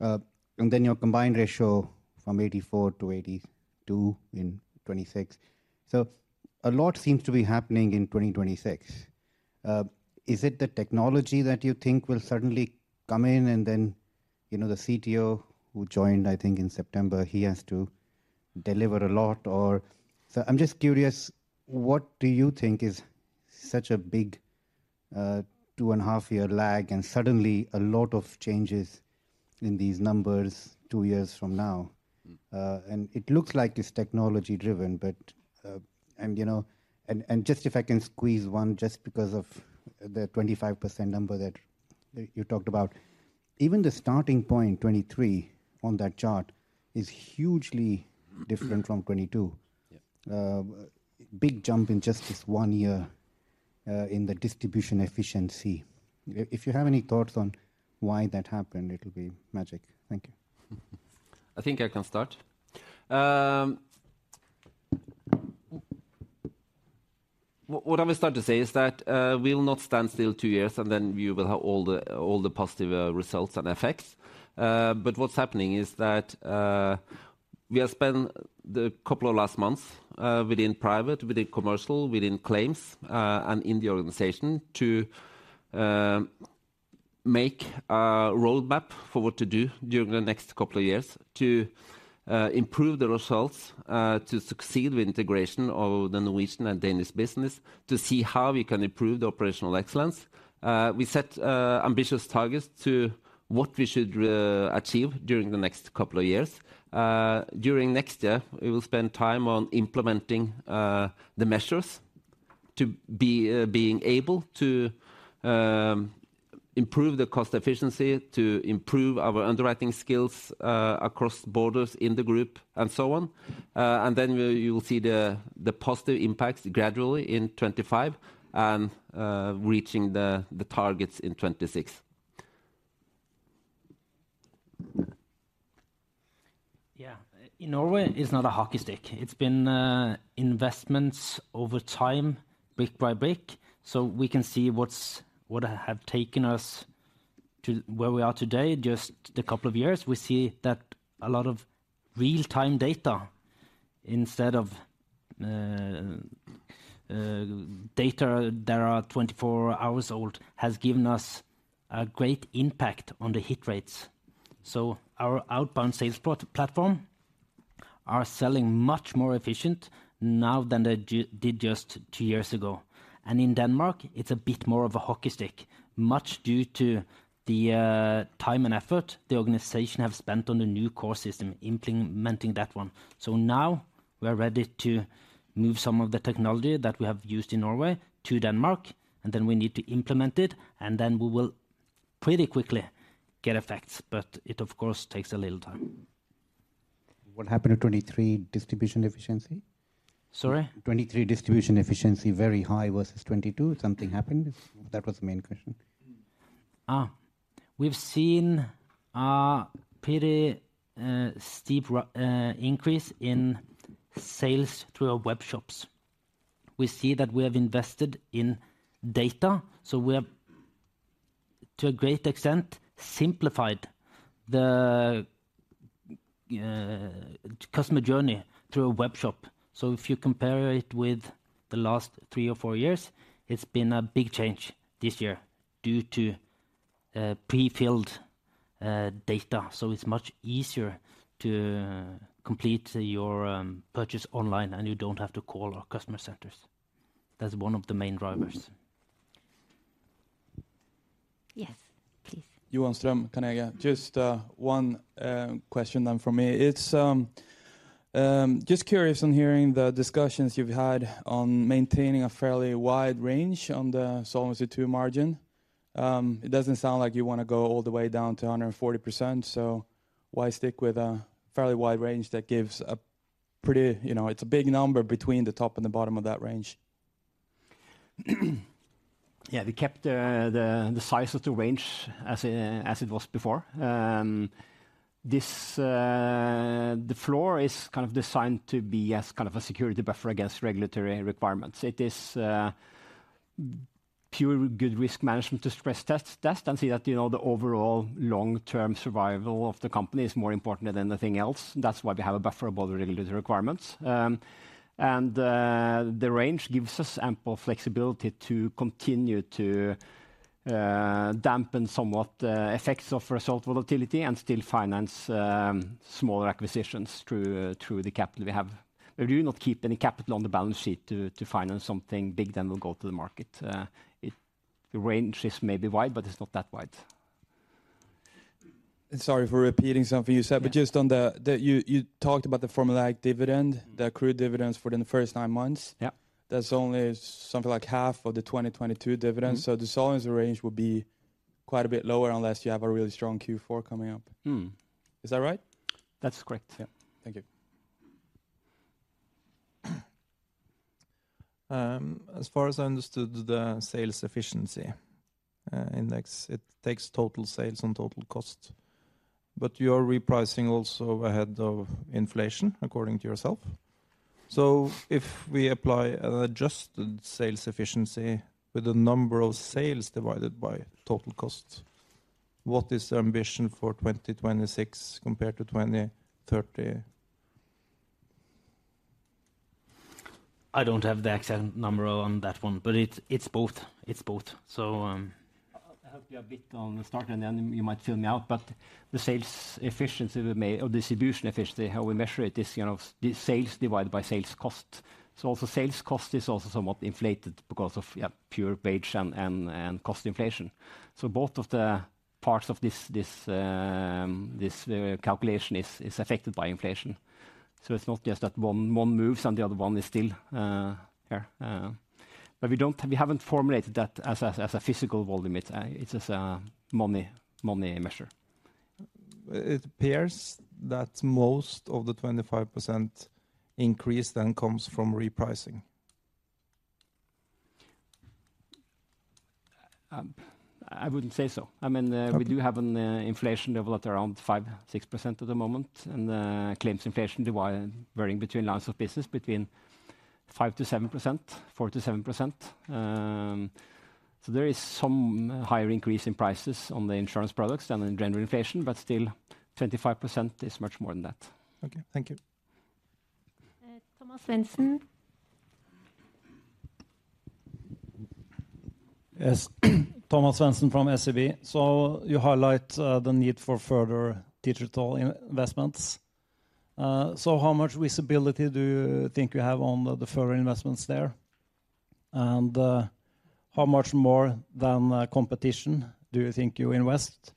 And then your combined ratio from 84-82 in 2026. So a lot seems to be happening in 2026. Is it the technology that you think will suddenly come in and then, you know, the CTO who joined, I think, in September, he has to deliver a lot or. I'm just curious, what do you think is such a big 2.5-year lag, and suddenly a lot of changes in these numbers two years from now? And it looks like it's technology driven, but, and, you know, and just if I can squeeze one, just because of the 25% number that you talked about. Even the starting point, 2023, on that chart is hugely different from 2022. Yeah. Big jump in just this one year, in the distribution efficiency. If you have any thoughts on why that happened, it will be magic. Thank you. I think I can start. What I will start to say is that we will not stand still two years, and then you will have all the, all the positive results and effects. But what's happening is that we have spent the couple of last months within private, within commercial, within claims, and in the organization, to make a roadmap for what to do during the next couple of years to improve the results, to succeed with integration of the Norwegian and Danish business, to see how we can improve the operational excellence. We set ambitious targets to what we should achieve during the next couple of years. During next year, we will spend time on implementing the measures to be being able to improve the cost efficiency, to improve our underwriting skills across borders in the group and so on. Then you will see the positive impacts gradually in 2025 and reaching the targets in 2026. Yeah, in Norway, it's not a hockey stick. It's been investments over time, brick by brick, so we can see what's, what have taken us to where we are today. Just a couple of years, we see that a lot of real-time data, instead of data that are 24 hours old, has given us a great impact on the hit rates. So our outbound sales port platform are selling much more efficient now than they did just two years ago. And in Denmark, it's a bit more of a hockey stick, much due to the time and effort the organization have spent on the new core system, implementing that one. So now we are ready to move some of the technology that we have used in Norway to Denmark, and then we need to implement it, and then we will pretty quickly get effects. But it, of course, takes a little time. What happened to 23 distribution efficiency? Sorry? 2023 distribution efficiency, very high versus 2022. Something happened? That was the main question. We've seen a pretty steep increase in sales through our web shops. We see that we have invested in data, so we have, to a great extent, simplified the customer journey through a web shop. So if you compare it with the last three or four years, it's been a big change this year due to pre-filled data. So it's much easier to complete your purchase online, and you don't have to call our customer centers. That's one of the main drivers. Yes, please. Johan Ström, Carnegie. Just one question then from me. It's just curious on hearing the discussions you've had on maintaining a fairly wide range on the Solvency II margin. It doesn't sound like you wanna go all the way down to 140%, so why stick with a fairly wide range that gives a pretty. You know, it's a big number between the top and the bottom of that range. Yeah, we kept the size of the range as it was before. This floor is kind of designed to be as kind of a security buffer against regulatory requirements. It is pure good risk management to stress test and see that, you know, the overall long-term survival of the company is more important than anything else. That's why we have a buffer above the regulatory requirements. And the range gives us ample flexibility to continue to dampen somewhat effects of result volatility and still finance smaller acquisitions through the capital we have. We do not keep any capital on the balance sheet to finance something big, then we'll go to the market. The range is maybe wide, but it's not that wide. Sorry for repeating something you said, but just on the, you talked about the formulaic dividend, the accrued dividends for in the first nine months. Yeah. That's only something like half of the 2022 dividends. Mm-hmm. The solvency range will be quite a bit lower unless you have a really strong Q4 coming up. Mm. Is that right? That's correct. Yeah. Thank you. As far as I understood, the sales efficiency index, it takes total sales and total cost, but you are repricing also ahead of inflation, according to yourself. So if we apply an adjusted sales efficiency with the number of sales divided by total cost, what is the ambition for 2026 compared to 2030? I don't have the exact number on that one, but it's, it's both. It's both. So, I hope you got a bit from the start, and then you might fill me in, but the sales efficiency we made or distribution efficiency, how we measure it, is, you know, the sales divided by sales cost. So also sales cost is also somewhat inflated because of, yeah, wage and cost inflation. So both of the parts of this calculation is affected by inflation. So it's not just that one moves and the other one is still here, but we don't, we haven't formulated that as a physical volume. It's as a money measure. It appears that most of the 25% increase then comes from repricing. I wouldn't say so. I mean, we do have an inflation level at around 5-6% at the moment, and claims inflation driven, varying between lines of business, between 5%-7%, 4%-7%. So there is some higher increase in prices on the insurance products than in general inflation, but still, 25% is much more than that. Okay, thank you. Thomas Svendsen. Yes. Thomas Svendsen from SEB. So you highlight the need for further digital investments. So how much visibility do you think you have on the further investments there? And how much more than competition do you think you invest?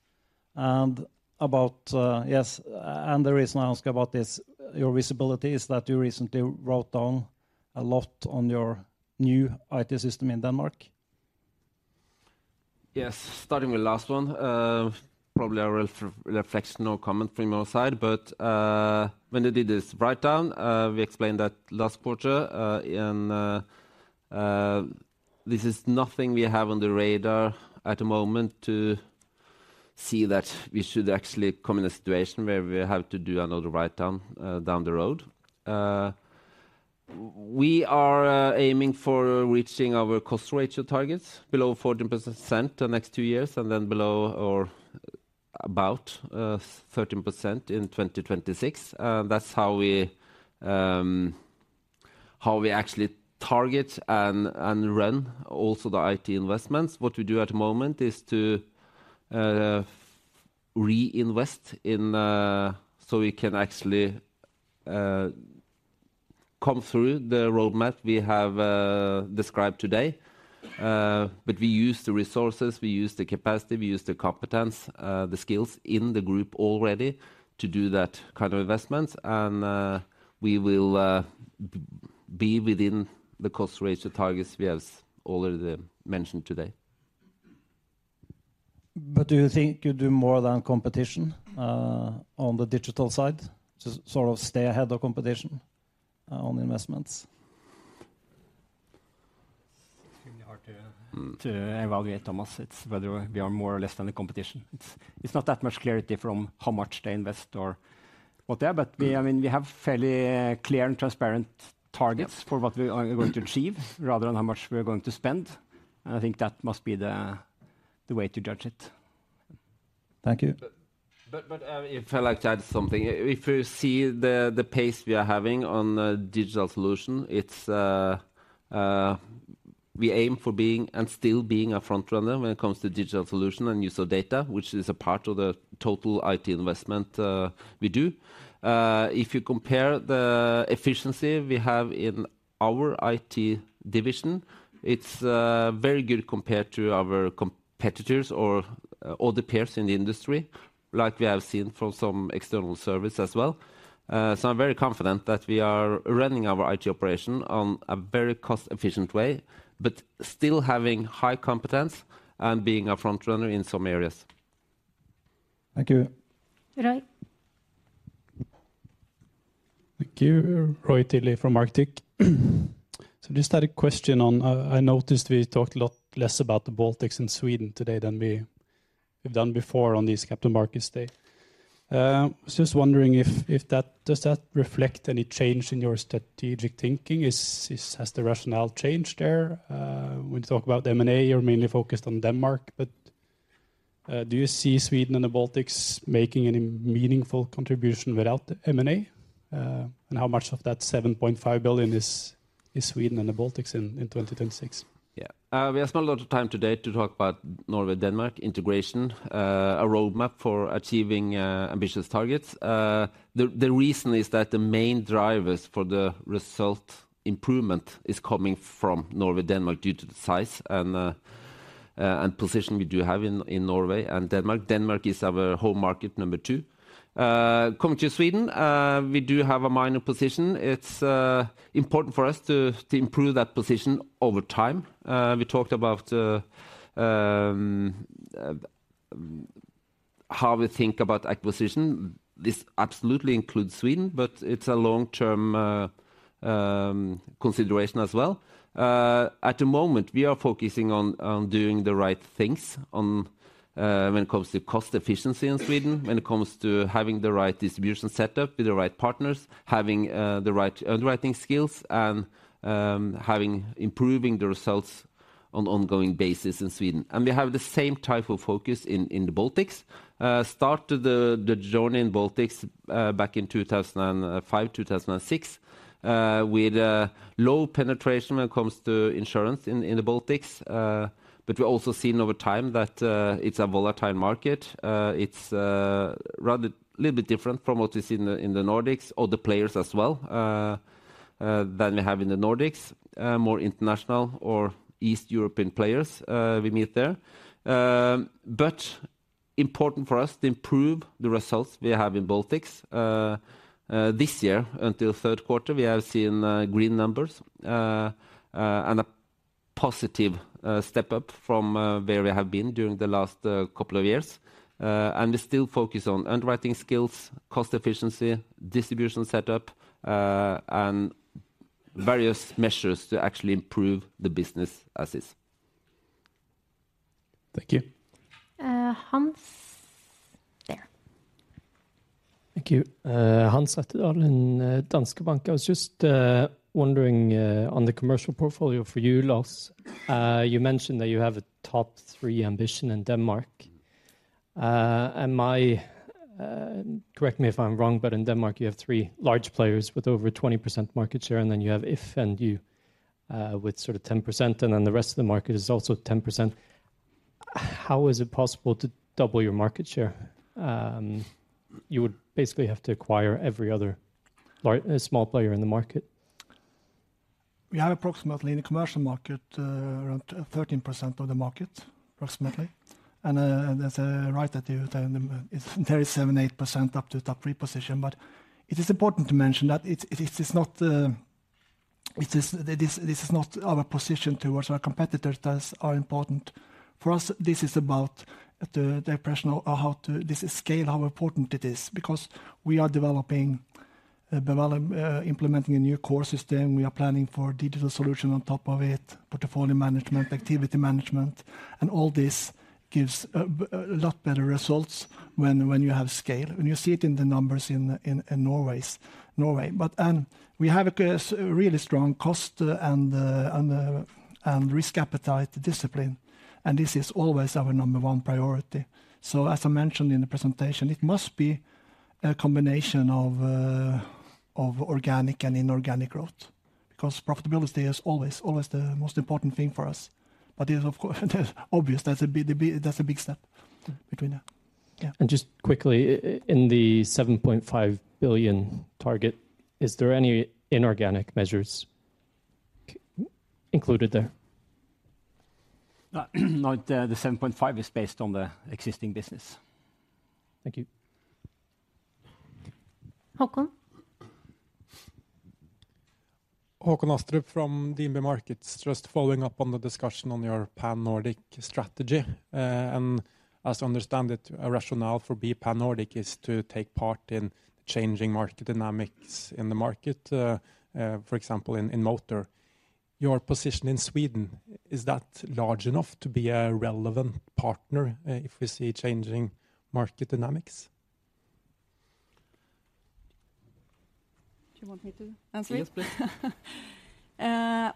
And about yes and the reason I ask about this, your visibility, is that you recently wrote down a lot on your new IT system in Denmark. Yes, starting with the last one, probably a reflection or comment from your side, but when you did this write down, we explained that last quarter, in. This is nothing we have on the radar at the moment to see that we should actually come in a situation where we have to do another write-down down the road. We are aiming for reaching our cost ratio targets below 14% the next two years, and then below or about 13% in 2026. That's how we actually target and run also the IT investments. What we do at the moment is to reinvest in so we can actually come through the roadmap we have described today. But we use the resources, we use the capacity, we use the competence the skills in the group already to do that kind of investments, and we will be within the cost ratio targets we have already mentioned today. Do you think you do more than competition on the digital side to sort of stay ahead of competition on investments? It's really hard to evaluate, Thomas. It's whether we are more or less than the competition. It's, it's not that much clarity from how much they invest or what they are, but we, I mean, we have fairly clear and transparent targets for what we are going to achieve, rather than how much we are going to spend, and I think that must be the way to judge it. Thank you. But if I like to add something. If you see the pace we are having on the digital solution, it's we aim for being and still being a front runner when it comes to digital solution and use of data, which is a part of the total IT investment we do. If you compare the efficiency we have in our IT division, it's very good compared to our competitors or the peers in the industry, like we have seen from some external service as well. So I'm very confident that we are running our IT operation on a very cost-efficient way, but still having high competence and being a front runner in some areas. Thank you. Roy? Thank you. Roy Tilley from Arctic. So just had a question on, I noticed we talked a lot less about the Baltics and Sweden today than we have done before on these Capital Markets Day. Was just wondering if that does that reflect any change in your strategic thinking? Is, has the rationale changed there? When you talk about M&A, you're mainly focused on Denmark, but, do you see Sweden and the Baltics making any meaningful contribution without M&A? And how much of that 7.5 billion is Sweden and the Baltics in 2026? Yeah. We have spent a lot of time today to talk about Norway, Denmark integration, a roadmap for achieving ambitious targets. The reason is that the main drivers for the result improvement is coming from Norway, Denmark, due to the size and position we do have in Norway and Denmark. Denmark is our home market number two. Coming to Sweden, we do have a minor position. It's important for us to improve that position over time. We talked about how we think about acquisition. This absolutely includes Sweden, but it's a long-term consideration as well. At the moment, we are focusing on doing the right things when it comes to cost efficiency in Sweden, when it comes to having the right distribution setup with the right partners, having the right underwriting skills, and having improving the results on ongoing basis in Sweden. And we have the same type of focus in the Baltics. Started the journey in Baltics back in 2005, 2006, with low penetration when it comes to insurance in the Baltics. But we also seen over time that it's a volatile market. It's rather little bit different from what we see in the Nordics or the players as well than we have in the Nordics. More international or East European players we meet there. But important for us to improve the results we have in Baltics. This year until third quarter, we have seen green numbers and a positive step up from where we have been during the last couple of years. We still focus on underwriting skills, cost efficiency, distribution setup and various measures to actually improve the business as is. Thank you. Hans Rettedal. Thank you. Hans Rettedal in Danske Bank. I was just wondering on the commercial portfolio for you, Lars. You mentioned that you have a top three ambition in Denmark. And my... Correct me if I'm wrong, but in Denmark, you have three large players with over 20% market share, and then you have If and you with sort of 10%, and then the rest of the market is also 10%. How is it possible to double your market share? You would basically have to acquire every other large small player in the market. We have approximately, in the commercial market, around 13% of the market, approximately. And, that's, right, that you, it's very 7-8% up to the top three position. But it is important to mention that it, it is not, it is, this, this is not our position towards our competitors that are important. For us, this is about the, the personal or how to- this is scale, how important it is, because we are developing, we'll be implementing a new core system. We are planning for digital solution on top of it, portfolio management, activity management, and all this gives a lot better results when you have scale, and you see it in the numbers in Norway. But we have a really strong cost and risk appetite discipline, and this is always our number one priority. So as I mentioned in the presentation, it must be a combination of organic and inorganic growth, because profitability is always, always the most important thing for us. But it is, of course, obvious that's a big, that's a big step between that. Yeah. Just quickly, in the 7.5 billion target, is there any inorganic measures included there? No, the 7.5 billion is based on the existing business. Thank you. Håkon? Håkon Astrup from DNB Markets. Just following up on the discussion on your Pan-Nordic strategy. As I understand it, a rationale for being Pan-Nordic is to take part in changing market dynamics in the market, for example, in motor. Your position in Sweden, is that large enough to be a relevant partner, if we see changing market dynamics? Do you want me to answer it? Yes, please.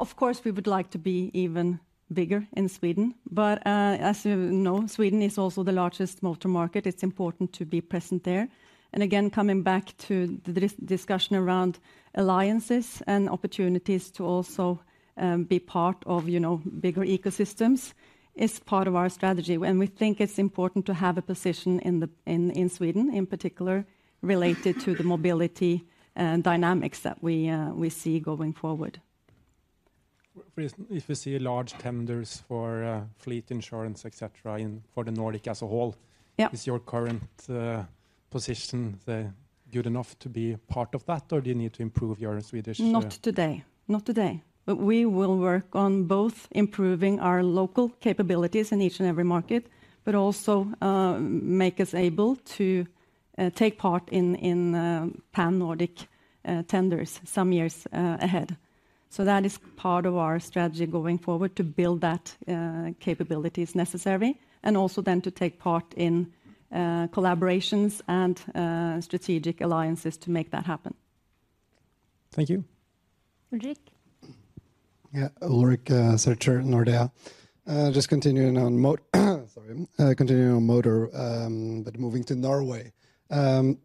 Of course, we would like to be even bigger in Sweden, but, as you know, Sweden is also the largest motor market. It's important to be present there. And again, coming back to the discussion around alliances and opportunities to also be part of, you know, bigger ecosystems, is part of our strategy. And we think it's important to have a position in Sweden, in particular, related to the mobility dynamics that we see going forward. For instance, if you see large tenders for fleet insurance, et cetera, in the Nordics as a whole, is your current position good enough to be part of that, or do you need to improve your Swedish? Not today. Not today. But we will work on both improving our local capabilities in each and every market, but also, make us able to, take part in, Pan-Nordic, tenders some years, ahead. So that is part of our strategy going forward, to build that, capabilities necessary, and also then to take part in, collaborations and, strategic alliances to make that happen. Thank you. Ulrik? Yeah. Ulrik Zürcher, Nordea. Just continuing on motor, but moving to Norway. I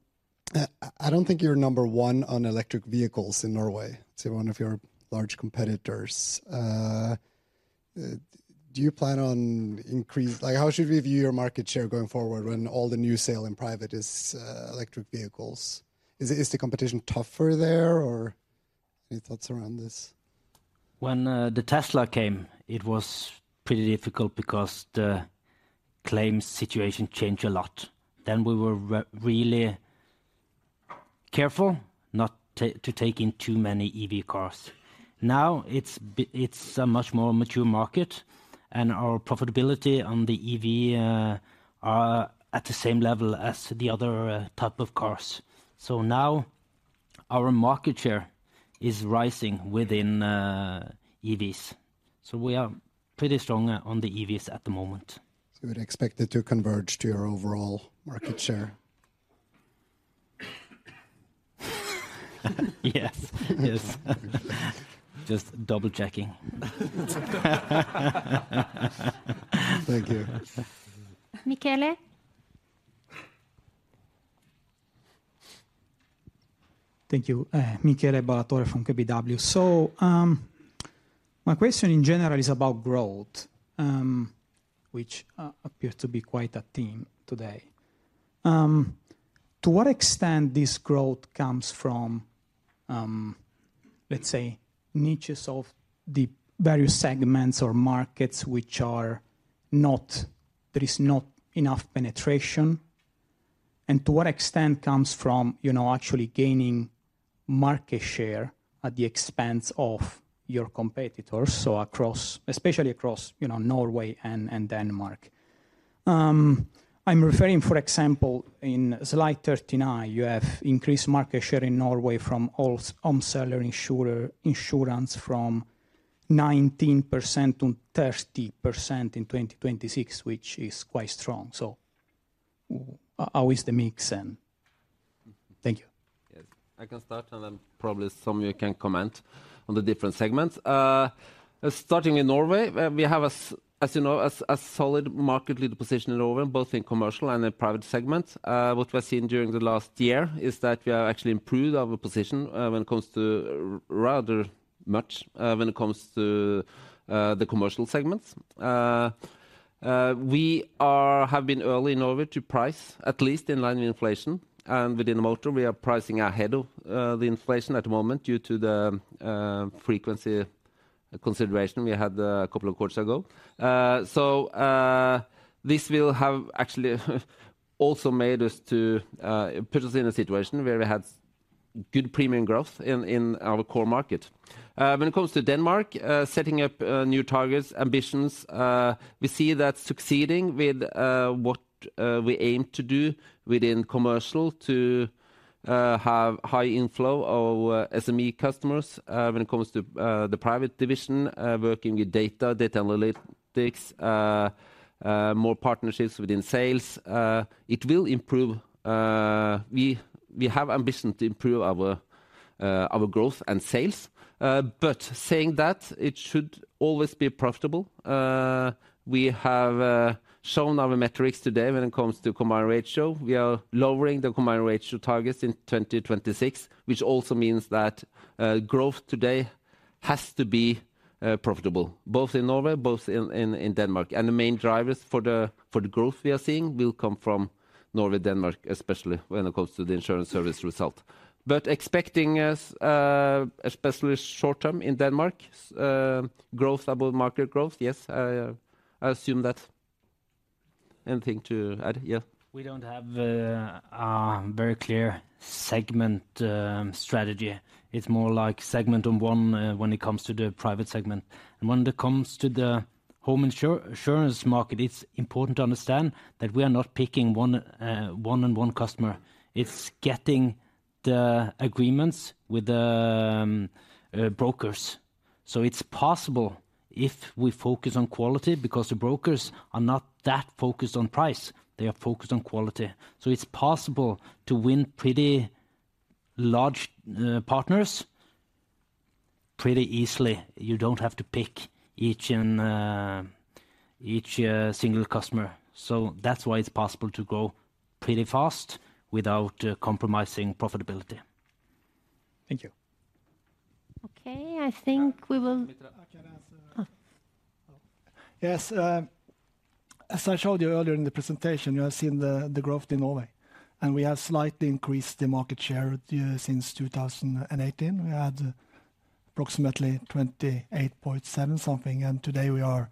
don't think you're number one on electric vehicles in Norway to one of your large competitors. Do you plan on increase... Like, how should we view your market share going forward when all the new sale in private is electric vehicles? Is it the competition tougher there, or any thoughts around this? When the Tesla came, it was pretty difficult because the claims situation changed a lot. Then we were really careful not to take in too many EV cars. Now, it's a much more mature market, and our profitability on the EV are at the same level as the other type of cars. So now our market share is rising within EVs, so we are pretty strong on the EVs at the moment. You would expect it to converge to your overall market share? Yes. Yes. Just double-checking. Thank you. Michele? Thank you. Michele Ballatore from KBW. So, my question in general is about growth, which appears to be quite a theme today. To what extent this growth comes from, let's say, niches of the various segments or markets which are not, there is not enough penetration, and to what extent comes from, you know, actually gaining market share at the expense of your competitors, so across, especially across, you know, Norway and Denmark? I'm referring, for example, in slide 39, you have increased market share in Norway from all, seller insurer, insurance from 19% to 30% in 2026, which is quite strong. So how is the mix, and thank you. Yes, I can start, and then probably some of you can comment on the different segments. Starting in Norway, we have, as you know, a solid market leader position in Norway, both in commercial and in private segments. What was seen during the last year is that we have actually improved our position, when it comes to rather much, when it comes to the commercial segments. We have been early in Norway to price, at least in line with inflation, and within the motor, we are pricing ahead of the inflation at the moment due to the frequency consideration we had a couple of quarters ago. So, this will have actually also made us to put us in a situation where we had good premium growth in our core market. When it comes to Denmark, setting up new targets, ambitions, we see that succeeding with what we aim to do within commercial to have high inflow of SME customers. When it comes to the private division, working with data, data analytics, more partnerships within sales, it will improve. We have ambition to improve our our growth and sales, but saying that, it should always be profitable. We have shown our metrics today when it comes to combined ratio. We are lowering the combined ratio targets in 2026, which also means that growth today has to be profitable, both in Norway, both in Denmark. The main drivers for the growth we are seeing will come from Norway, Denmark, especially when it comes to the Insurance Service Result. But expecting us, especially short term in Denmark, growth above market growth, yes, I assume that. Anything to add? Yeah. We don't have a very clear segment strategy. It's more like segment on one when it comes to the private segment. And when it comes to the home insurance market, it's important to understand that we are not picking one on one customer. It's getting the agreements with the brokers. So it's possible if we focus on quality, because the brokers are not that focused on price, they are focused on quality. So it's possible to win pretty large partners pretty easily. You don't have to pick each and each single customer. So that's why it's possible to grow pretty fast without compromising profitability. Thank you. Okay, I think we will- I can answer. Oh. Yes, as I showed you earlier in the presentation, you have seen the growth in Norway, and we have slightly increased the market share since 2018. We had approximately 28.7% something, and today we are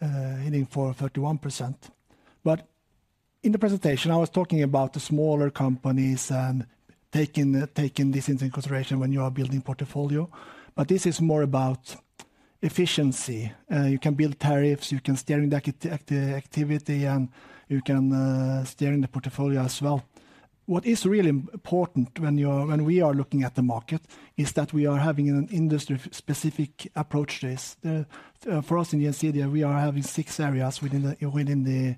heading for 31%. But in the presentation, I was talking about the smaller companies and taking this into consideration when you are building portfolio, but this is more about efficiency. You can build tariffs, you can steer the activity, and you can steer in the portfolio as well. What is really important when we are looking at the market is that we are having industry specific approaches. For us in Gjensidige, we are having six areas within the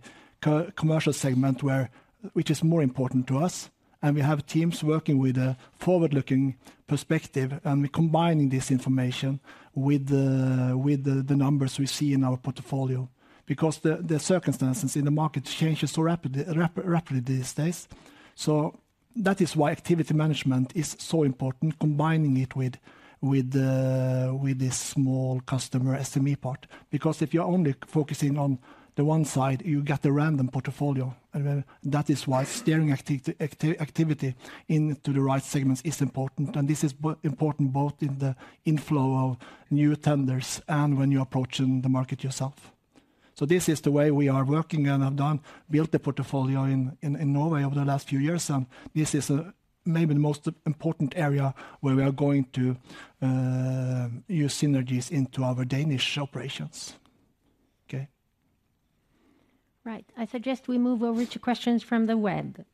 commercial segment, where... Which is more important to us, and we have teams working with a forward-looking perspective, and we're combining this information with the numbers we see in our portfolio, because the circumstances in the market changes so rapidly these days. So that is why activity management is so important, combining it with the small customer SME part. Because if you're only focusing on the one side, you get a random portfolio. And that is why steering activity into the right segments is important, and this is important both in the inflow of new tenders and when you're approaching the market yourself. This is the way we are working and have done, built the portfolio in Norway over the last few years, and this is maybe the most important area where we are going to use synergies into our Danish operations. Okay. Right. I suggest we move over to questions from the web.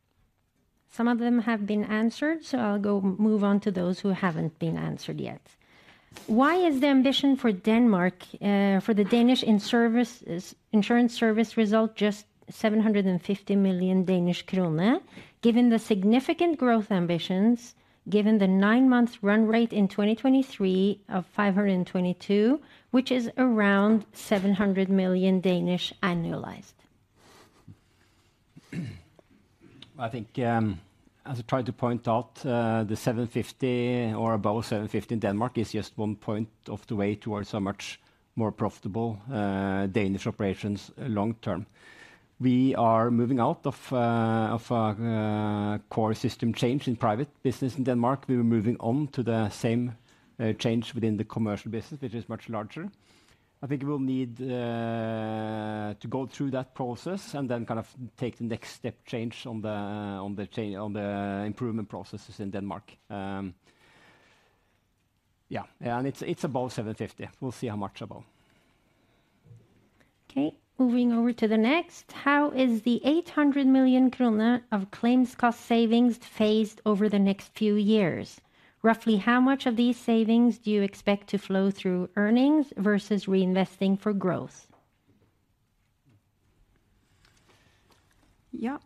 Some of them have been answered, so I'll go move on to those who haven't been answered yet. Why is the ambition for Denmark, for the Danish Insurance Service Result just 750 million Danish krone, given the significant growth ambitions, given the nine-month run rate in 2023 of 522, which is around 700 million annualized? I think, as I tried to point out, the 750 or above 750 in Denmark is just one point of the way towards a much more profitable Danish operations long term. We are moving out of core system change in private business in Denmark. We were moving on to the same change within the commercial business, which is much larger. I think we will need to go through that process and then kind of take the next step change on the improvement processes in Denmark. Yeah, and it's above 750. We'll see how much above. Okay, moving over to the next. How is the 800 million krone of claims cost savings phased over the next few years? Roughly how much of these savings do you expect to flow through earnings versus reinvesting for growth? Yeah.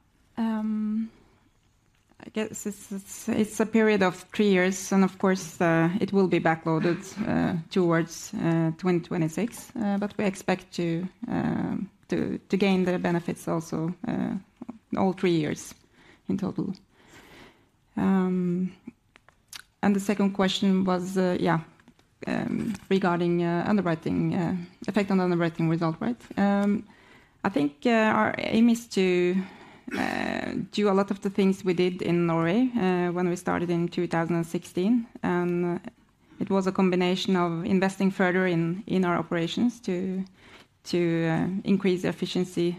I guess it's a period of three years, and of course, it will be backloaded towards 2026. But we expect to gain the benefits also all three years in total. And the second question was, yeah, regarding underwriting effect on the underwriting result, right? I think our aim is to do a lot of the things we did in Norway when we started in 2016, and it was a combination of investing further in our operations to increase efficiency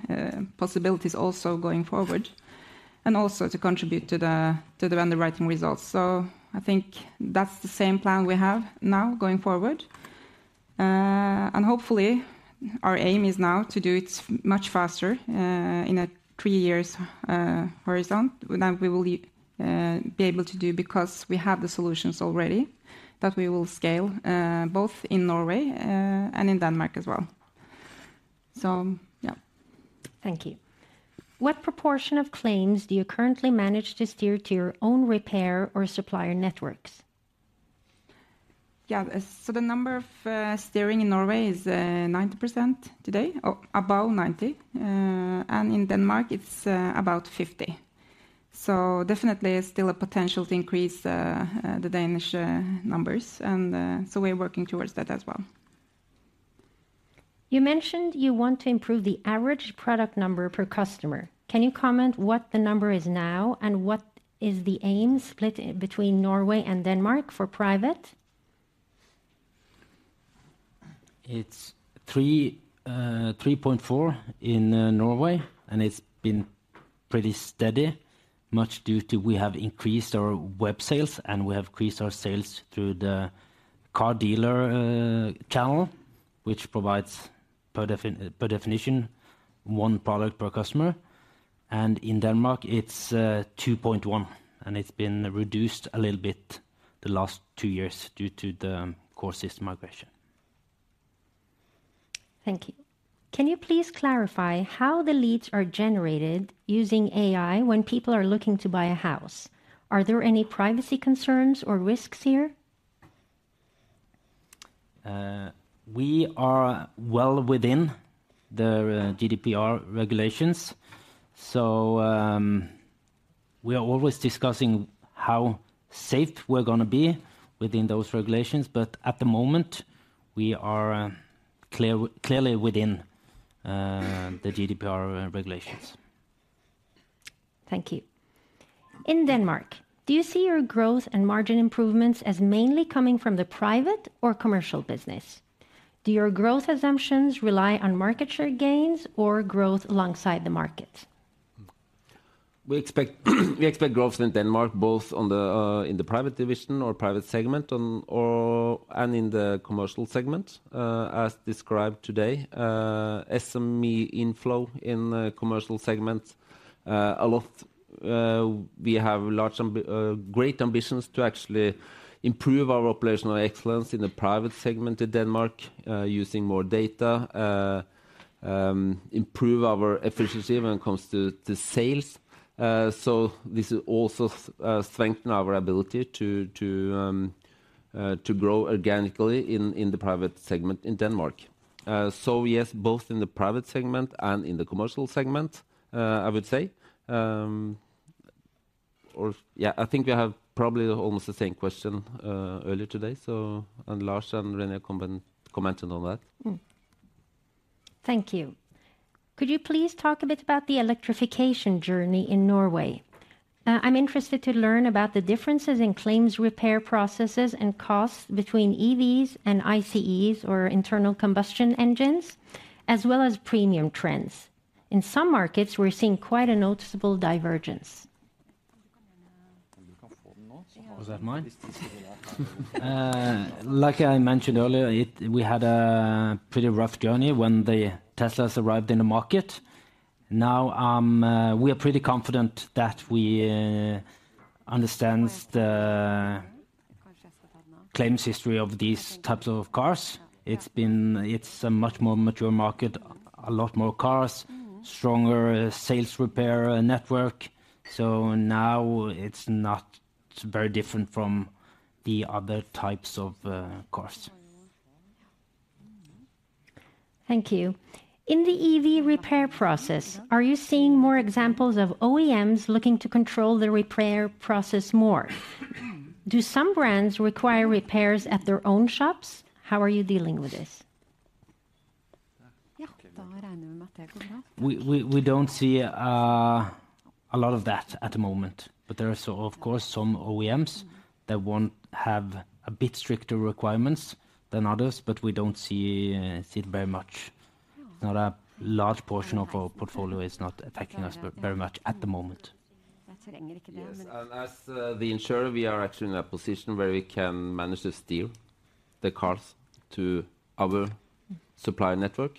possibilities also going forward, and also to contribute to the underwriting results. So I think that's the same plan we have now going forward. And hopefully, our aim is now to do it much faster, in a three years horizon, than we will be able to do, because we have the solutions already that we will scale both in Norway and in Denmark as well. So, yeah. Thank you. What proportion of claims do you currently manage to steer to your own repair or supplier networks? Yeah. So the number of steering in Norway is 90% today, or above 90%, and in Denmark it's about 50%. So definitely, there's still a potential to increase the Danish numbers, and so we're working towards that as well. You mentioned you want to improve the average product number per customer. Can you comment what the number is now, and what is the aim split between Norway and Denmark for private? It's 3.4 in Norway, and it's been pretty steady, much due to we have increased our web sales, and we have increased our sales through the car dealer channel, which provides, per definition, one product per customer. In Denmark, it's 2.1, and it's been reduced a little bit the last two years due to the core system migration. Thank you. Can you please clarify how the leads are generated using AI when people are looking to buy a house? Are there any privacy concerns or risks here? We are well within the GDPR regulations, so we are always discussing how safe we're gonna be within those regulations, but at the moment, we are clearly within the GDPR regulations. Thank you. In Denmark, do you see your growth and margin improvements as mainly coming from the private or commercial business? Do your growth assumptions rely on market share gains or growth alongside the market? We expect, we expect growth in Denmark, both in the private division or private segment and in the commercial segment. As described today, SME inflow in the commercial segment, a lot, we have great ambitions to actually improve our operational excellence in the private segment in Denmark, using more data, improve our efficiency when it comes to sales. So this will also strengthen our ability to grow organically in the private segment in Denmark. So yes, both in the private segment and in the commercial segment, I would say. Or... Yeah, I think we have probably almost the same question earlier today, so and Lars and René commented on that. Thank you. Could you please talk a bit about the electrification journey in Norway? I'm interested to learn about the differences in claims repair processes and costs between EVs and ICEs, or internal combustion engines, as well as premium trends. In some markets, we're seeing quite a noticeable divergence. Was that mine? Like I mentioned earlier, we had a pretty rough journey when the Teslas arrived in the market. Now, we are pretty confident that we understand the claims history of these types of cars. It's a much more mature market, a lot more cars, stronger sales repair network, so now it's not very different from the other types of cars. Thank you. In the EV repair process, are you seeing more examples of OEMs looking to control the repair process more? Do some brands require repairs at their own shops? How are you dealing with this? Yeah. We don't see a lot of that at the moment, but there are, of course, some OEMs that won't have a bit stricter requirements than others, but we don't see it very much. Not a large portion of our portfolio is not affecting us, but very much at the moment. Yes, and as the insurer, we are actually in a position where we can manage to steer the cars to our supplier network.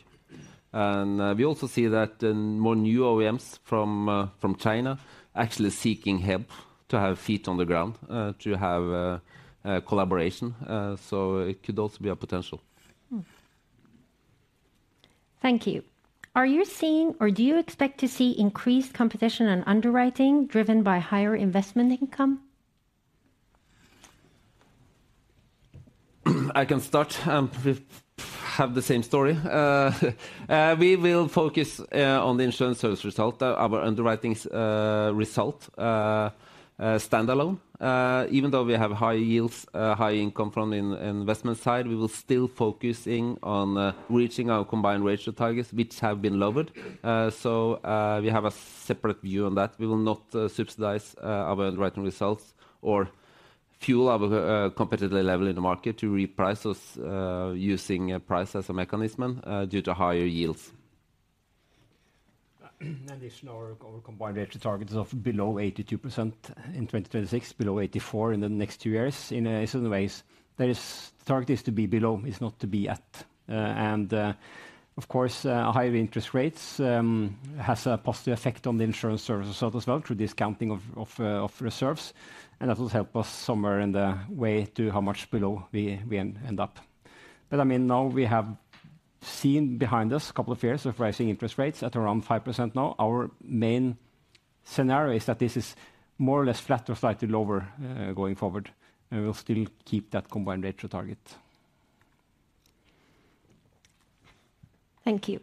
And we also see that in more new OEMs from China, actually seeking help to have feet on the ground, to have a collaboration. So it could also be a potential. Thank you. Are you seeing, or do you expect to see increased competition on underwriting driven by higher investment income? I can start, and we have the same story. We will focus on the Insurance Service Result, our underwriting result, standalone. Even though we have high yields, high income from investment side, we will still focusing on reaching our combined ratio targets, which have been lowered. So, we have a separate view on that. We will not subsidize our underwriting results or fuel our competitive level in the market to reprice us using a price as a mechanism due to higher yields. In addition, our combined ratio target is of below 82% in 2026, below 84% in the next two years. In certain ways, there is target is to be below, is not to be at. And, of course, higher interest rates has a positive effect on the insurance services as well, through discounting of reserves, and that will help us somewhere in the way to how much below we end up. But, I mean, now we have seen behind us a couple of years of rising interest rates at around 5% now. Our main scenario is that this is more or less flat or slightly lower going forward, and we will still keep that combined ratio target. Thank you.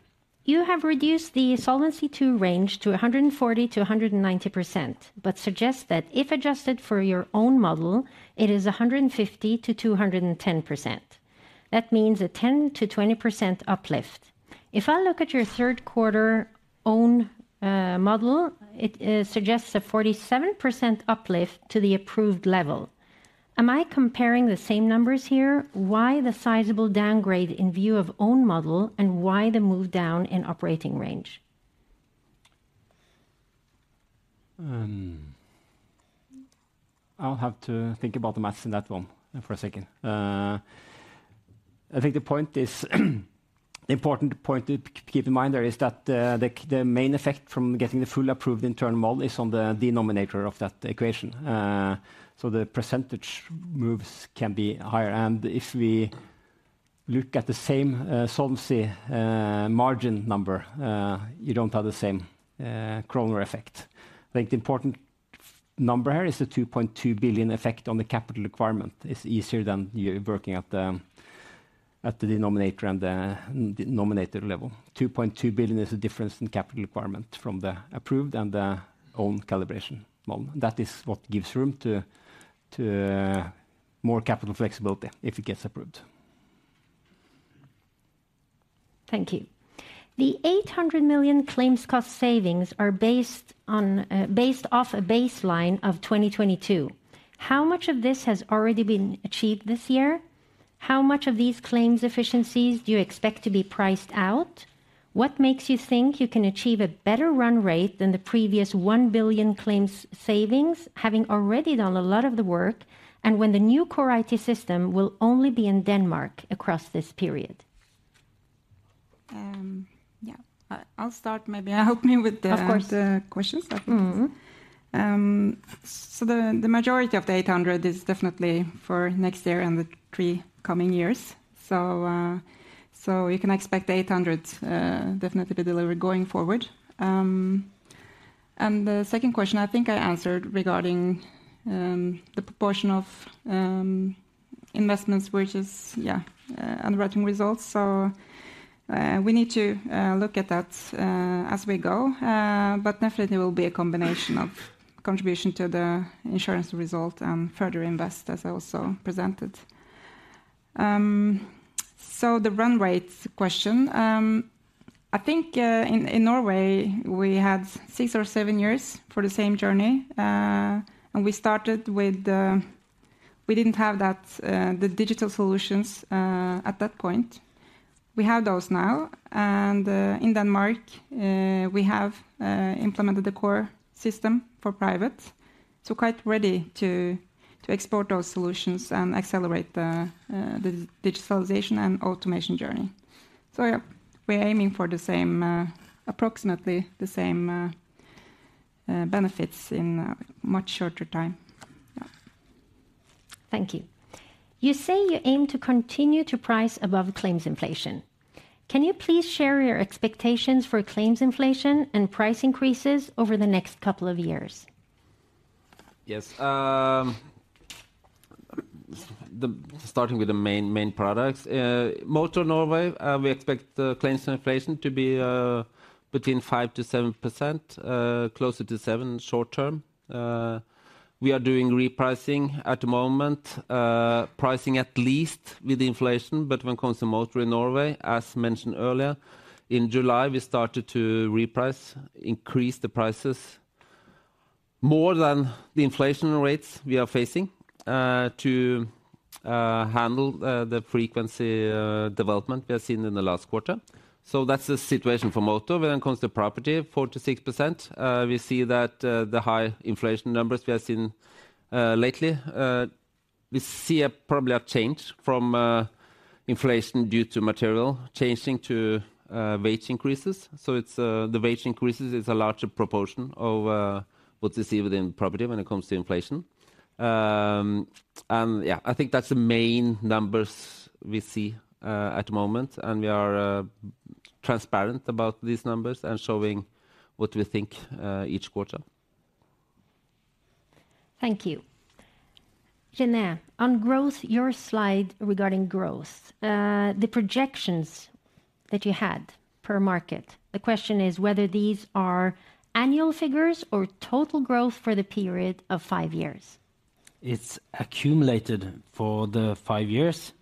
You have reduced the Solvency II range to 140%-190%, but suggest that if adjusted for your own model, it is 150%-210%. That means a 10%-20% uplift. If I look at your third quarter own model, it suggests a 47% uplift to the approved level. Am I comparing the same numbers here? Why the sizable downgrade in view of own model, and why the move down in operating range? I'll have to think about the math in that one for a second. I think the point is, important point to keep in mind there is that the main effect from getting the full approved internal model is on the denominator of that equation. So the percentage moves can be higher, and if we look at the same solvency margin number, you don't have the same owner effect. I think the important number here is the 2.2 billion effect on the capital requirement. It's easier than you working at the denominator and the numerator level. 2.2 billion is the difference in capital requirement from the approved and the own calibration model. That is what gives room to more capital flexibility if it gets approved. Thank you. The 800 million claims cost savings are based on, based off a baseline of 2022. How much of this has already been achieved this year? How much of these claims efficiencies do you expect to be priced out? What makes you think you can achieve a better run rate than the previous 1 billion claims savings, having already done a lot of the work, and when the new core IT system will only be in Denmark across this period? Yeah. I'll start, maybe help me with the questions. Of course Mm-hmm. So the majority of the 800 is definitely for next year and the three coming years. So you can expect the 800 definitely to be delivered going forward. And the second question, I think I answered regarding the proportion of investments, which is, yeah, underwriting results. So we need to look at that as we go, but definitely will be a combination of contribution to the insurance result and further invest, as I also presented. So the run rate question. I think in Norway, we had six or seven years for the same journey, and we started with... We didn't have that the digital solutions at that point. We have those now, and in Denmark we have implemented the core system for private. So quite ready to export those solutions and accelerate the digitalization and automation journey. So yeah, we're aiming for the same, approximately the same, benefits in a much shorter time. Yeah. Thank you. You say you aim to continue to price above claims inflation. Can you please share your expectations for claims inflation and price increases over the next couple of years? Yes. Starting with the main, main products, Motor Norway, we expect the claims inflation to be between 5%-7%, closer to 7% short term. We are doing repricing at the moment, pricing at least with inflation. But when it comes to motor in Norway, as mentioned earlier, in July, we started to reprice, increase the prices more than the inflation rates we are facing, to handle the frequency development we have seen in the last quarter. So that's the situation for motor. When it comes to property, 4%-6%, we see that the high inflation numbers we have seen lately. We see probably a change from inflation due to material changing to wage increases. So it's the wage increases is a larger proportion of what you see within property when it comes to inflation. And yeah, I think that's the main numbers we see at the moment, and we are transparent about these numbers and showing what we think each quarter. Thank you. Janne, on growth, your slide regarding growth, the projections that you had per market. The question is whether these are annual figures or total growth for the period of five years? It's accumulated for the five years,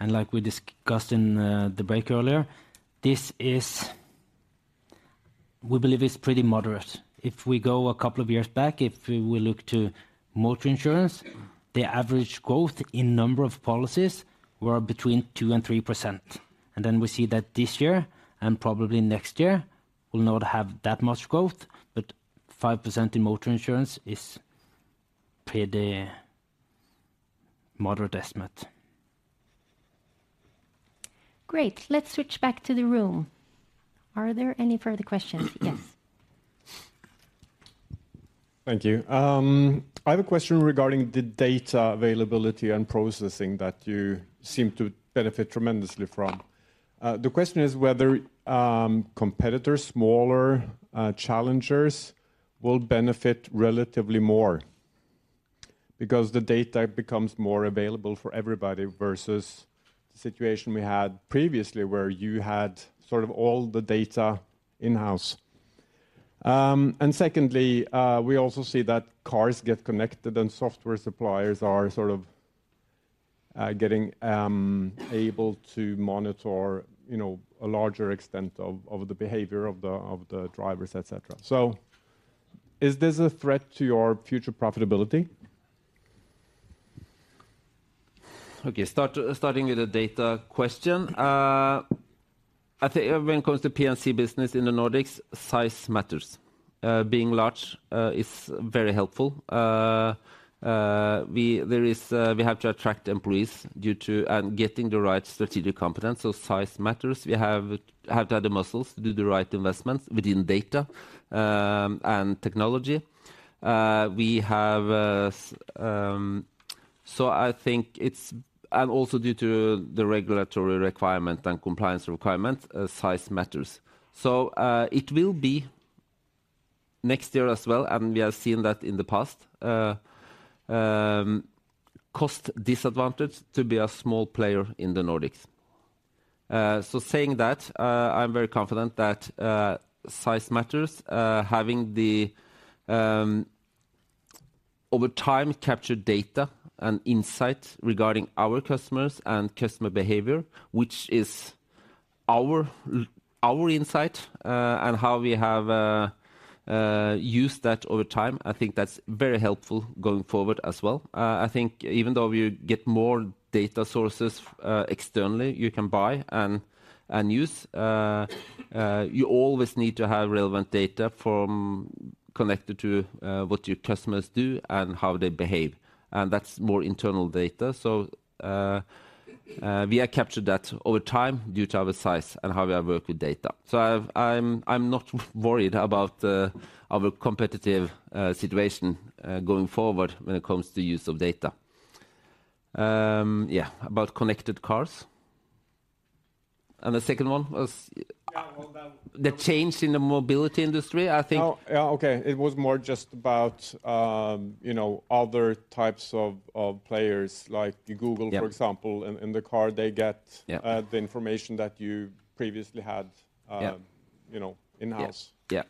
and like we discussed in the break earlier, this is, we believe it's pretty moderate. If we go a couple of years back, if we look to motor insurance, the average growth in number of policies were between 2% and 3%. And then we see that this year, and probably next year, we'll not have that much growth, but 5% in motor insurance is pretty moderate estimate. Great! Let's switch back to the room. Are there any further questions? Yes. Thank you. I have a question regarding the data availability and processing that you seem to benefit tremendously from. The question is whether competitors, smaller challengers, will benefit relatively more because the data becomes more available for everybody, versus the situation we had previously, where you had sort of all the data in-house. And secondly, we also see that cars get connected, and software suppliers are sort of getting able to monitor, you know, a larger extent of the behavior of the drivers, et cetera. So is this a threat to your future profitability? Okay. Starting with the data question. I think when it comes to P&C business in the Nordics, size matters. Being large is very helpful. We have to attract employees due to and getting the right strategic competence, so size matters. We have to have the muscles to do the right investments within data and technology. So I think it's and also due to the regulatory requirement and compliance requirement, size matters. So it will be next year as well, and we have seen that in the past, cost disadvantage to be a small player in the Nordics. So saying that, I'm very confident that size matters. Having the, over time, capture data and insight regarding our customers and customer behavior, which is our insight, and how we have used that over time, I think that's very helpful going forward as well. I think even though we get more data sources, externally, you can buy and use, you always need to have relevant data from connected to what your customers do and how they behave, and that's more internal data. So, we have captured that over time due to our size and how we have worked with data. So I'm not worried about our competitive situation going forward when it comes to use of data. Yeah, about connected cars. And the second one was? Yeah, well, The change in the mobility industry, I think. Oh, yeah, okay. It was more just about, you know, other types of players, like Google for example, in the car, they get the information that you previously had. Yeah You know, in-house. Yeah.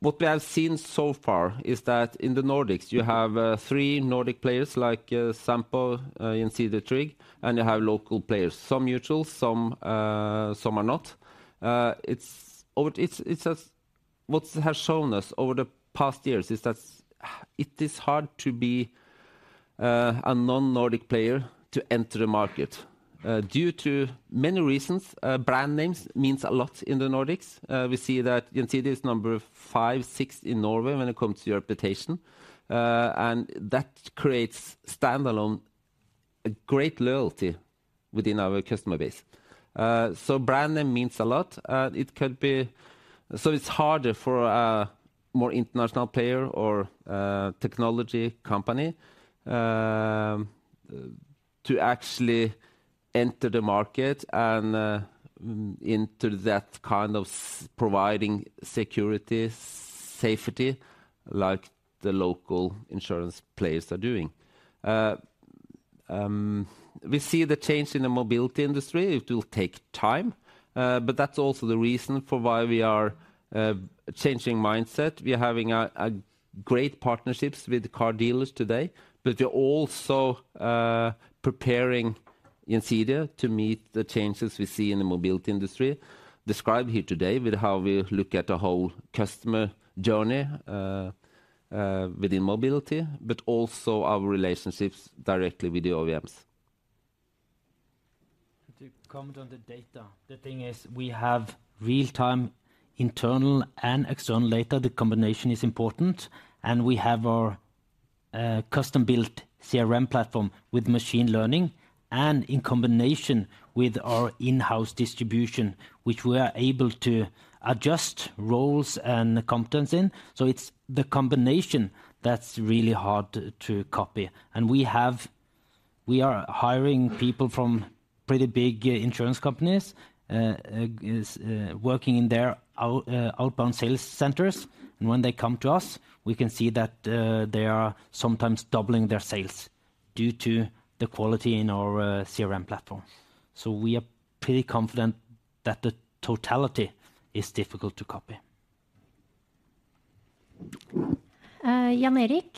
What we have seen so far is that in the Nordics, you have three Nordic players, like If, Tryg, and you have local players. Some mutual, some are not. What has shown us over the past years is that it is hard to be a non-Nordic player to enter the market due to many reasons. Brand names means a lot in the Nordics. We see that If is number 5, 6th in Norway when it comes to reputation. And that creates standalone a great loyalty within our customer base. So brand name means a lot, and it could be... So it's harder for a more international player or a technology company to actually enter the market and into that kind of providing security, safety, like the local insurance players are doing. We see the change in the mobility industry. It will take time, but that's also the reason for why we are changing mindset. We are having a great partnerships with the car dealers today, but we are also preparing Gjensidige to meet the changes we see in the mobility industry. Described here today with how we look at the whole customer journey within mobility, but also our relationships directly with the OEMs. To comment on the data, the thing is we have real-time internal and external data. The combination is important, and we have our custom-built CRM platform with machine learning, and in combination with our in-house distribution, which we are able to adjust roles and competence in. So it's the combination that's really hard to copy. And we have, we are hiring people from pretty big insurance companies working in their outbound sales centers, and when they come to us, we can see that they are sometimes doubling their sales due to the quality in our CRM platform. So we are pretty confident that the totality is difficult to copy. Jan Erik?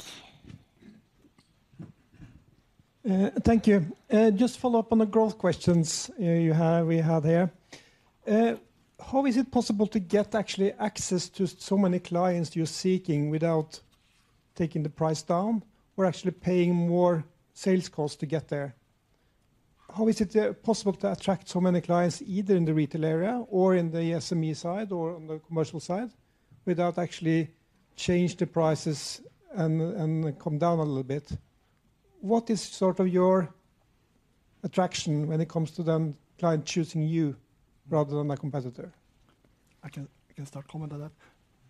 Thank you. Just follow up on the growth questions you have, we have here. How is it possible to get actually access to so many clients you're seeking without taking the price down or actually paying more sales calls to get there? How is it possible to attract so many clients, either in the retail area or in the SME side or on the commercial side, without actually change the prices and come down a little bit? What is sort of your attraction when it comes to them client choosing you rather than a competitor? I can start comment on that.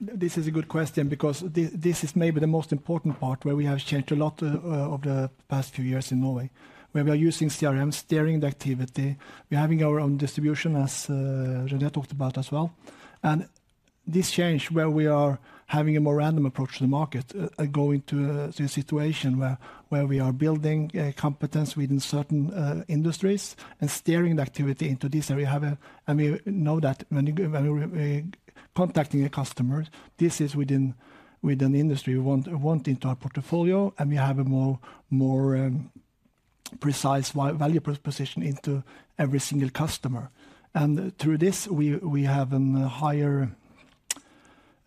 This is a good question because this is maybe the most important part where we have changed a lot over the past few years in Norway, where we are using CRM, steering the activity. We're having our own distribution, as René talked about as well. And this change, where we are having a more random approach to the market, going to a situation where we are building competence within certain industries and steering the activity into this. And we know that when we contacting a customer, this is within the industry we want into our portfolio, and we have a more precise value proposition into every single customer. And through this, we have a higher,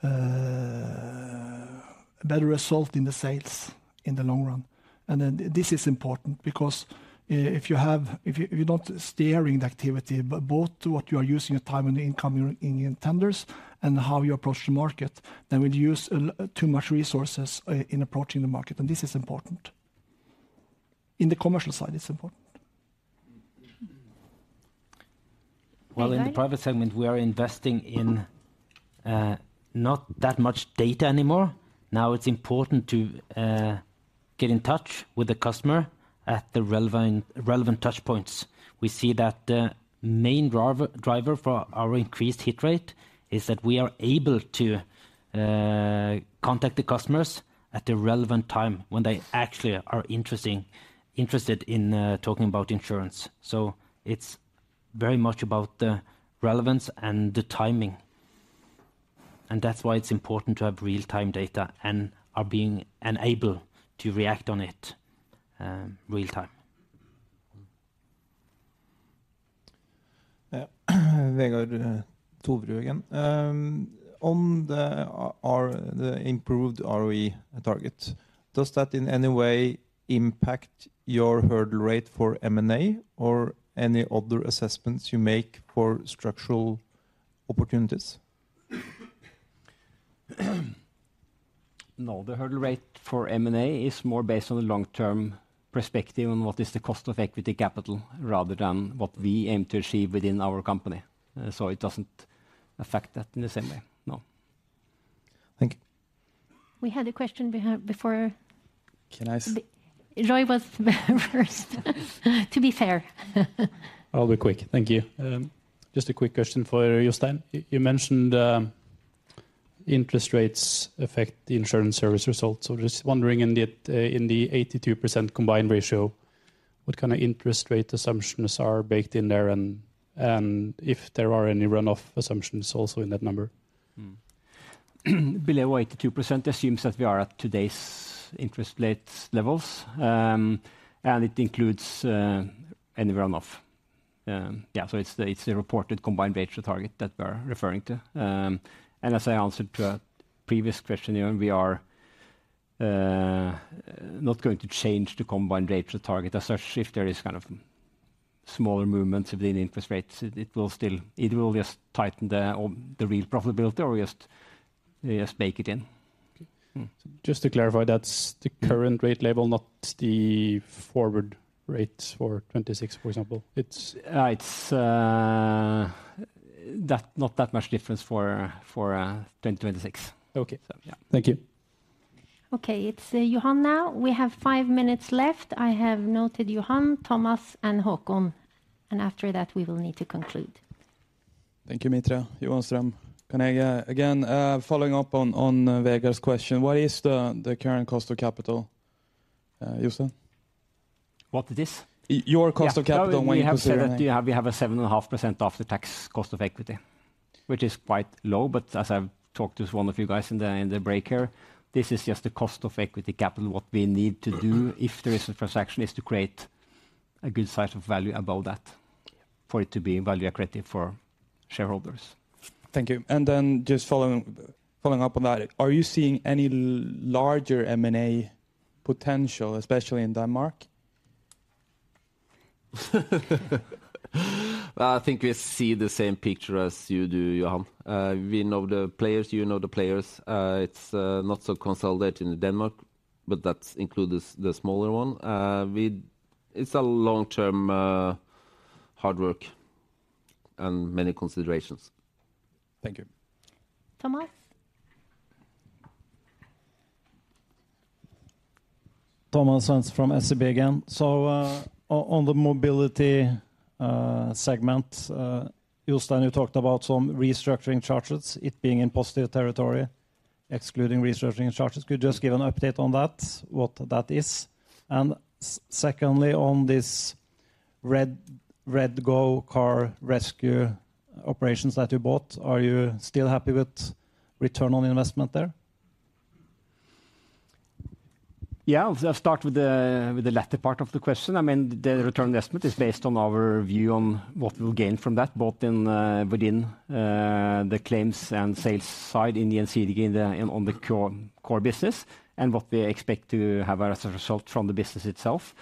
better result in the sales in the long run. And then this is important because if you have—if you, if you're not steering the activity, but both to what you are using your time and the incoming in tenders and how you approach the market, then we'll use a lot too much resources in approaching the market, and this is important. In the commercial side, it's important. René? Well, in the private segment, we are investing in not that much data anymore. Now, it's important to get in touch with the customer at the relevant, relevant touch points. We see that the main driver, driver for our increased hit rate is that we are able to contact the customers at the relevant time when they actually are interesting, interested in talking about insurance. So it's very much about the relevance and the timing, and that's why it's important to have real-time data and are being enabled to react on it real time. Yeah. Vegard Toverud again. On the improved ROE target, does that in any way impact your hurdle rate for M&A or any other assessments you make for structural opportunities? No, the hurdle rate for M&A is more based on the long-term perspective on what is the cost of equity capital, rather than what we aim to achieve within our company. So it doesn't affect that in the same way. No. Thank you. We had a question before. Can I? Roy was first, to be fair. I'll be quick. Thank you. Just a quick question for Jostein. You mentioned interest rates affect the insurance service results. So just wondering, in the 82% combined ratio, what kind of interest rate assumptions are baked in there, and if there are any run-off assumptions also in that number? Below 82% assumes that we are at today's interest rates levels, and it includes any run-off. Yeah, so it's the reported combined ratio target that we're referring to. And as I answered to a previous question, you know, we are not going to change the combined ratio target. As such, if there is kind of smaller movements within interest rates, it will still just tighten the real profitability or just bake it in. Okay. Mm. Just to clarify, that's the current rate level, not the forward rates for 2026, for example? It's not that much difference for 2026. Okay. So, yeah. Thank you. Okay, it's Johan now. We have five minutes left. I have noted Johan, Thomas, and Håkon, and after that, we will need to conclude. Thank you, Mitra. Johan Ström. Can I again, following up on Vegard's question, what is the current cost of capital, Jostein? What it is? Your cost of capital when you. Yeah. We have said that we have a 7.5% after tax cost of equity, which is quite low. But as I've talked to one of you guys in the, in the break here, this is just the cost of equity capital. What we need to do, if there is a transaction, is to create a good size of value above that for it to be value creative for shareholders. Thank you. And then just following up on that, are you seeing any larger M&A potential, especially in Denmark? Well, I think we see the same picture as you do, Johan. We know the players, you know the players. It's not so consolidated in Denmark, but that includes the smaller one. It's a long-term hard work and many considerations. Thank you. Thomas? Thomas Svendsen from SEB again. So, on the mobility segment, Jostein, you talked about some restructuring charges, it being in positive territory, excluding restructuring charges. Could you just give an update on that, what that is? And secondly, on this REDGO car rescue operations that you bought, are you still happy with return on investment there? Yeah, I'll just start with the latter part of the question. I mean, the return on investment is based on our view on what we'll gain from that, both within the claims and sales side in the NCD, again, on the core business and what we expect to have as a result from the business itself.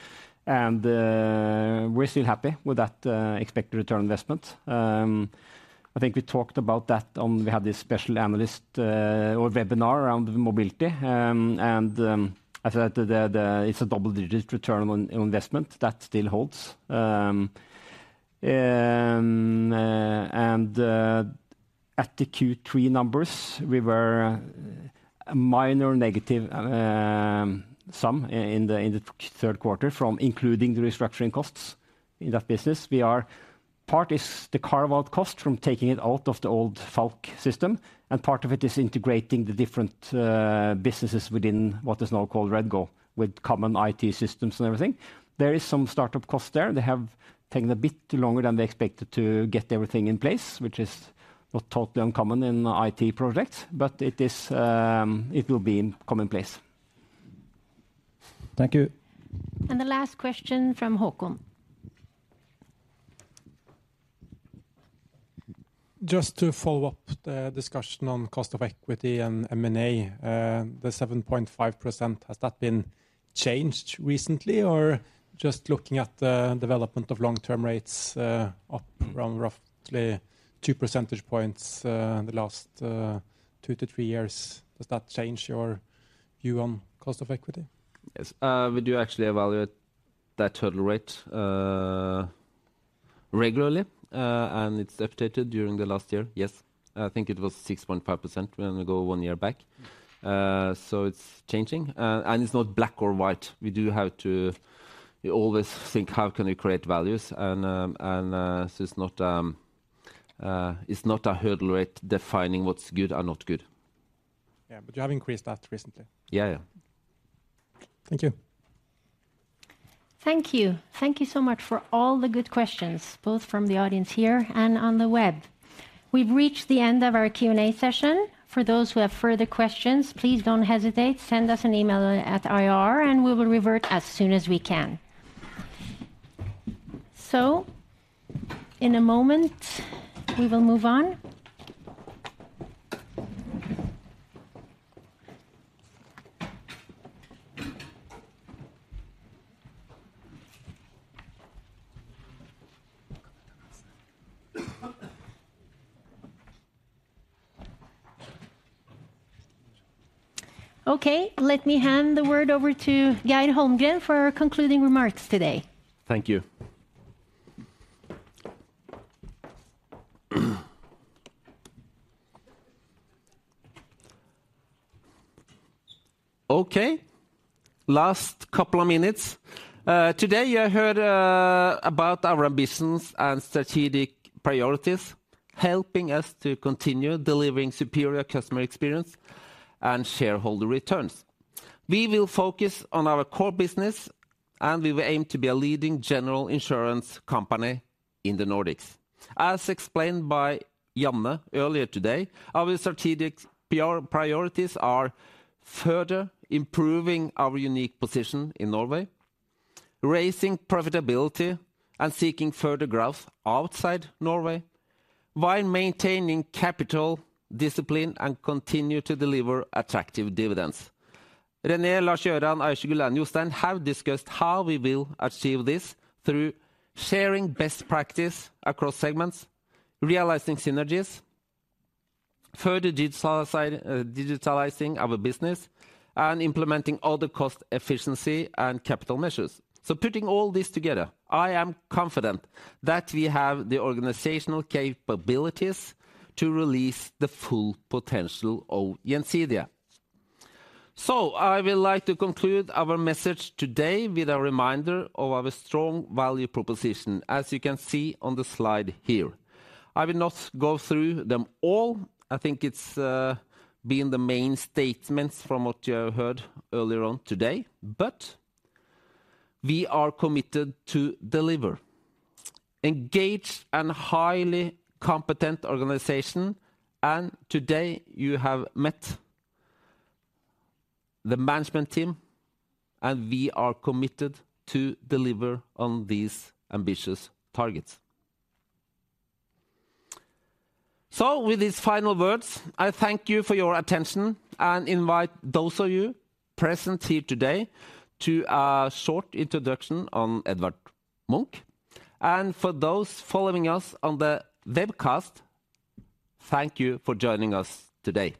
And we're still happy with that expected return on investment. I think we talked about that on, we had this special analyst or webinar around mobility. And I said that the it's a double-digit return on investment. That still holds. And at the Q3 numbers, we were a minor negative, some in the third quarter from including the restructuring costs in that business. We are, part is the carve-out cost from taking it out of the old Falck system, and part of it is integrating the different businesses within what is now called REDGO, with common IT systems and everything. There is some startup cost there. They have taken a bit longer than they expected to get everything in place, which is not totally uncommon in IT projects, but it is, it will be commonplace. Thank you. The last question from Håkon. Just to follow up the discussion on cost of equity and M&A, the 7.5%, has that been changed recently? Or just looking at the development of long-term rates, up around roughly two percentage points, in the last two to three years. Does that change your view on cost of equity? Yes. We do actually evaluate that hurdle rate regularly, and it's updated during the last year. Yes, I think it was 6.5% when we go one year back. So it's changing, and it's not black or white. We do have to always think, how can we create values and, and, so it's not, it's not a hurdle rate defining what's good or not good. Yeah, but you have increased that recently? Yeah, yeah. Thank you. Thank you. Thank you so much for all the good questions, both from the audience here and on the web. We've reached the end of our Q&A session. For those who have further questions, please don't hesitate. Send us an email at IR, and we will revert as soon as we can. So in a moment, we will move on. Okay, let me hand the word over to Geir Holmgren for our concluding remarks today. Thank you. Okay, last couple of minutes. Today, you heard about our ambitions and strategic priorities, helping us to continue delivering superior customer experience and shareholder returns. We will focus on our core business, and we will aim to be a leading general insurance company in the Nordics. As explained by Janne earlier today, our strategic priorities are further improving our unique position in Norway, raising profitability, and seeking further growth outside Norway, while maintaining capital discipline and continue to deliver attractive dividends. René, Lars Gøran Bjerklund, Aysegül Cin have discussed how we will achieve this through sharing best practice across segments, realizing synergies, further digitalizing our business, and implementing all the cost efficiency and capital measures. So putting all this together, I am confident that we have the organizational capabilities to release the full potential of Gjensidige. So I will like to conclude our message today with a reminder of our strong value proposition, as you can see on the slide here. I will not go through them all. I think it's been the main statements from what you have heard earlier on today. But we are committed to deliver engaged and highly competent organization, and today you have met the management team, and we are committed to deliver on these ambitious targets. So with these final words, I thank you for your attention and invite those of you present here today to a short introduction on Edvard Munch. And for those following us on the webcast, thank you for joining us today.